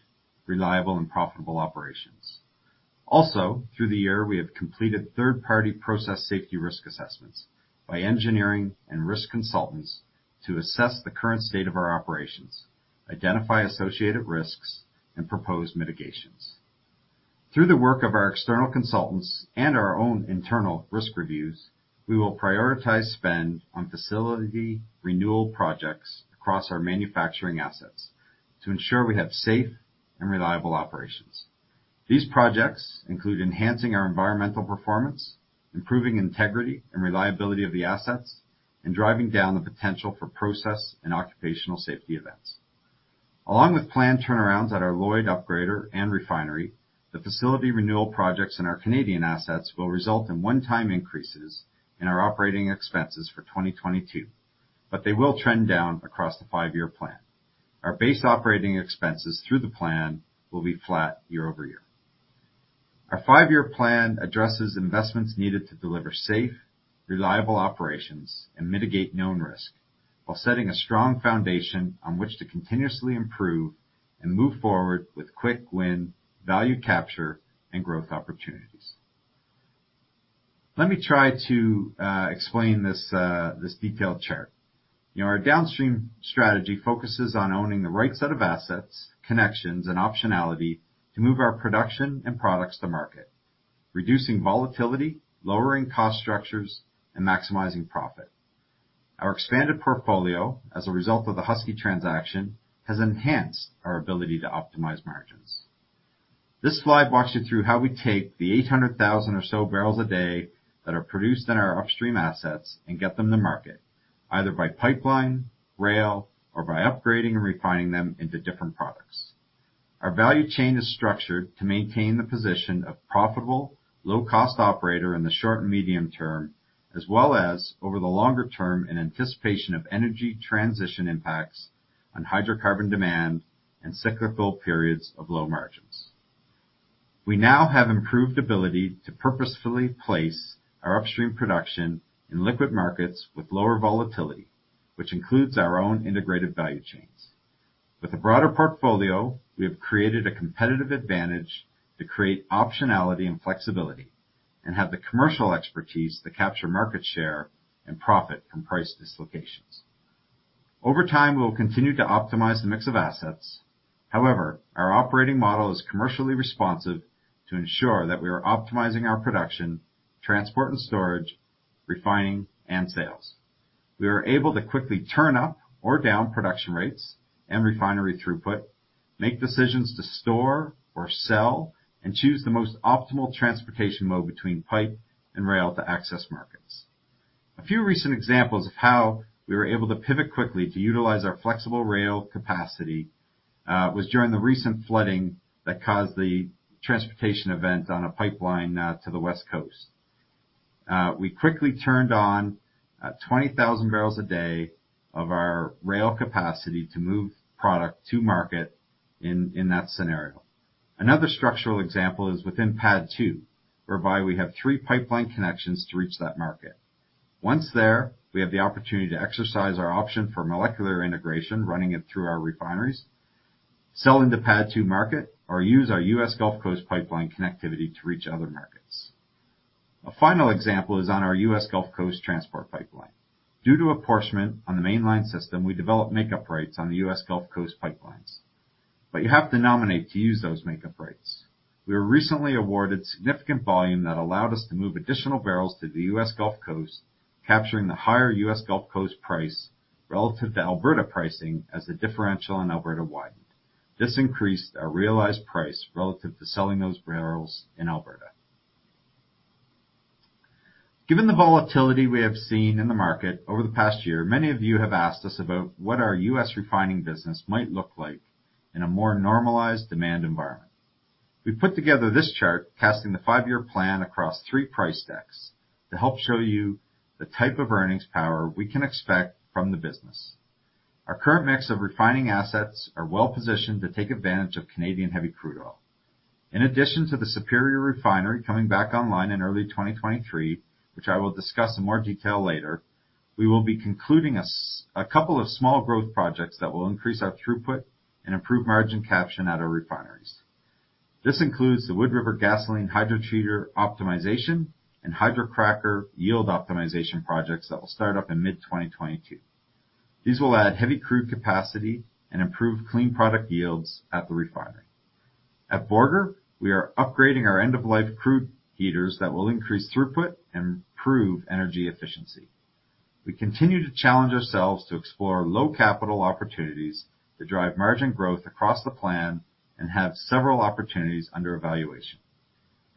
reliable, and profitable operations. Also, through the year, we have completed third-party process safety risk assessments by engineering and risk consultants to assess the current state of our operations, identify associated risks, and propose mitigations. Through the work of our external consultants and our own internal risk reviews, we will prioritize spend on facility renewal projects across our manufacturing assets to ensure we have safe and reliable operations. These projects include enhancing our environmental performance, improving integrity and reliability of the assets, and driving down the potential for process and occupational safety events. Along with planned turnarounds at our Lloydminster upgrader and refinery, the facility renewal projects in our Canadian assets will result in one-time increases in our operating expenses for 2022, but they will trend down across the five-year plan. Our base operating expenses through the plan will be flat year-over-year. Our five-year plan addresses investments needed to deliver safe, reliable operations and mitigate known risk while setting a strong foundation on which to continuously improve and move forward with quick-win value capture and growth opportunities. Let me try to explain this detailed chart. You know, our downstream strategy focuses on owning the right set of assets, connections, and optionality to move our production and products to market, reducing volatility, lowering cost structures, and maximizing profit. Our expanded portfolio as a result of the Husky transaction has enhanced our ability to optimize margins. This slide walks you through how we take the 800,000 or so barrels a day that are produced in our upstream assets and get them to market, either by pipeline, rail, or by upgrading and refining them into different products. Our value chain is structured to maintain the position of profitable, low-cost operator in the short and medium term, as well as over the longer term in anticipation of energy transition impacts on hydrocarbon demand and cyclical periods of low margins. We now have improved ability to purposefully place our upstream production in liquid markets with lower volatility, which includes our own integrated value chains. With a broader portfolio, we have created a competitive advantage to create optionality and flexibility and have the commercial expertise to capture market share and profit from price dislocations. Over time, we will continue to optimize the mix of assets. However, our operating model is commercially responsive to ensure that we are optimizing our production, transport and storage, refining, and sales. We are able to quickly turn up or down production rates and refinery throughput, make decisions to store or sell, and choose the most optimal transportation mode between pipe and rail to access markets. A few recent examples of how we were able to pivot quickly to utilize our flexible rail capacity was during the recent flooding that caused the transportation event on a pipeline to the West Coast. We quickly turned on 20,000 barrels a day of our rail capacity to move product to market in that scenario. Another structural example is within PADD 2, whereby we have three pipeline connections to reach that market. Once there, we have the opportunity to exercise our option for molecular integration, running it through our refineries, sell into PADD 2 market, or use our U.S. Gulf Coast pipeline connectivity to reach other markets. A final example is on our U.S. Gulf Coast transport pipeline. Due to apportionment on the mainline system, we developed makeup rates on the U.S. Gulf Coast pipelines. You have to nominate to use those makeup rates. We were recently awarded significant volume that allowed us to move additional barrels to the U.S. Gulf Coast, capturing the higher U.S. Gulf Coast price relative to Alberta pricing as the differential in Alberta widened. This increased our realized price relative to selling those barrels in Alberta. Given the volatility we have seen in the market over the past year, many of you have asked us about what our U.S. refining business might look like in a more normalized demand environment. We put together this chart casting the five-year plan across three price decks to help show you the type of earnings power we can expect from the business. Our current mix of refining assets are well-positioned to take advantage of Canadian heavy crude oil. In addition to the Superior Refinery coming back online in early 2023, which I will discuss in more detail later, we will be concluding a couple of small growth projects that will increase our throughput and improve margin capture at our refineries. This includes the Wood River Gasoline Hydrotreater optimization and Hydrocracker yield optimization projects that will start up in mid-2022. These will add heavy crude capacity and improve clean product yields at the refinery. At Borger, we are upgrading our end-of-life crude heaters that will increase throughput and improve energy efficiency. We continue to challenge ourselves to explore low capital opportunities to drive margin growth across the plan and have several opportunities under evaluation.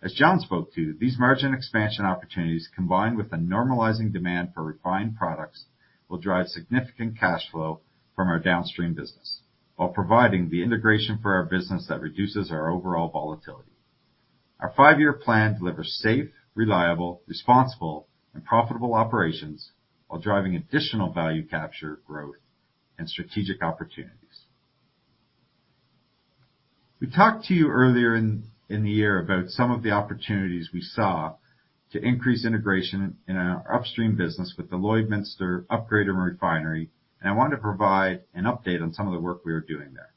As Jon spoke to these margin expansion opportunities, combined with a normalizing demand for refined products, will drive significant cash flow from our downstream business while providing the integration for our business that reduces our overall volatility. Our five-year plan delivers safe, reliable, responsible and profitable operations while driving additional value capture growth and strategic opportunities. We talked to you earlier in the year about some of the opportunities we saw to increase integration in our upstream business with the Lloydminster Upgrader and Refinery, and I want to provide an update on some of the work we are doing there.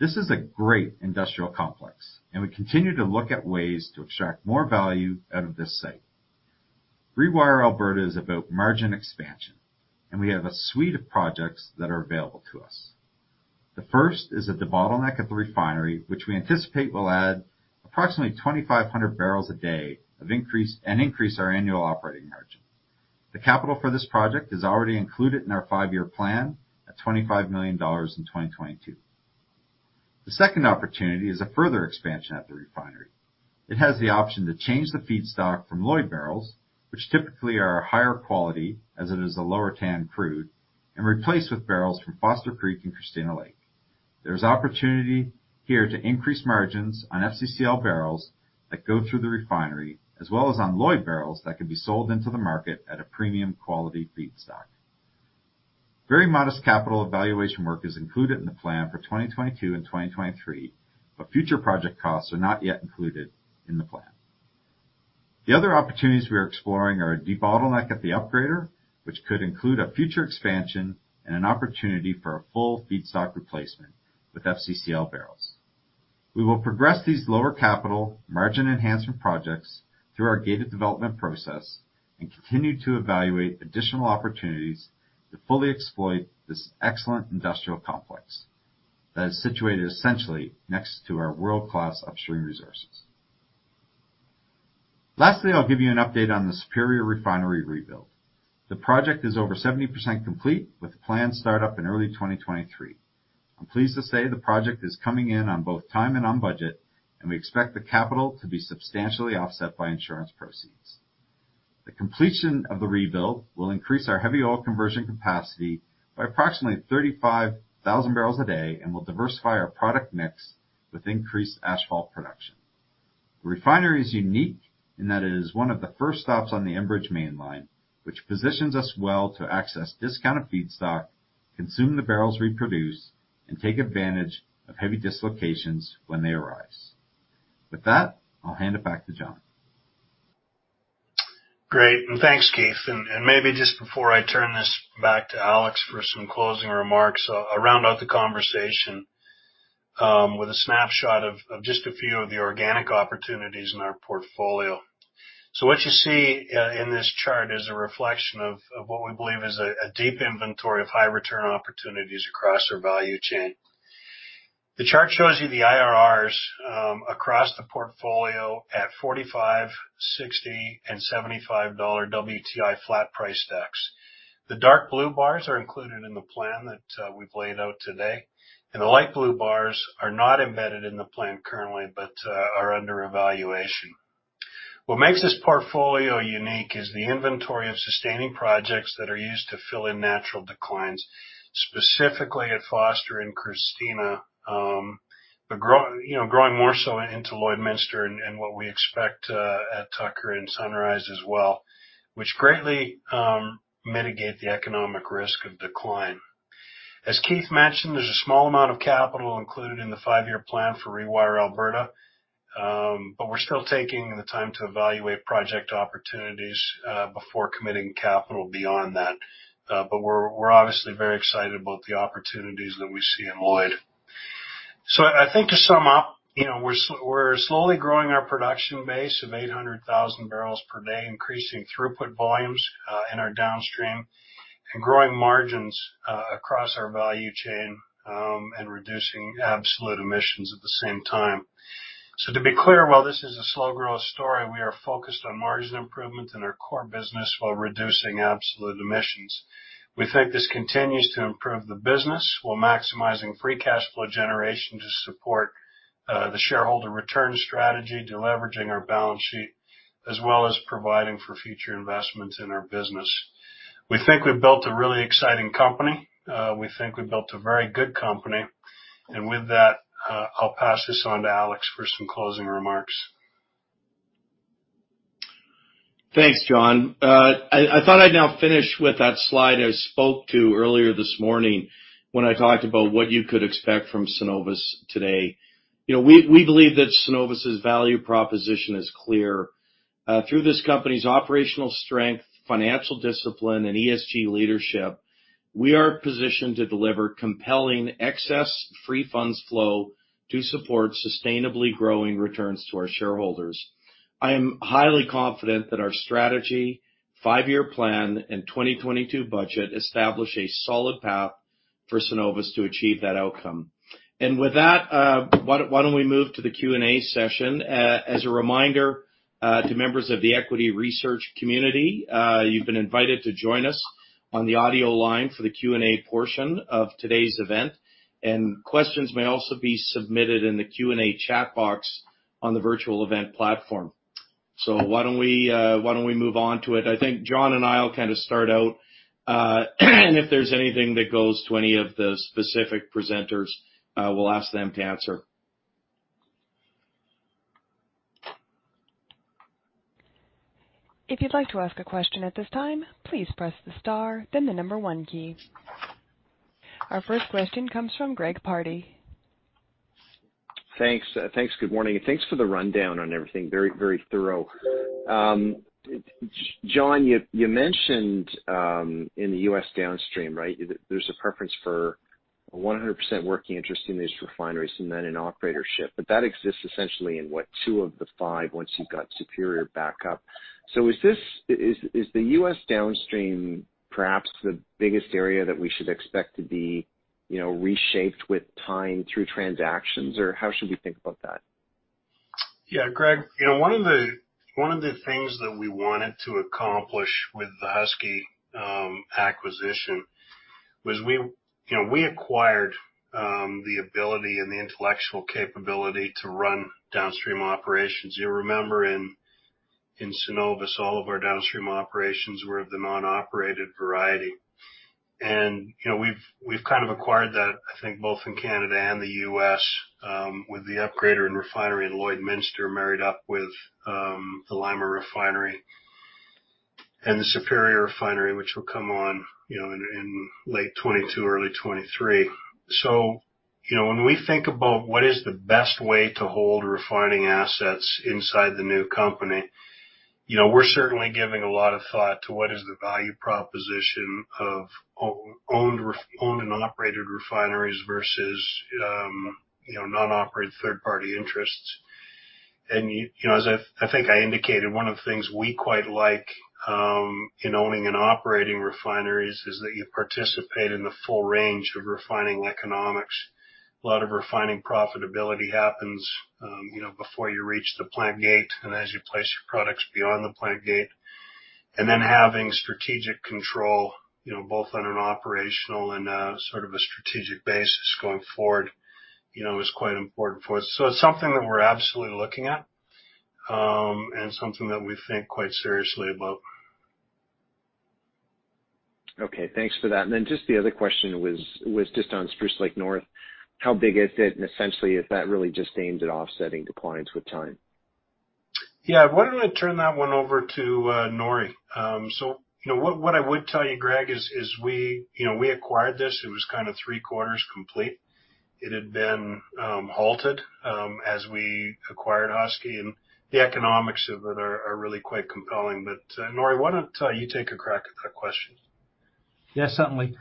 This is a great industrial complex and we continue to look at ways to extract more value out of this site. Rewire Alberta is about margin expansion, and we have a suite of projects that are available to us. The first is at the bottleneck at the refinery, which we anticipate will add approximately 2,500 barrels a day and increase our annual operating margin. The capital for this project is already included in our five-year plan at 25 million dollars in 2022. The second opportunity is a further expansion at the refinery. It has the option to change the feedstock from Lloyd barrels, which typically are higher quality as it is a lower TAN crude, and replace with barrels from Foster Creek and Christina Lake. There's opportunity here to increase margins on FCCL barrels that go through the refinery, as well as on Lloyd barrels that can be sold into the market at a premium quality feedstock. Very modest capital evaluation work is included in the plan for 2022 and 2023, but future project costs are not yet included in the plan. The other opportunities we are exploring are debottleneck at the upgrader, which could include a future expansion and an opportunity for a full feedstock replacement with FCCL barrels. We will progress these lower capital margin enhancement projects through our gated development process and continue to evaluate additional opportunities to fully exploit this excellent industrial complex that is situated essentially next to our world-class upstream resources. Lastly, I'll give you an update on the Superior Refinery rebuild. The project is over 70% complete with planned startup in early 2023. I'm pleased to say the project is coming in on both time and on budget, and we expect the capital to be substantially offset by insurance proceeds. The completion of the rebuild will increase our heavy oil conversion capacity by approximately 35,000 barrels a day and will diversify our product mix with increased asphalt production. The refinery is unique in that it is one of the first stops on the Enbridge Mainline, which positions us well to access discounted feedstock, consume the barrels we produce, and take advantage of heavy dislocations when they arise. With that, I'll hand it back to Jon. Great. Thanks, Keith. Maybe just before I turn this back to Alex for some closing remarks, I'll round out the conversation with a snapshot of just a few of the organic opportunities in our portfolio. What you see in this chart is a reflection of what we believe is a deep inventory of high return opportunities across our value chain. The chart shows you the IRRs across the portfolio at $45, $60, and $75 WTI flat price decks. The dark blue bars are included in the plan that we've laid out today, and the light blue bars are not embedded in the plan currently, but are under evaluation. What makes this portfolio unique is the inventory of sustaining projects that are used to fill in natural declines, specifically at Foster and Christina, but you know, growing more so into Lloydminster and what we expect at Tucker and Sunrise as well, which greatly mitigate the economic risk of decline. As Keith mentioned, there's a small amount of capital included in the five-year plan for Rewire Alberta, but we're still taking the time to evaluate project opportunities before committing capital beyond that. We're obviously very excited about the opportunities that we see in Lloyd. I think to sum up, you know, we're slowly growing our production base of 800,000 barrels per day, increasing throughput volumes in our downstream, and growing margins across our value chain, and reducing absolute emissions at the same time. To be clear, while this is a slow growth story, we are focused on margin improvement in our core business while reducing absolute emissions. We think this continues to improve the business while maximizing free cash flow generation to support the shareholder return strategy, deleveraging our balance sheet, as well as providing for future investments in our business. We think we've built a really exciting company. We think we've built a very good company. With that, I'll pass this on to Alex for some closing remarks. Thanks, Jon. I thought I'd now finish with that slide I spoke to earlier this morning when I talked about what you could expect from Cenovus today. You know, we believe that Cenovus' value proposition is clear. Through this company's operational strength, financial discipline, and ESG leadership, we are positioned to deliver compelling excess free funds flow to support sustainably growing returns to our shareholders. I am highly confident that our strategy, five-year plan, and 2022 budget establish a solid path For Cenovus to achieve that outcome. With that, why don't we move to the Q&A session? As a reminder, to members of the equity research community, you've been invited to join us on the audio line for the Q&A portion of today's event. Questions may also be submitted in the Q&A chat box on the virtual event platform. Why don't we move on to it? I think Jon and I will kind of start out, and if there's anything that goes to any of the specific presenters, we'll ask them to answer. If you'd like to ask a question at this time, please press the star, then the number one key. Our first question comes from Greg Pardy. Thanks. Good morning, and thanks for the rundown on everything. Very thorough. Jon, you mentioned in the U.S. Downstream, right, there's a preference for 100% working interest in these refineries and then in operatorship. But that exists essentially in, what, 2 of the 5, once you've got superior backup. Is the U.S. Downstream perhaps the biggest area that we should expect to be, you know, reshaped with time through transactions? Or how should we think about that? Yeah, Greg, you know, one of the things that we wanted to accomplish with the Husky acquisition was, you know, we acquired the ability and the intellectual capability to run downstream operations. You remember in Cenovus, all of our downstream operations were of the non-operated variety. You know, we've kind of acquired that, I think, both in Canada and the U.S., with the upgrader and refinery in Lloydminster, married up with the Lima Refinery and the Superior Refinery, which will come on, you know, in late 2022, early 2023. You know, when we think about what is the best way to hold refining assets inside the new company, you know, we're certainly giving a lot of thought to what is the value proposition of owned and operated refineries versus, you know, non-operated third party interests. You know, as I think I indicated, one of the things we quite like in owning and operating refineries is that you participate in the full range of refining economics. A lot of refining profitability happens, you know, before you reach the plant gate and as you place your products beyond the plant gate. Having strategic control, you know, both on an operational and sort of a strategic basis going forward, you know, is quite important for us. It's something that we're absolutely looking at, and something that we think quite seriously about. Okay, thanks for that. Just the other question was just on Spruce Lake North. How big is it, and essentially, is that really just aimed at offsetting declines with time? Yeah. Why don't I turn that one over to, Norrie? So, you know, what I would tell you, Greg, is we, you know, we acquired this, it was kind of three-quarters complete. It had been halted as we acquired Husky, and the economics of it are really quite compelling. Norrie, why don't you take a crack at that question? Yes, certainly.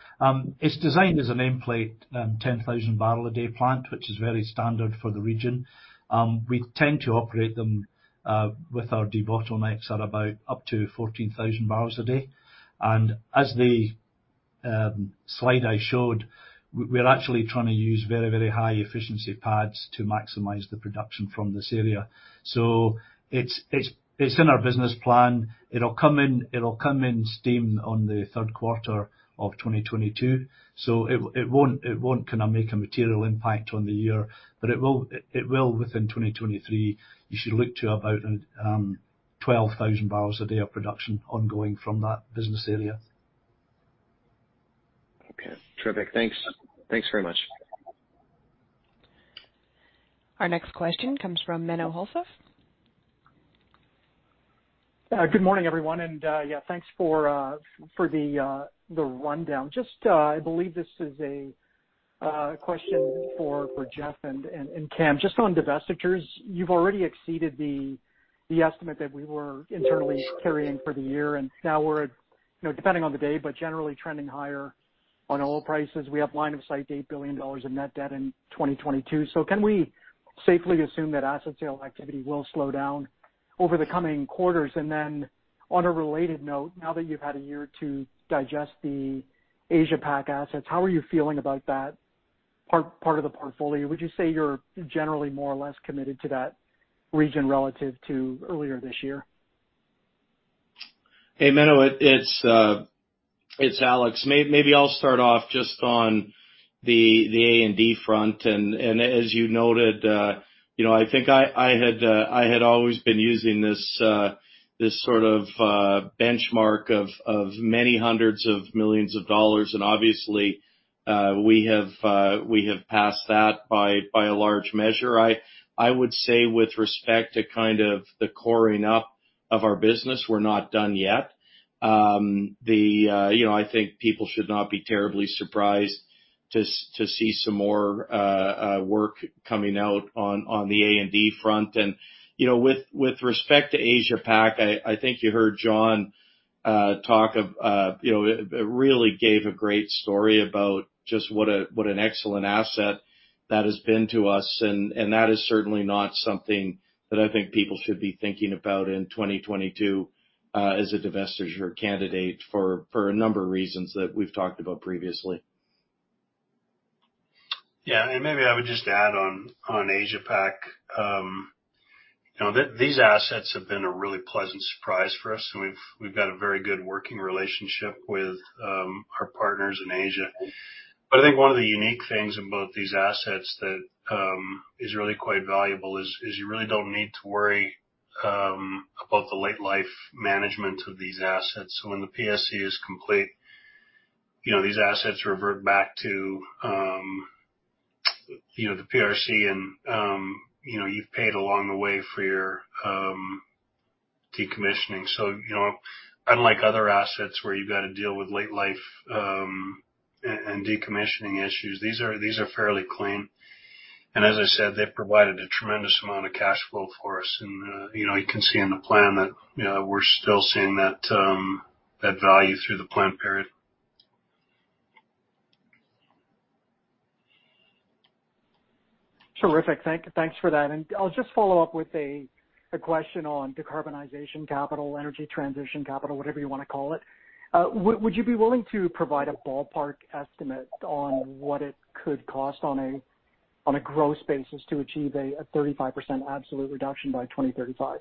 It's designed as a nameplate 10,000-barrel-a-day plant, which is very standard for the region. We tend to operate them with our debottlenecks at about up to 14,000 barrels a day. As the slide I showed, we're actually trying to use very, very high efficiency pads to maximize the production from this area. It's in our business plan. It'll come on stream in the third quarter of 2022. It won't kinda make a material impact on the year, but it will within 2023. You should look to about 12,000 barrels a day of production ongoing from that business area. Okay. Terrific. Thanks. Thanks very much. Our next question comes from Menno Hulshof. Good morning, everyone. Thanks for the rundown. I believe this is a question for Jeff and Kam. Just on divestitures, you've already exceeded the estimate that we were internally carrying for the year, and now we're at, you know, depending on the day, but generally trending higher on oil prices. We have line of sight to 8 billion dollars in net debt in 2022. Can we safely assume that asset sale activity will slow down over the coming quarters? On a related note, now that you've had a year to digest the Asia Pac assets, how are you feeling about that part of the portfolio? Would you say you're generally more or less committed to that region relative to earlier this year? Hey, Menno, it's Alex. Maybe I'll start off just on the A&D front. As you noted, you know, I think I had always been using this sort of benchmark of many hundreds of millions CAD. Obviously, we have passed that by a large measure. I would say with respect to kind of the coring up of our business, we're not done yet. You know, I think people should not be terribly surprised to see some more work coming out on the A&D front. You know, with respect to Asia Pac, I think you heard Jon talk of you know really gave a great story about just what an excellent asset that has been to us. That is certainly not something that I think people should be thinking about in 2022 as a divestiture candidate for a number of reasons that we've talked about previously. Yeah. Maybe I would just add on Asia Pac. You know, these assets have been a really pleasant surprise for us, and we've got a very good working relationship with our partners in Asia. But I think one of the unique things about these assets that is really quite valuable is you really don't need to worry about the late life management of these assets. When the PSC is complete, you know, these assets revert back to the PRC and, you know, you've paid along the way for your decommissioning. You know, unlike other assets where you've got to deal with late life and decommissioning issues, these are fairly clean. As I said, they've provided a tremendous amount of cash flow for us. You know, you can see in the plan that we're still seeing that value through the plan period. Terrific. Thanks for that. I'll just follow up with a question on decarbonization capital, energy transition capital, whatever you wanna call it. Would you be willing to provide a ballpark estimate on what it could cost on a gross basis to achieve a 35% absolute reduction by 2035?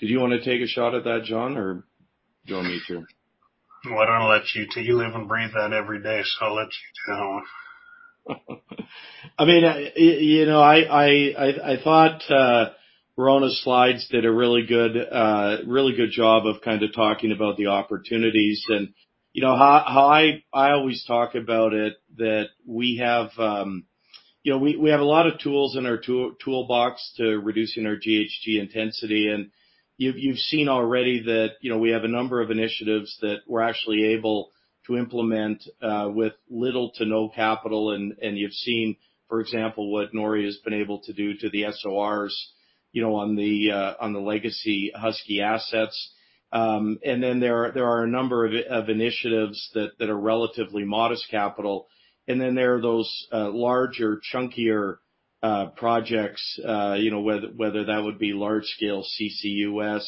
Did you wanna take a shot at that, Jon, or do you want me to? Well, I'm gonna let you. You live and breathe that every day, so I'll let you take that one. I mean, you know, I thought Rhona's slides did a really good job of kind of talking about the opportunities. You know, how I always talk about it that we have, you know, we have a lot of tools in our toolbox to reducing our GHG intensity. You've seen already that, you know, we have a number of initiatives that we're actually able to implement with little to no capital. You've seen, for example, what Norrie has been able to do to the SORs, you know, on the Legacy Husky assets. Then there are a number of initiatives that are relatively modest capital. There are those larger, chunkier projects, you know, whether that would be large scale CCUS,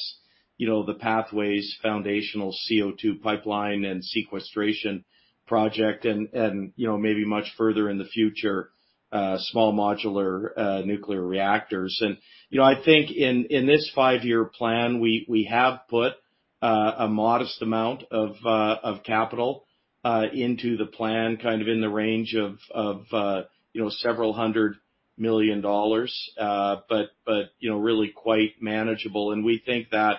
you know, the Pathways Foundational CO2 Pipeline and Sequestration Project and, you know, maybe much further in the future, small modular nuclear reactors. You know, I think in this five-year plan, we have put a modest amount of capital into the plan, kind of in the range of, you know, several hundred million dollars, but you know, really quite manageable. We think that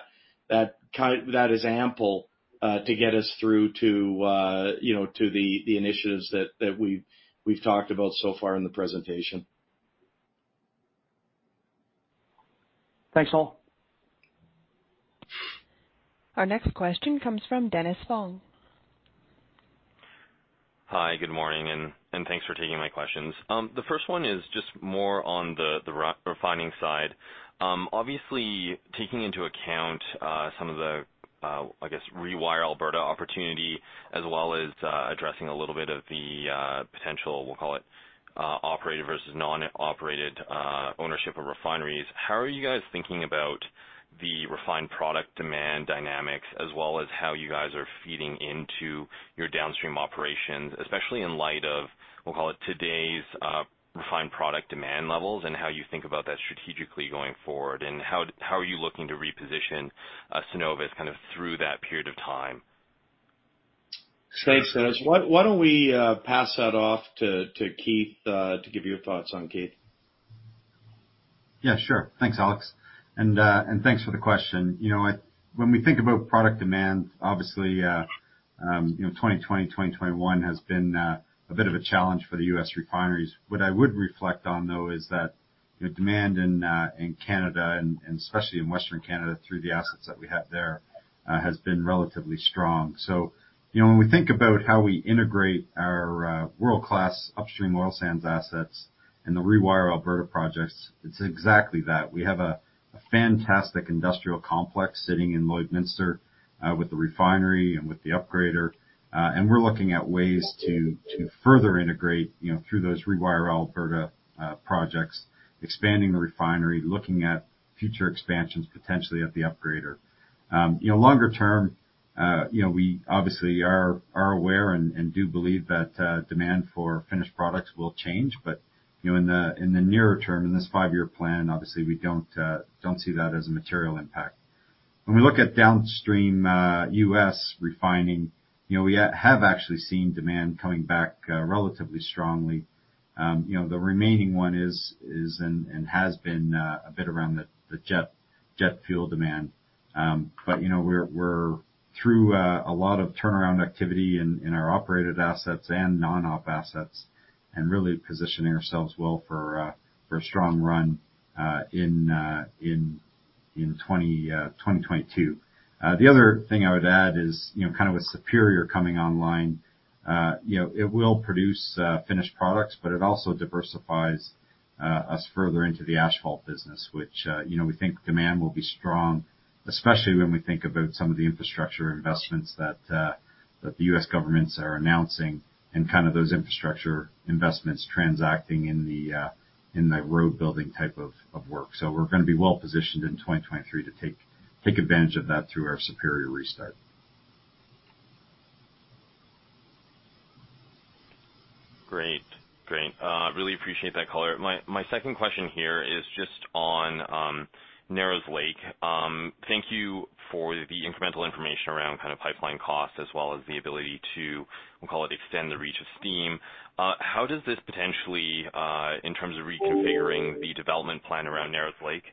that is ample to get us through to, you know, to the initiatives that we've talked about so far in the presentation. Thanks, all. Our next question comes from Dennis Fong. Hi, good morning, and thanks for taking my questions. The first one is just more on the re-refining side. Obviously taking into account some of the I guess Rewire Alberta opportunity, as well as addressing a little bit of the potential, we'll call it, operated versus non-operated ownership of refineries, how are you guys thinking about the refined product demand dynamics as well as how you guys are feeding into your downstream operations, especially in light of, we'll call it, today's refined product demand levels, and how you think about that strategically going forward, and how are you looking to reposition Cenovus kind of through that period of time? Thanks Fong, why don't we pass that off to Keith to give you your thoughts on, Keith? Yeah, sure. Thanks, Alex. Thanks for the question. You know, when we think about product demand, obviously, you know, 2020, 2021 has been a bit of a challenge for the U.S. refineries. What I would reflect on, though, is that, you know, demand in Canada and especially in Western Canada through the assets that we have there has been relatively strong. You know, when we think about how we integrate our world-class upstream oil sands assets and the Rewire Alberta projects, it's exactly that. We have a fantastic industrial complex sitting in Lloydminster with the refinery and with the upgrader. We're looking at ways to further integrate, you know, through those Rewire Alberta projects, expanding the refinery, looking at future expansions, potentially at the upgrader. You know, longer term, you know, we obviously are aware and do believe that demand for finished products will change. You know, in the nearer term, in this five-year plan, obviously, we don't see that as a material impact. When we look at downstream, U.S. refining, you know, we have actually seen demand coming back relatively strongly. You know, the remaining one is and has been a bit around the jet fuel demand. You know, we're through a lot of turnaround activity in our operated assets and non-op assets and really positioning ourselves well for a strong run in 2022. The other thing I would add is, you know, kind of with Superior coming online, you know, it will produce finished products, but it also diversifies us further into the asphalt business, which, you know, we think demand will be strong, especially when we think about some of the infrastructure investments that the U.S. governments are announcing and kind of those infrastructure investments translating into the road building type of work. We're gonna be well-positioned in 2023 to take advantage. Take advantage of that through our Superior restart. Great. Really appreciate that color. My second question here is just on Narrows Lake. Thank you for the incremental information around kind of pipeline costs as well as the ability to, we'll call it, extend the reach of steam. How does this potentially in terms of reconfiguring the development plan around Narrows Lake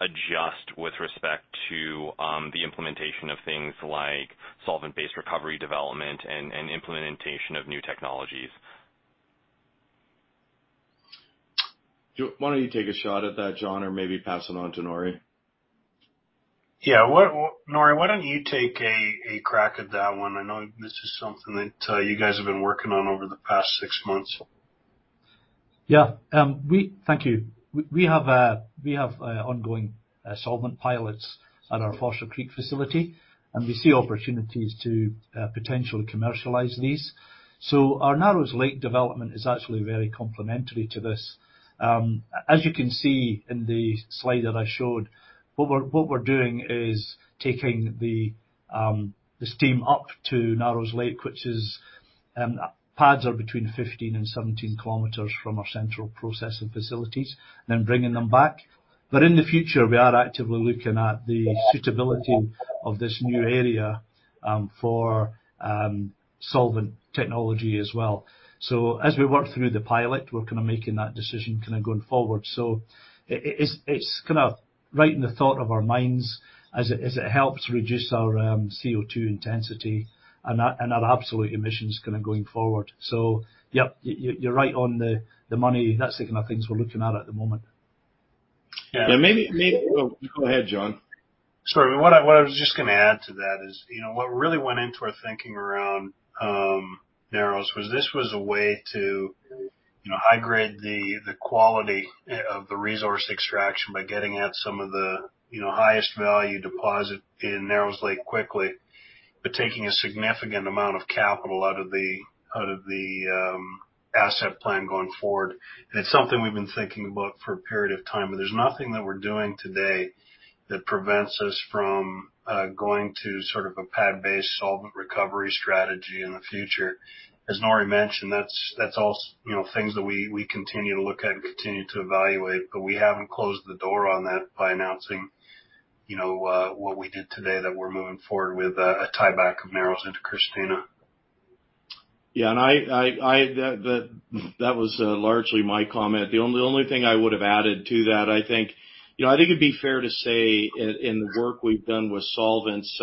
adjust with respect to the implementation of things like solvent-based recovery development and implementation of new technologies? Why don't you take a shot at that, Jon, or maybe pass it on to Norrie? Yeah. Norrie, why don't you take a crack at that one? I know this is something that you guys have been working on over the past six months. We have ongoing solvent pilots at our Foster Creek facility, and we see opportunities to potentially commercialize these. Our Narrows Lake development is actually very complementary to this. As you can see in the slide that I showed, what we're doing is taking the steam up to Narrows Lake, which is, pads are between 15-17 km from our central processing facilities, then bringing them back. In the future, we are actively looking at the suitability of this new area for solvent technology as well. As we work through the pilot, we're kinda making that decision kinda going forward. It's kinda right in the top of our minds as it helps reduce our CO2 intensity and our absolute emissions kinda going forward. Yep, you're right on the money. That's the kind of things we're looking at at the moment. Yeah. Go ahead, Jon. Sorry. What I was just gonna add to that is, you know, what really went into our thinking around Narrows was this a way to, you know, high grade the quality of the resource extraction by getting at some of the, you know, highest value deposit in Narrows Lake quickly, but taking a significant amount of capital out of the asset plan going forward. It's something we've been thinking about for a period of time. There's nothing that we're doing today that prevents us from going to sort of a pad-based solvent recovery strategy in the future. As Norrie mentioned, that's also, you know, things that we continue to look at and continue to evaluate, but we haven't closed the door on that by announcing, you know, what we did today, that we're moving forward with a tieback of Narrows into Christina. Yeah. That was largely my comment. The only thing I would have added to that, I think. You know, I think it'd be fair to say in the work we've done with solvents,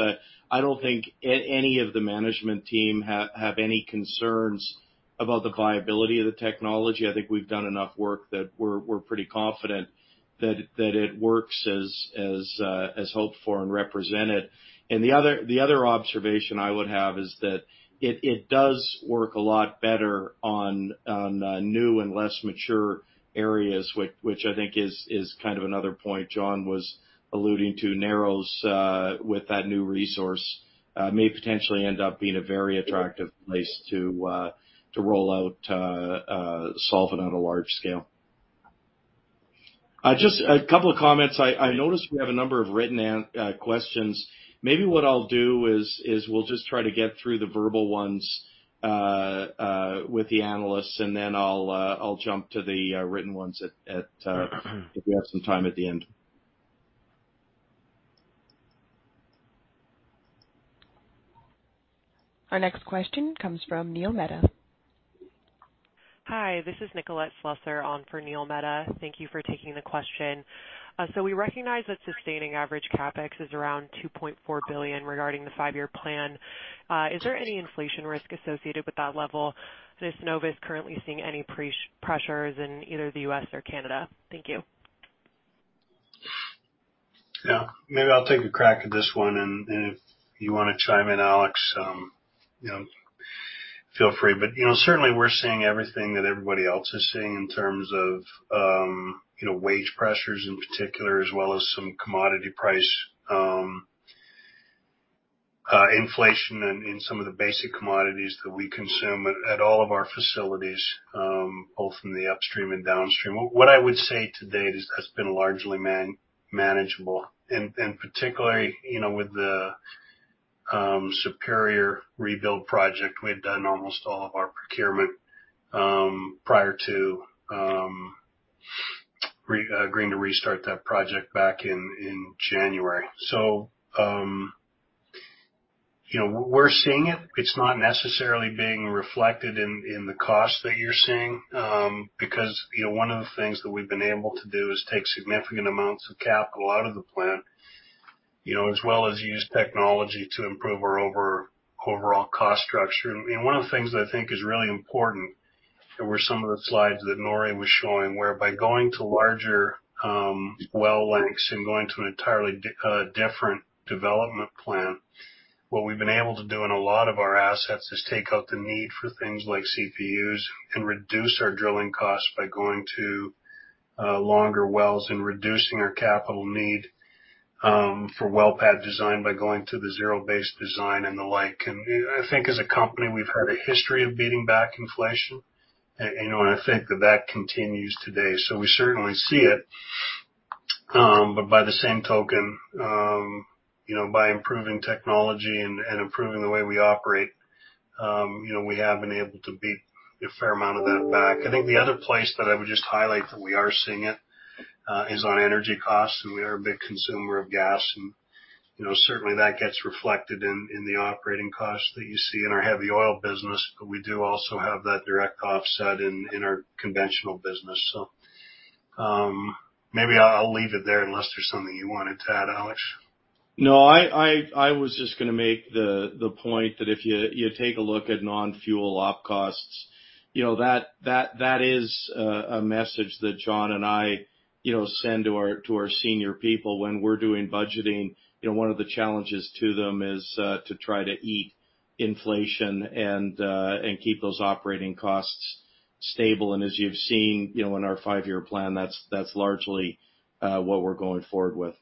I don't think any of the management team have any concerns about the viability of the technology. I think we've done enough work that we're pretty confident that it works as hoped for and represented. The other observation I would have is that it does work a lot better on new and less mature areas, which I think is kind of another point Jon was alluding to. Narrows with that new resource may potentially end up being a very attractive place to roll out solvent on a large scale. Just a couple of comments. I noticed we have a number of written questions. Maybe what I'll do is we'll just try to get through the verbal ones with the analysts, and then I'll jump to the written ones at the end if we have some time at the end. Our next question comes from Neil Mehta. Hi, this is Nicolette Slusser on for Neil Mehta. Thank you for taking the question. We recognize that sustaining average CapEx is around 2.4 billion regarding the five-year plan. Is there any inflation risk associated with that level? Is Cenovus currently seeing any price pressures in either the U.S. or Canada? Thank you. Yeah. Maybe I'll take a crack at this one, and if you wanna chime in, Alex, you know, feel free. You know, certainly we're seeing everything that everybody else is seeing in terms of you know, wage pressures in particular, as well as some commodity price inflation in some of the basic commodities that we consume at all of our facilities, both in the upstream and downstream. What I would say today is that's been largely manageable. Particularly, you know, with the Superior rebuild project, we had done almost all of our procurement prior to reagreeing to restart that project back in January. You know, we're seeing it. It's not necessarily being reflected in the cost that you're seeing, because, you know, one of the things that we've been able to do is take significant amounts of capital out of the plant, you know, as well as use technology to improve our overall cost structure. One of the things that I think is really important, there were some of the slides that Norrie was showing, where by going to larger well lengths and going to an entirely different development plan, what we've been able to do in a lot of our assets is take out the need for things like CPFs and reduce our drilling costs by going to longer wells and reducing our capital need for well pad design by going to the zero-based design and the like. I think as a company, we've had a history of beating back inflation. I think that continues today. So we certainly see it. But by the same token, you know, by improving technology and improving the way we operate, you know, we have been able to beat a fair amount of that back. I think the other place that I would just highlight that we are seeing it is on energy costs, and we are a big consumer of gas and, you know, certainly that gets reflected in the operating costs that you see in our heavy oil business. But we do also have that direct offset in our conventional business. So, maybe I'll leave it there unless there's something you wanted to add, Alex. No, I was just gonna make the point that if you take a look at non-fuel op costs, you know, that is a message that Jon and I, you know, send to our senior people when we're doing budgeting. You know, one of the challenges to them is to try to beat inflation and keep those operating costs stable. As you've seen, you know, in our five-year plan, that's largely what we're going forward with.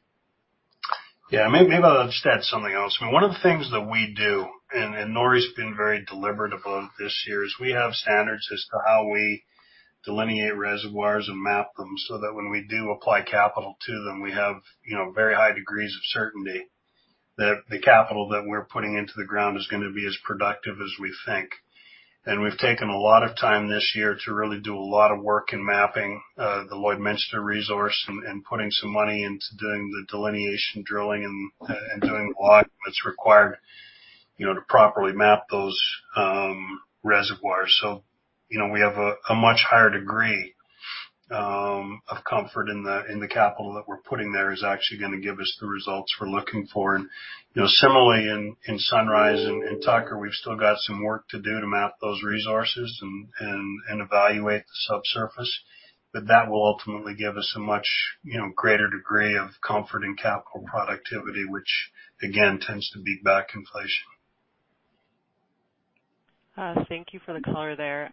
Yeah. Maybe I'll just add something else. I mean, one of the things that we do, and Norrie's been very deliberate about this year, is we have standards as to how we delineate reservoirs and map them so that when we do apply capital to them, we have, you know, very high degrees of certainty that the capital that we're putting into the ground is gonna be as productive as we think. We've taken a lot of time this year to really do a lot of work in mapping the Lloydminster resource and putting some money into doing the delineation drilling and doing a lot that's required, you know, to properly map those reservoirs. You know, we have a much higher degree of comfort in the capital that we're putting there is actually gonna give us the results we're looking for. You know, similarly in Sunrise and in Tucker, we've still got some work to do to map those resources and evaluate the subsurface. That will ultimately give us a much greater degree of comfort in capital productivity, which again tends to beat back inflation. Thank you for the color there.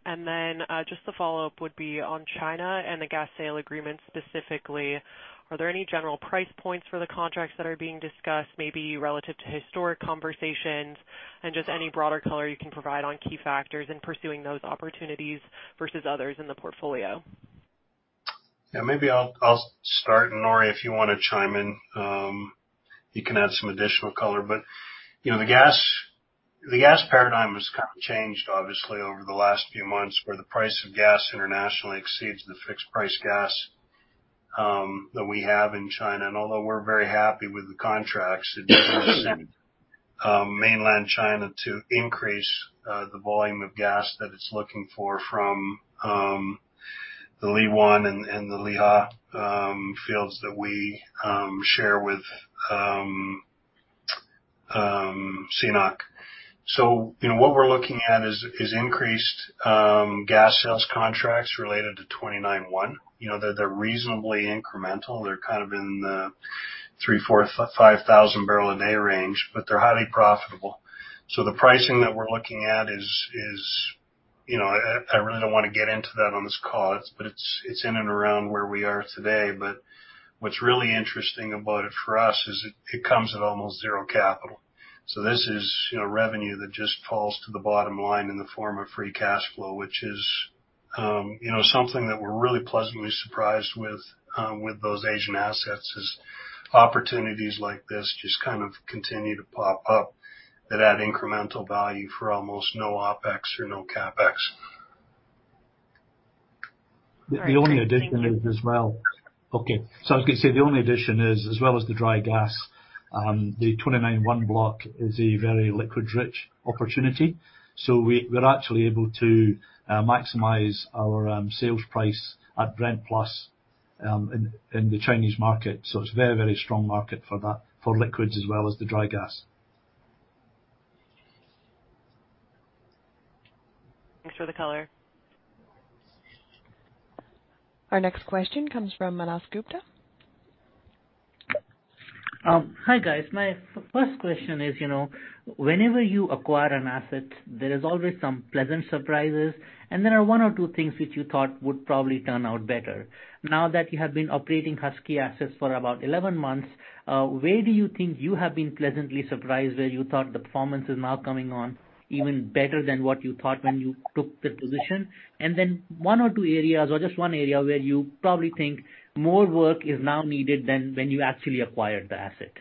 Just a follow-up would be on China and the gas sale agreement specifically. Are there any general price points for the contracts that are being discussed, maybe relative to historic conversations and just any broader color you can provide on key factors in pursuing those opportunities versus others in the portfolio? Maybe I'll start, and Norrie, if you wanna chime in, you can add some additional color. You know, the gas paradigm has kind of changed obviously over the last few months, where the price of gas internationally exceeds the fixed price gas that we have in China. Although we're very happy with the contracts from Mainland China to increase the volume of gas that it's looking for from the Liwan and the Liuhua fields that we share with CNOOC. You know, what we're looking at is increased gas sales contracts related to 29-1. You know, they're reasonably incremental. They're kind of in the 3-5 thousand barrel a day range, but they're highly profitable. The pricing that we're looking at is, you know. I really don't wanna get into that on this call. It's in and around where we are today. What's really interesting about it for us is it comes at almost zero capital. This is, you know, revenue that just falls to the bottom line in the form of free cash flow, which is, you know, something that we're really pleasantly surprised with those Asian assets is opportunities like this just kind of continue to pop up that add incremental value for almost no OpEx or no CapEx. All right. Thank you. The only addition is, as well as the dry gas, the 29-1 block is a very liquid rich opportunity, so we're actually able to maximize our sales price at Brent Plus, in the Chinese market. It's a very, very strong market for that, for liquids as well as the dry gas. Thanks for the color. Our next question comes from Manav Gupta. Hi, guys. My first question is, you know, whenever you acquire an asset, there is always some pleasant surprises, and there are one or two things which you thought would probably turn out better. Now that you have been operating Husky assets for about 11 months, where do you think you have been pleasantly surprised, where you thought the performance is now coming on even better than what you thought when you took the position? Then one or two areas, or just one area where you probably think more work is now needed than when you actually acquired the asset.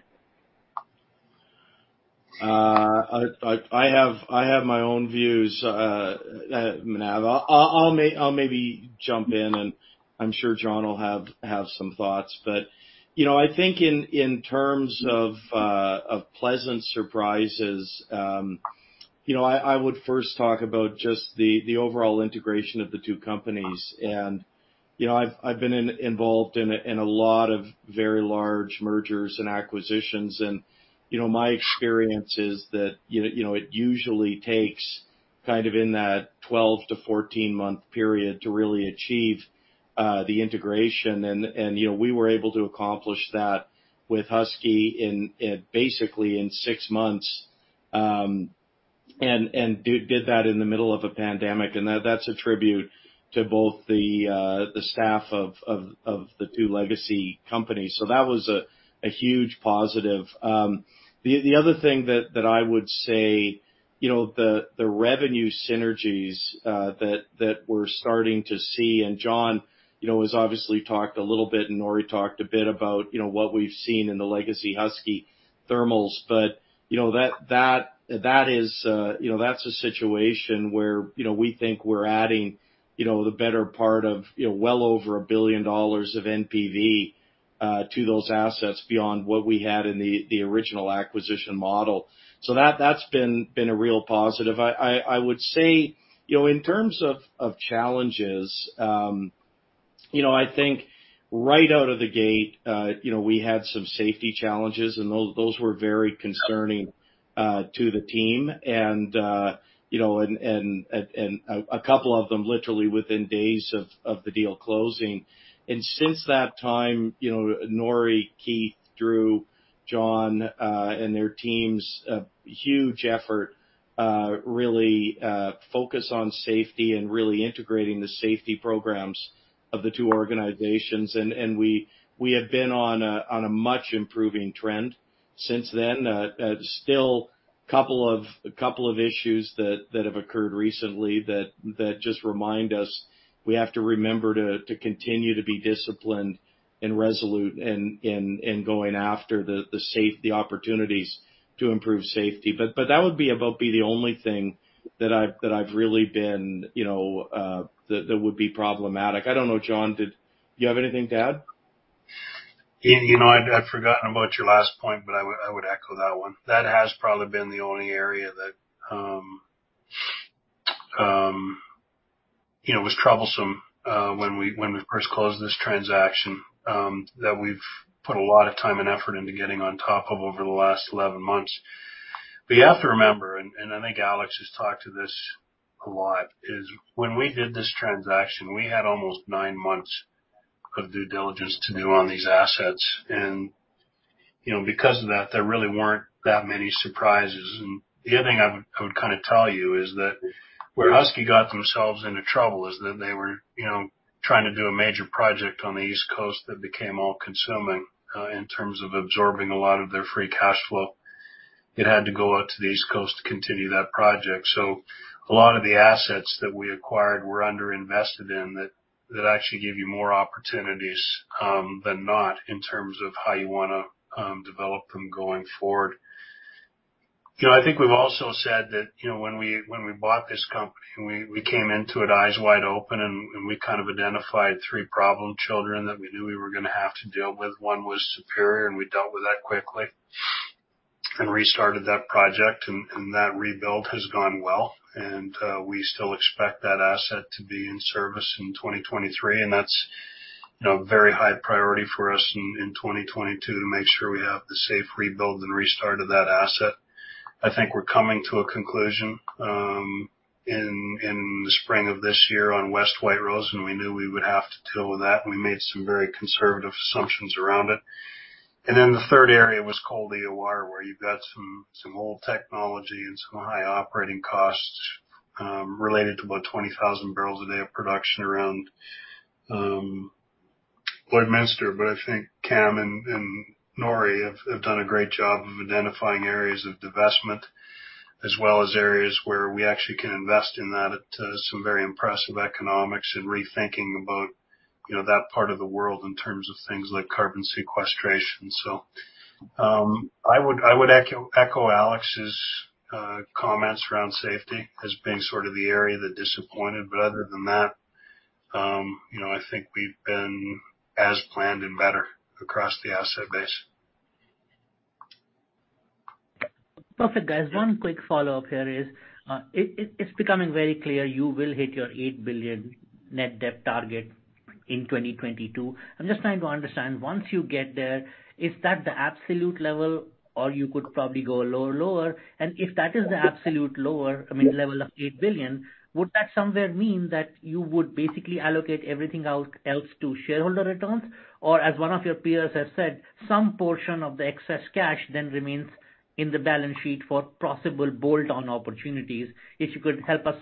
I have my own views, Manav. I'll maybe jump in, and I'm sure Jon will have some thoughts. You know, I think in terms of pleasant surprises, you know, I would first talk about just the overall integration of the two companies. You know, I've been involved in a lot of very large mergers and acquisitions and, you know, my experience is that, you know, it usually takes kind of in that 12- to 14-month period to really achieve the integration. You know, we were able to accomplish that with Husky in basically six months, and did that in the middle of a pandemic, and that's a tribute to both the staff of the two legacy companies. That was a huge positive. The other thing that I would say, you know, the revenue synergies that we're starting to see, and Jon, you know, has obviously talked a little bit, and Norrie talked a bit about, you know, what we've seen in the legacy Husky Thermals. you know, that is a situation where, you know, we think we're adding, you know, the better part of, you know, well over 1 billion dollars of NPV to those assets beyond what we had in the original acquisition model. That's been a real positive. I would say, you know, in terms of challenges, you know, I think right out of the gate, you know, we had some safety challenges, and those were very concerning to the team. you know, and a couple of them literally within days of the deal closing. Since that time, you know, Norrie, Keith, Drew, Jon, and their teams a huge effort, really, focus on safety and really integrating the safety programs of the two organizations. We have been on a much improving trend since then. Still a couple of issues that have occurred recently that just remind us we have to remember to continue to be disciplined and resolute in going after the opportunities to improve safety. That would be about the only thing that I've really been that would be problematic. I don't know. Jon, did you have anything to add? You know, I'd forgotten about your last point, but I would echo that one. That has probably been the only area that, you know, was troublesome, when we first closed this transaction, that we've put a lot of time and effort into getting on top of over the last 11 months. You have to remember, and I think Alex has talked to this a lot, is when we did this transaction, we had almost nine months of due diligence to do on these assets. You know, because of that, there really weren't that many surprises. The other thing I would kind of tell you is that where Husky got themselves into trouble is that they were you know trying to do a major project on the East Coast that became all-consuming in terms of absorbing a lot of their free cash flow. It had to go out to the East Coast to continue that project. A lot of the assets that we acquired were underinvested in that actually give you more opportunities than not in terms of how you wanna develop them going forward. You know I think we've also said that you know when we bought this company we came into it eyes wide open and we kind of identified three problem children that we knew we were gonna have to deal with. One was Superior, and we dealt with that quickly and restarted that project. That rebuild has gone well. We still expect that asset to be in service in 2023, and that's, you know, very high priority for us in 2022 to make sure we have the safe rebuild and restart of that asset. I think we're coming to a conclusion in the spring of this year on West White Rose Project, and we knew we would have to deal with that, and we made some very conservative assumptions around it. Then the third area was Cold Lake area, where you've got some old technology and some high operating costs related to about 20,000 barrels a day of production around Lloydminster. I think Kam and Norrie have done a great job of identifying areas of divestment as well as areas where we actually can invest in that at some very impressive economics in rethinking about, you know, that part of the world in terms of things like carbon sequestration. I would echo Alex's comments around safety as being sort of the area that disappointed. Other than that, you know, I think we've been as planned and better across the asset base. Perfect, guys. One quick follow-up here is, it's becoming very clear you will hit your 8 billion net debt target in 2022. I'm just trying to understand, once you get there, is that the absolute level or you could probably go lower? If that is the absolute lower, I mean, level of 8 billion, would that somewhere mean that you would basically allocate everything else to shareholder returns? Or as one of your peers has said, some portion of the excess cash then remains in the balance sheet for possible bolt-on opportunities? If you could help us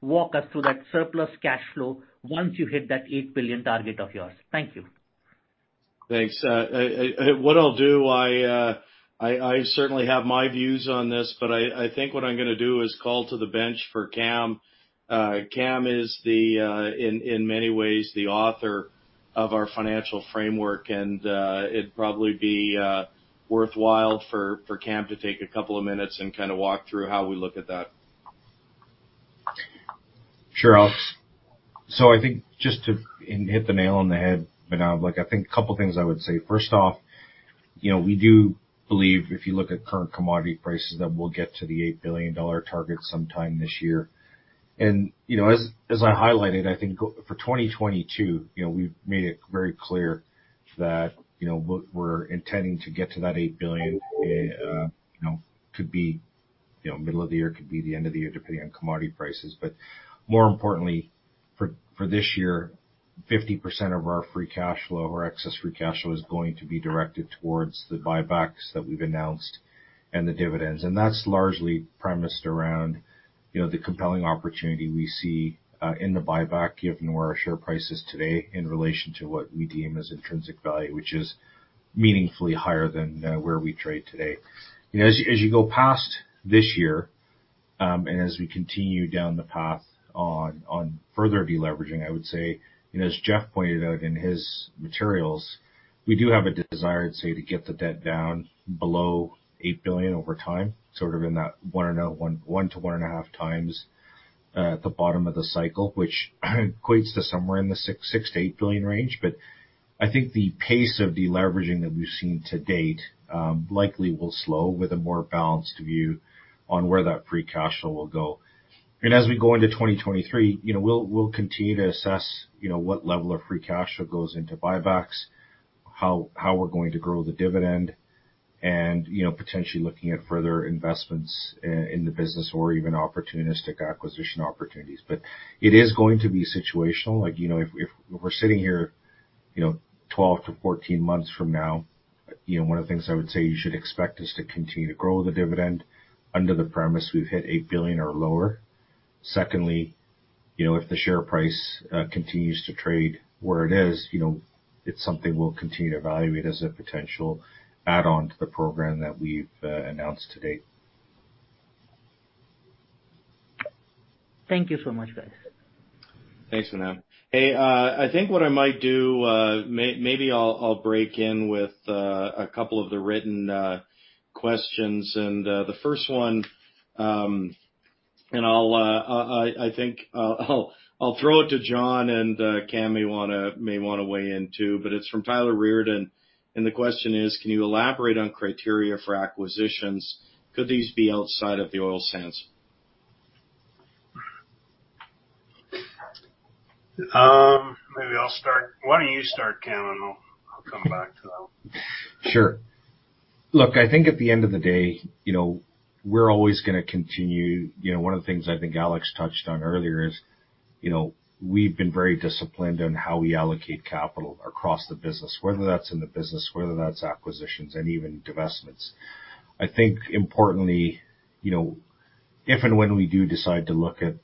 walk us through that surplus cash flow once you hit that 8 billion target of yours. Thank you. Thanks. What I'll do, I certainly have my views on this, but I think what I'm gonna do is call to the bench for Kam. Kam is, in many ways, the author of our financial framework, and it'd probably be worthwhile for Kam to take a couple of minutes and kinda walk through how we look at that. Sure, Alex. I think just to hit the nail on the head, Manav, like, I think a couple of things I would say. First off, you know, we do believe if you look at current commodity prices, that we'll get to the 8 billion dollar target sometime this year. You know, as I highlighted, I think for 2022, you know, we've made it very clear that, you know, we're intending to get to that 8 billion, you know, could be, you know, middle of the year, could be the end of the year, depending on commodity prices. More importantly, for this year, 50% of our free cash flow or excess free cash flow is going to be directed towards the buybacks that we've announced and the dividends. That's largely premised around, you know, the compelling opportunity we see in the buyback given where our share price is today in relation to what we deem as intrinsic value, which is meaningfully higher than where we trade today. You know, as you go past this year, and as we continue down the path on further deleveraging, I would say, you know, as Jeff pointed out in his materials, we do have a desire, I'd say, to get the debt down below 8 billion over time, sort of in that 1 to 1.5 times at the bottom of the cycle, which equates to somewhere in the 6 billion-8 billion range. I think the pace of deleveraging that we've seen to date likely will slow with a more balanced view on where that free cash flow will go. As we go into 2023, you know, we'll continue to assess, you know, what level of free cash flow goes into buybacks, how we're going to grow the dividend and, you know, potentially looking at further investments in the business or even opportunistic acquisition opportunities. It is going to be situational. Like, you know, if we're sitting here, you know, 12-14 months from now, you know, one of the things I would say you should expect is to continue to grow the dividend under the premise we've hit 8 billion or lower. Secondly, you know, if the share price continues to trade where it is, you know, it's something we'll continue to evaluate as a potential add-on to the program that we've announced to date. Thank you so much, guys. Thanks, Manav. Hey, I think what I might do, maybe I'll break in with a couple of the written questions. The first one, I think I'll throw it to Jon McKenzie, and Kam may wanna weigh in, too. It's from Tyler Reardon, and the question is: Can you elaborate on criteria for acquisitions? Could these be outside of the oil sands? Maybe I'll start. Why don't you start, Kam, and I'll come back to that one. Sure. Look, I think at the end of the day, you know, we're always gonna continue. You know, one of the things I think Alex touched on earlier is, you know, we've been very disciplined on how we allocate capital across the business, whether that's in the business, whether that's acquisitions and even divestments. I think importantly, you know, if and when we do decide to look at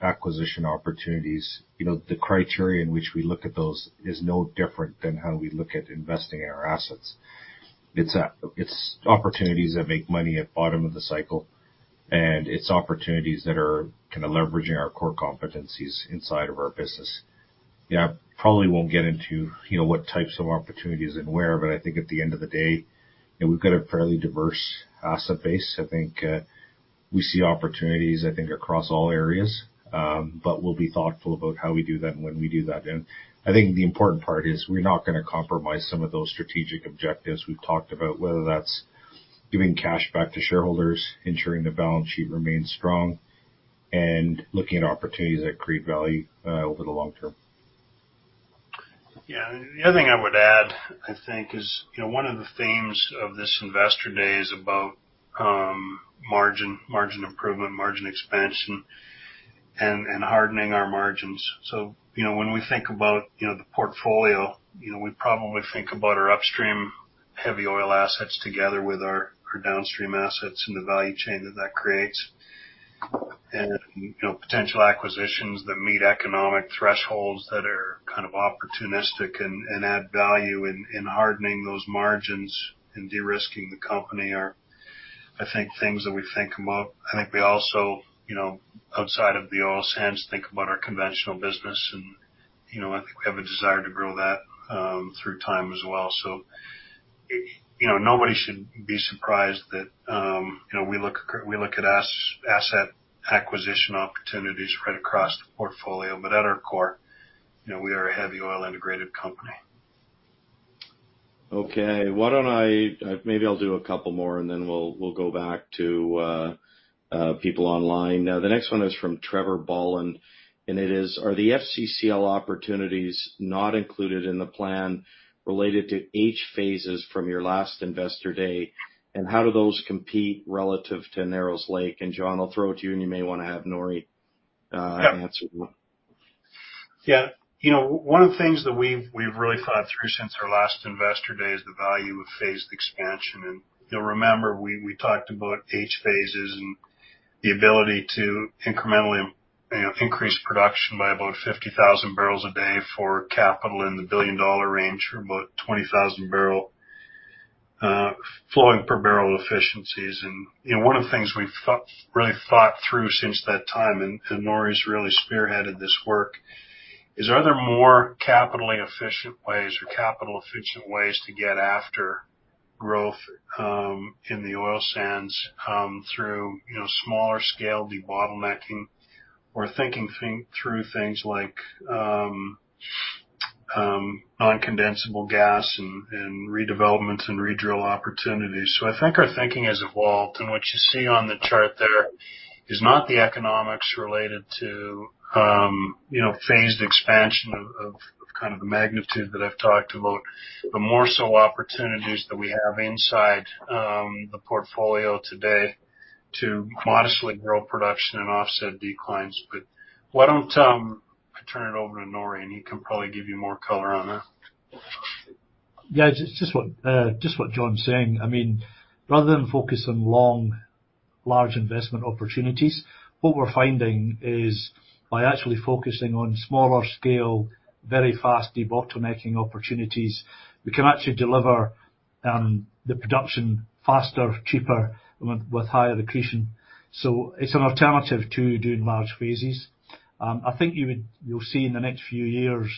acquisition opportunities, you know, the criteria in which we look at those is no different than how we look at investing in our assets. It's, it's opportunities that make money at bottom of the cycle, and it's opportunities that are kinda leveraging our core competencies inside of our business. Yeah, probably won't get into, you know, what types of opportunities and where, but I think at the end of the day, you know, we've got a fairly diverse asset base. I think, we see opportunities, I think, across all areas, but we'll be thoughtful about how we do that and when we do that. I think the important part is we're not gonna compromise some of those strategic objectives we've talked about, whether that's giving cash back to shareholders, ensuring the balance sheet remains strong, and looking at opportunities that create value, over the long term. Yeah. The other thing I would add, I think, is, you know, one of the themes of this Investor Day is about margin improvement, margin expansion and hardening our margins. So, you know, when we think about, you know, the portfolio, you know, we probably think about our upstream heavy oil assets together with our downstream assets and the value chain that creates. You know, potential acquisitions that meet economic thresholds that are kind of opportunistic and add value in hardening those margins and de-risking the company are, I think, things that we think about. I think we also, you know, outside of the oil sands, think about our conventional business. You know, I think we have a desire to grow that through time as well. You know, nobody should be surprised that, you know, we look at asset acquisition opportunities right across the portfolio. At our core, you know, we are a heavy oil integrated company. Okay. Maybe I'll do a couple more, and then we'll go back to people online. The next one is from Trevor Boland, and it is: Are the FCCL opportunities not included in the plan related to Phase H phases from your last Investor Day? And how do those compete relative to Narrows Lake? And Jon, I'll throw it to you, and you may wanna have Norrie answer. Yeah. You know, one of the things that we've really thought through since our last Investor Day is the value of phased expansion. You'll remember we talked about Phase H and the ability to incrementally, you know, increase production by about 50,000 barrels a day for capital in the billion-dollar range, or about 20,000 barrel flowing per barrel efficiencies. You know, one of the things we've really thought through since that time, and Norrie's really spearheaded this work, is are there more capitally efficient ways or capital efficient ways to get after growth in the oil sands through, you know, smaller scale debottlenecking or thinking through things like non-condensable gas and redevelopments and redrill opportunities? I think our thinking has evolved. What you see on the chart there is not the economics related to, you know, phased expansion of kind of the magnitude that I've talked about, but more so opportunities that we have inside the portfolio today to modestly grow production and offset declines. Why don't I turn it over to Norrie, and he can probably give you more color on that? Yeah, it's just what Jon's saying. I mean, rather than focus on long, large investment opportunities, what we're finding is by actually focusing on smaller scale, very fast debottlenecking opportunities, we can actually deliver the production faster, cheaper, with higher accretion. It's an alternative to doing large phases. I think you'll see in the next few years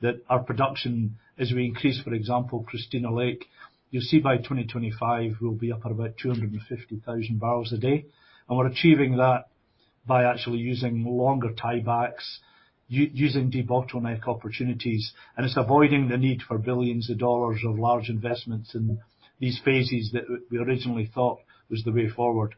that our production as we increase, for example, Christina Lake, you'll see by 2025 we'll be up at about 250,000 barrels a day. We're achieving that by actually using longer tiebacks, using debottleneck opportunities. It's avoiding the need for billions of CAD of large investments in these phases that we originally thought was the way forward.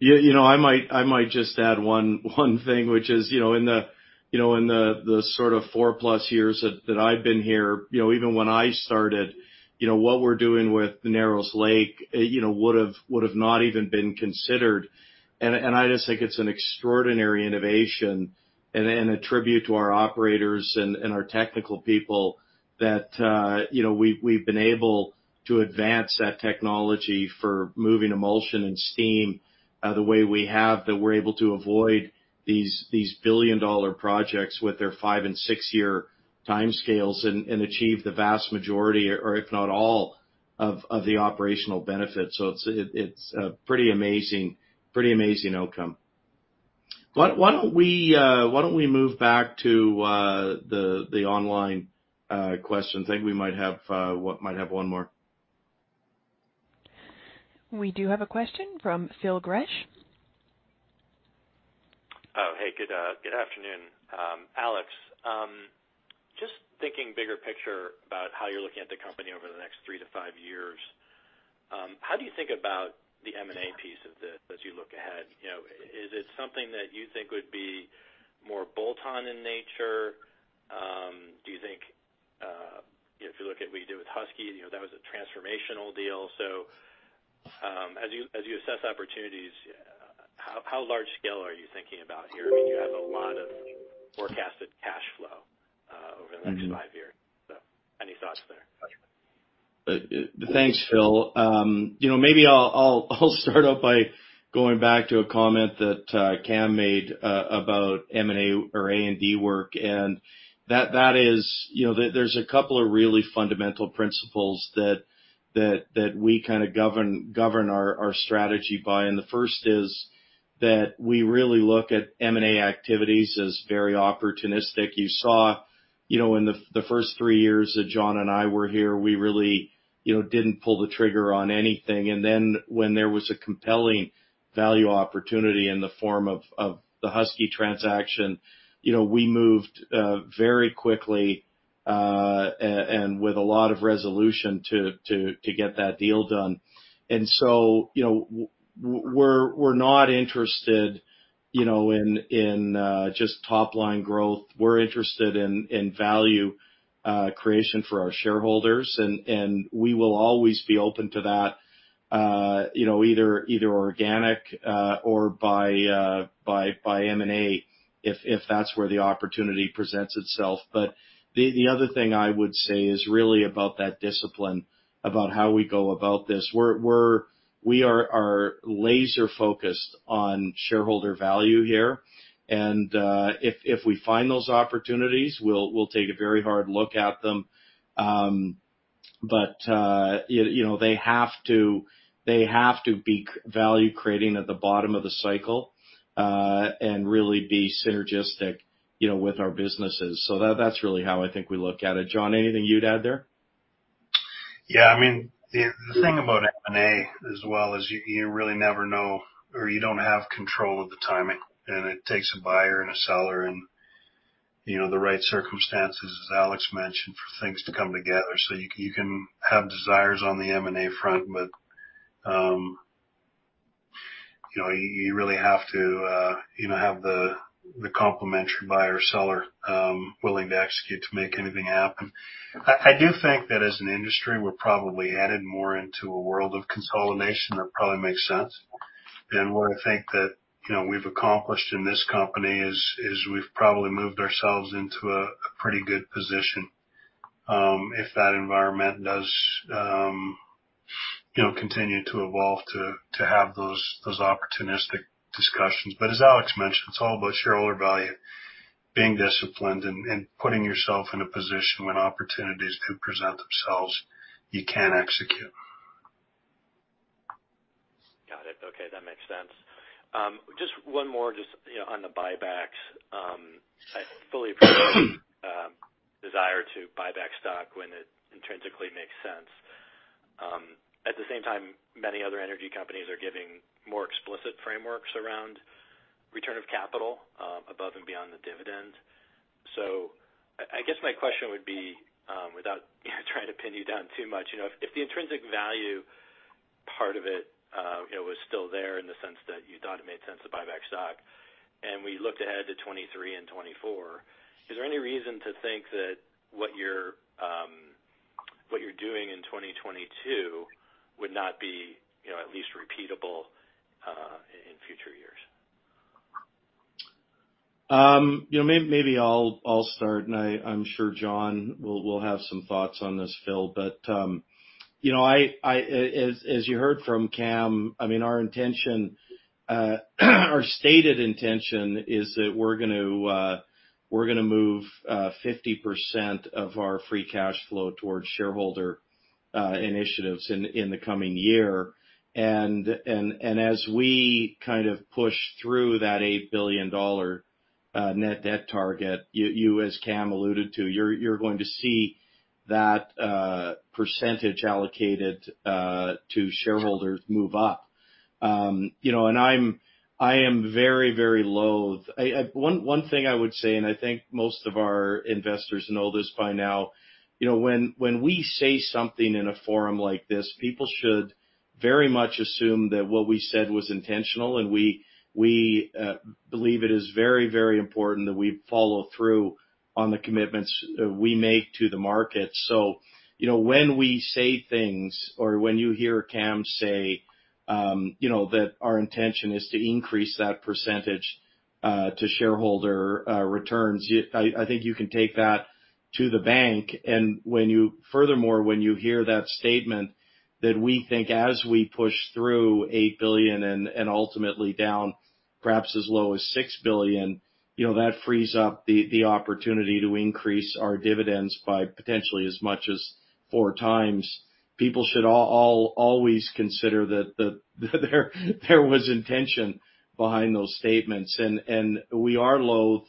Yeah, you know, I might just add one thing, which is, you know, in the, you know, in the sort of four-plus years that I've been here, you know, even when I started, you know, what we're doing with the Narrows Lake, you know, would've not even been considered. I just think it's an extraordinary innovation and a tribute to our operators and our technical people that, you know, we've been able to advance that technology for moving emulsion and steam, the way we have, that we're able to avoid these billion-dollar projects with their 5- and 6-year timescales and achieve the vast majority or if not all of the operational benefits. It's a pretty amazing outcome. Why don't we move back to the online questions? I think we might have one more. We do have a question from Phil Gresh. Good afternoon. Alex, just thinking bigger picture about how you're looking at the company over the next 3-5 years, how do you think about the M&A piece of this as you look ahead? You know, is it something that you think would be more bolt-on in nature? Do you think, you know, if you look at what you did with Husky, you know, that was a transformational deal. As you assess opportunities, how large scale are you thinking about here? I mean, you have a lot of forecasted cash flow over the next 5 years. Any thoughts there? Thanks, Phil. You know, maybe I'll start out by going back to a comment that Kam made about M&A or A&D work, and that is, you know, there's a couple of really fundamental principles that we kind of govern our strategy by. The first is that we really look at M&A activities as very opportunistic. You saw, you know, in the first three years that Jon and I were here, we really, you know, didn't pull the trigger on anything. Then when there was a compelling value opportunity in the form of the Husky transaction, you know, we moved very quickly and with a lot of resolution to get that deal done. You know, we're not interested in just top-line growth. We're interested in value creation for our shareholders. We will always be open to that, you know, either organic or by M&A if that's where the opportunity presents itself. The other thing I would say is really about that discipline about how we go about this. We are laser-focused on shareholder value here, and if we find those opportunities, we'll take a very hard look at them. You know, they have to be value creating at the bottom of the cycle, and really be synergistic, you know, with our businesses. That's really how I think we look at it. Jon, anything you'd add there? Yeah. I mean, the thing about M&A as well is you really never know or you don't have control of the timing, and it takes a buyer and a seller and you know, the right circumstances, as Alex mentioned, for things to come together. You can have desires on the M&A front, but you know, you really have to you know have the complementary buyer or seller willing to execute to make anything happen. I do think that as an industry, we're probably headed more into a world of consolidation. That probably makes sense. What I think that you know we've accomplished in this company is we've probably moved ourselves into a pretty good position if that environment does you know continue to evolve to have those opportunistic discussions. As Alex mentioned, it's all about shareholder value, being disciplined and putting yourself in a position when opportunities do present themselves, you can execute. Got it. Okay, that makes sense. Just one more, you know, on the buybacks. I fully appreciate desire to buy back stock when it intrinsically makes sense. At the same time, many other energy companies are giving more explicit frameworks around return of capital, above and beyond the dividend. I guess my question would be, without, you know, trying to pin you down too much, you know, if the intrinsic value part of it, you know, was still there in the sense that you thought it made sense to buy back stock, and we looked ahead to 2023 and 2024, is there any reason to think that what you're doing in 2022 would not be, you know, at least repeatable, in future years? Maybe I'll start, and I'm sure Jon will have some thoughts on this, Phil. As you heard from Kam, I mean, our stated intention is that we're going to move 50% of our free cash flow towards shareholder initiatives in the coming year. As we kind of push through that 8 billion dollar net debt target, as Kam alluded to, you're going to see that percentage allocated to shareholders move up. I am very loath... One thing I would say, and I think most of our investors know this by now, you know, when we say something in a forum like this, people should very much assume that what we said was intentional. We believe it is very important that we follow through on the commitments we make to the market. You know, when we say things or when you hear Kam say, you know, that our intention is to increase that percentage to shareholder returns, I think you can take that to the bank. Furthermore, when you hear that statement that we think as we push through 8 billion and ultimately down perhaps as low as 6 billion, you know, that frees up the opportunity to increase our dividends by potentially as much as 4 times. People should always consider that there was intention behind those statements. We are loath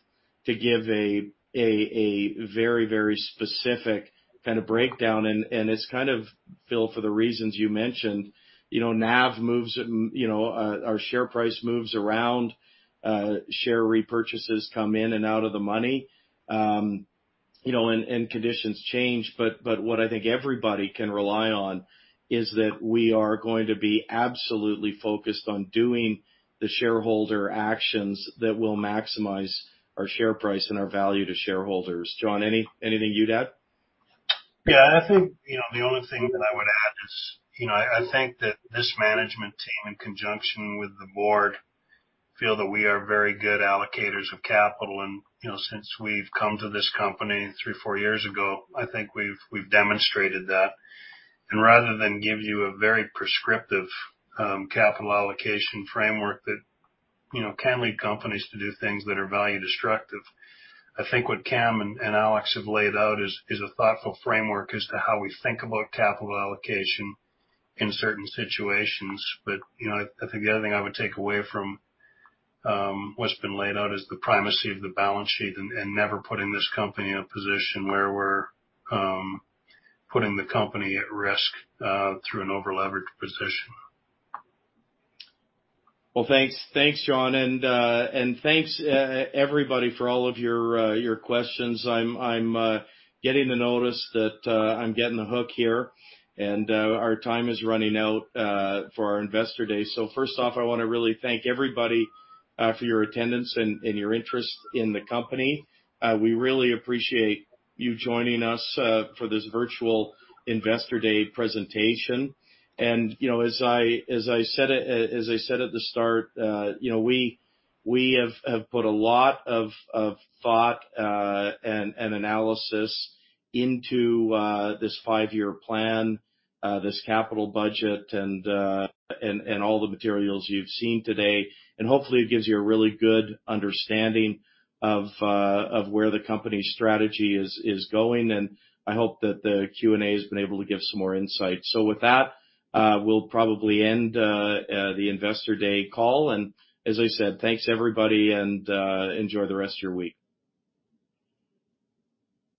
to give a very specific kind of breakdown. It's kind of, Phil, for the reasons you mentioned, you know, NAV moves, you know, our share price moves around, share repurchases come in and out of the money, you know, and conditions change. What I think everybody can rely on is that we are going to be absolutely focused on doing the shareholder actions that will maximize our share price and our value to shareholders. Jon, anything you'd add? Yeah, I think, you know, the only thing that I would add is, you know, I think that this management team in conjunction with the board feel that we are very good allocators of capital. You know, since we've come to this company three, four years ago, I think we've demonstrated that. Rather than give you a very prescriptive capital allocation framework that, you know, can lead companies to do things that are value destructive, I think what Kam and Alex have laid out is a thoughtful framework as to how we think about capital allocation in certain situations. You know, I think the other thing I would take away from what's been laid out is the primacy of the balance sheet and never putting this company in a position where we're putting the company at risk through an over-leveraged position. Well, thanks. Thanks, Jon McKenzie. Thanks, everybody, for all of your questions. I'm getting the notice that I'm getting the hook here, and our time is running out for our Investor Day. First off, I want to really thank everybody for your attendance and your interest in the company. We really appreciate you joining us for this virtual Investor Day presentation. You know, as I said at the start, you know, we have put a lot of thought and analysis into this five-year plan, this capital budget and all the materials you've seen today. Hopefully it gives you a really good understanding of where the company's strategy is going. I hope that the Q&A has been able to give some more insight. With that, we'll probably end the Investor Day call. As I said, thanks everybody, and enjoy the rest of your week.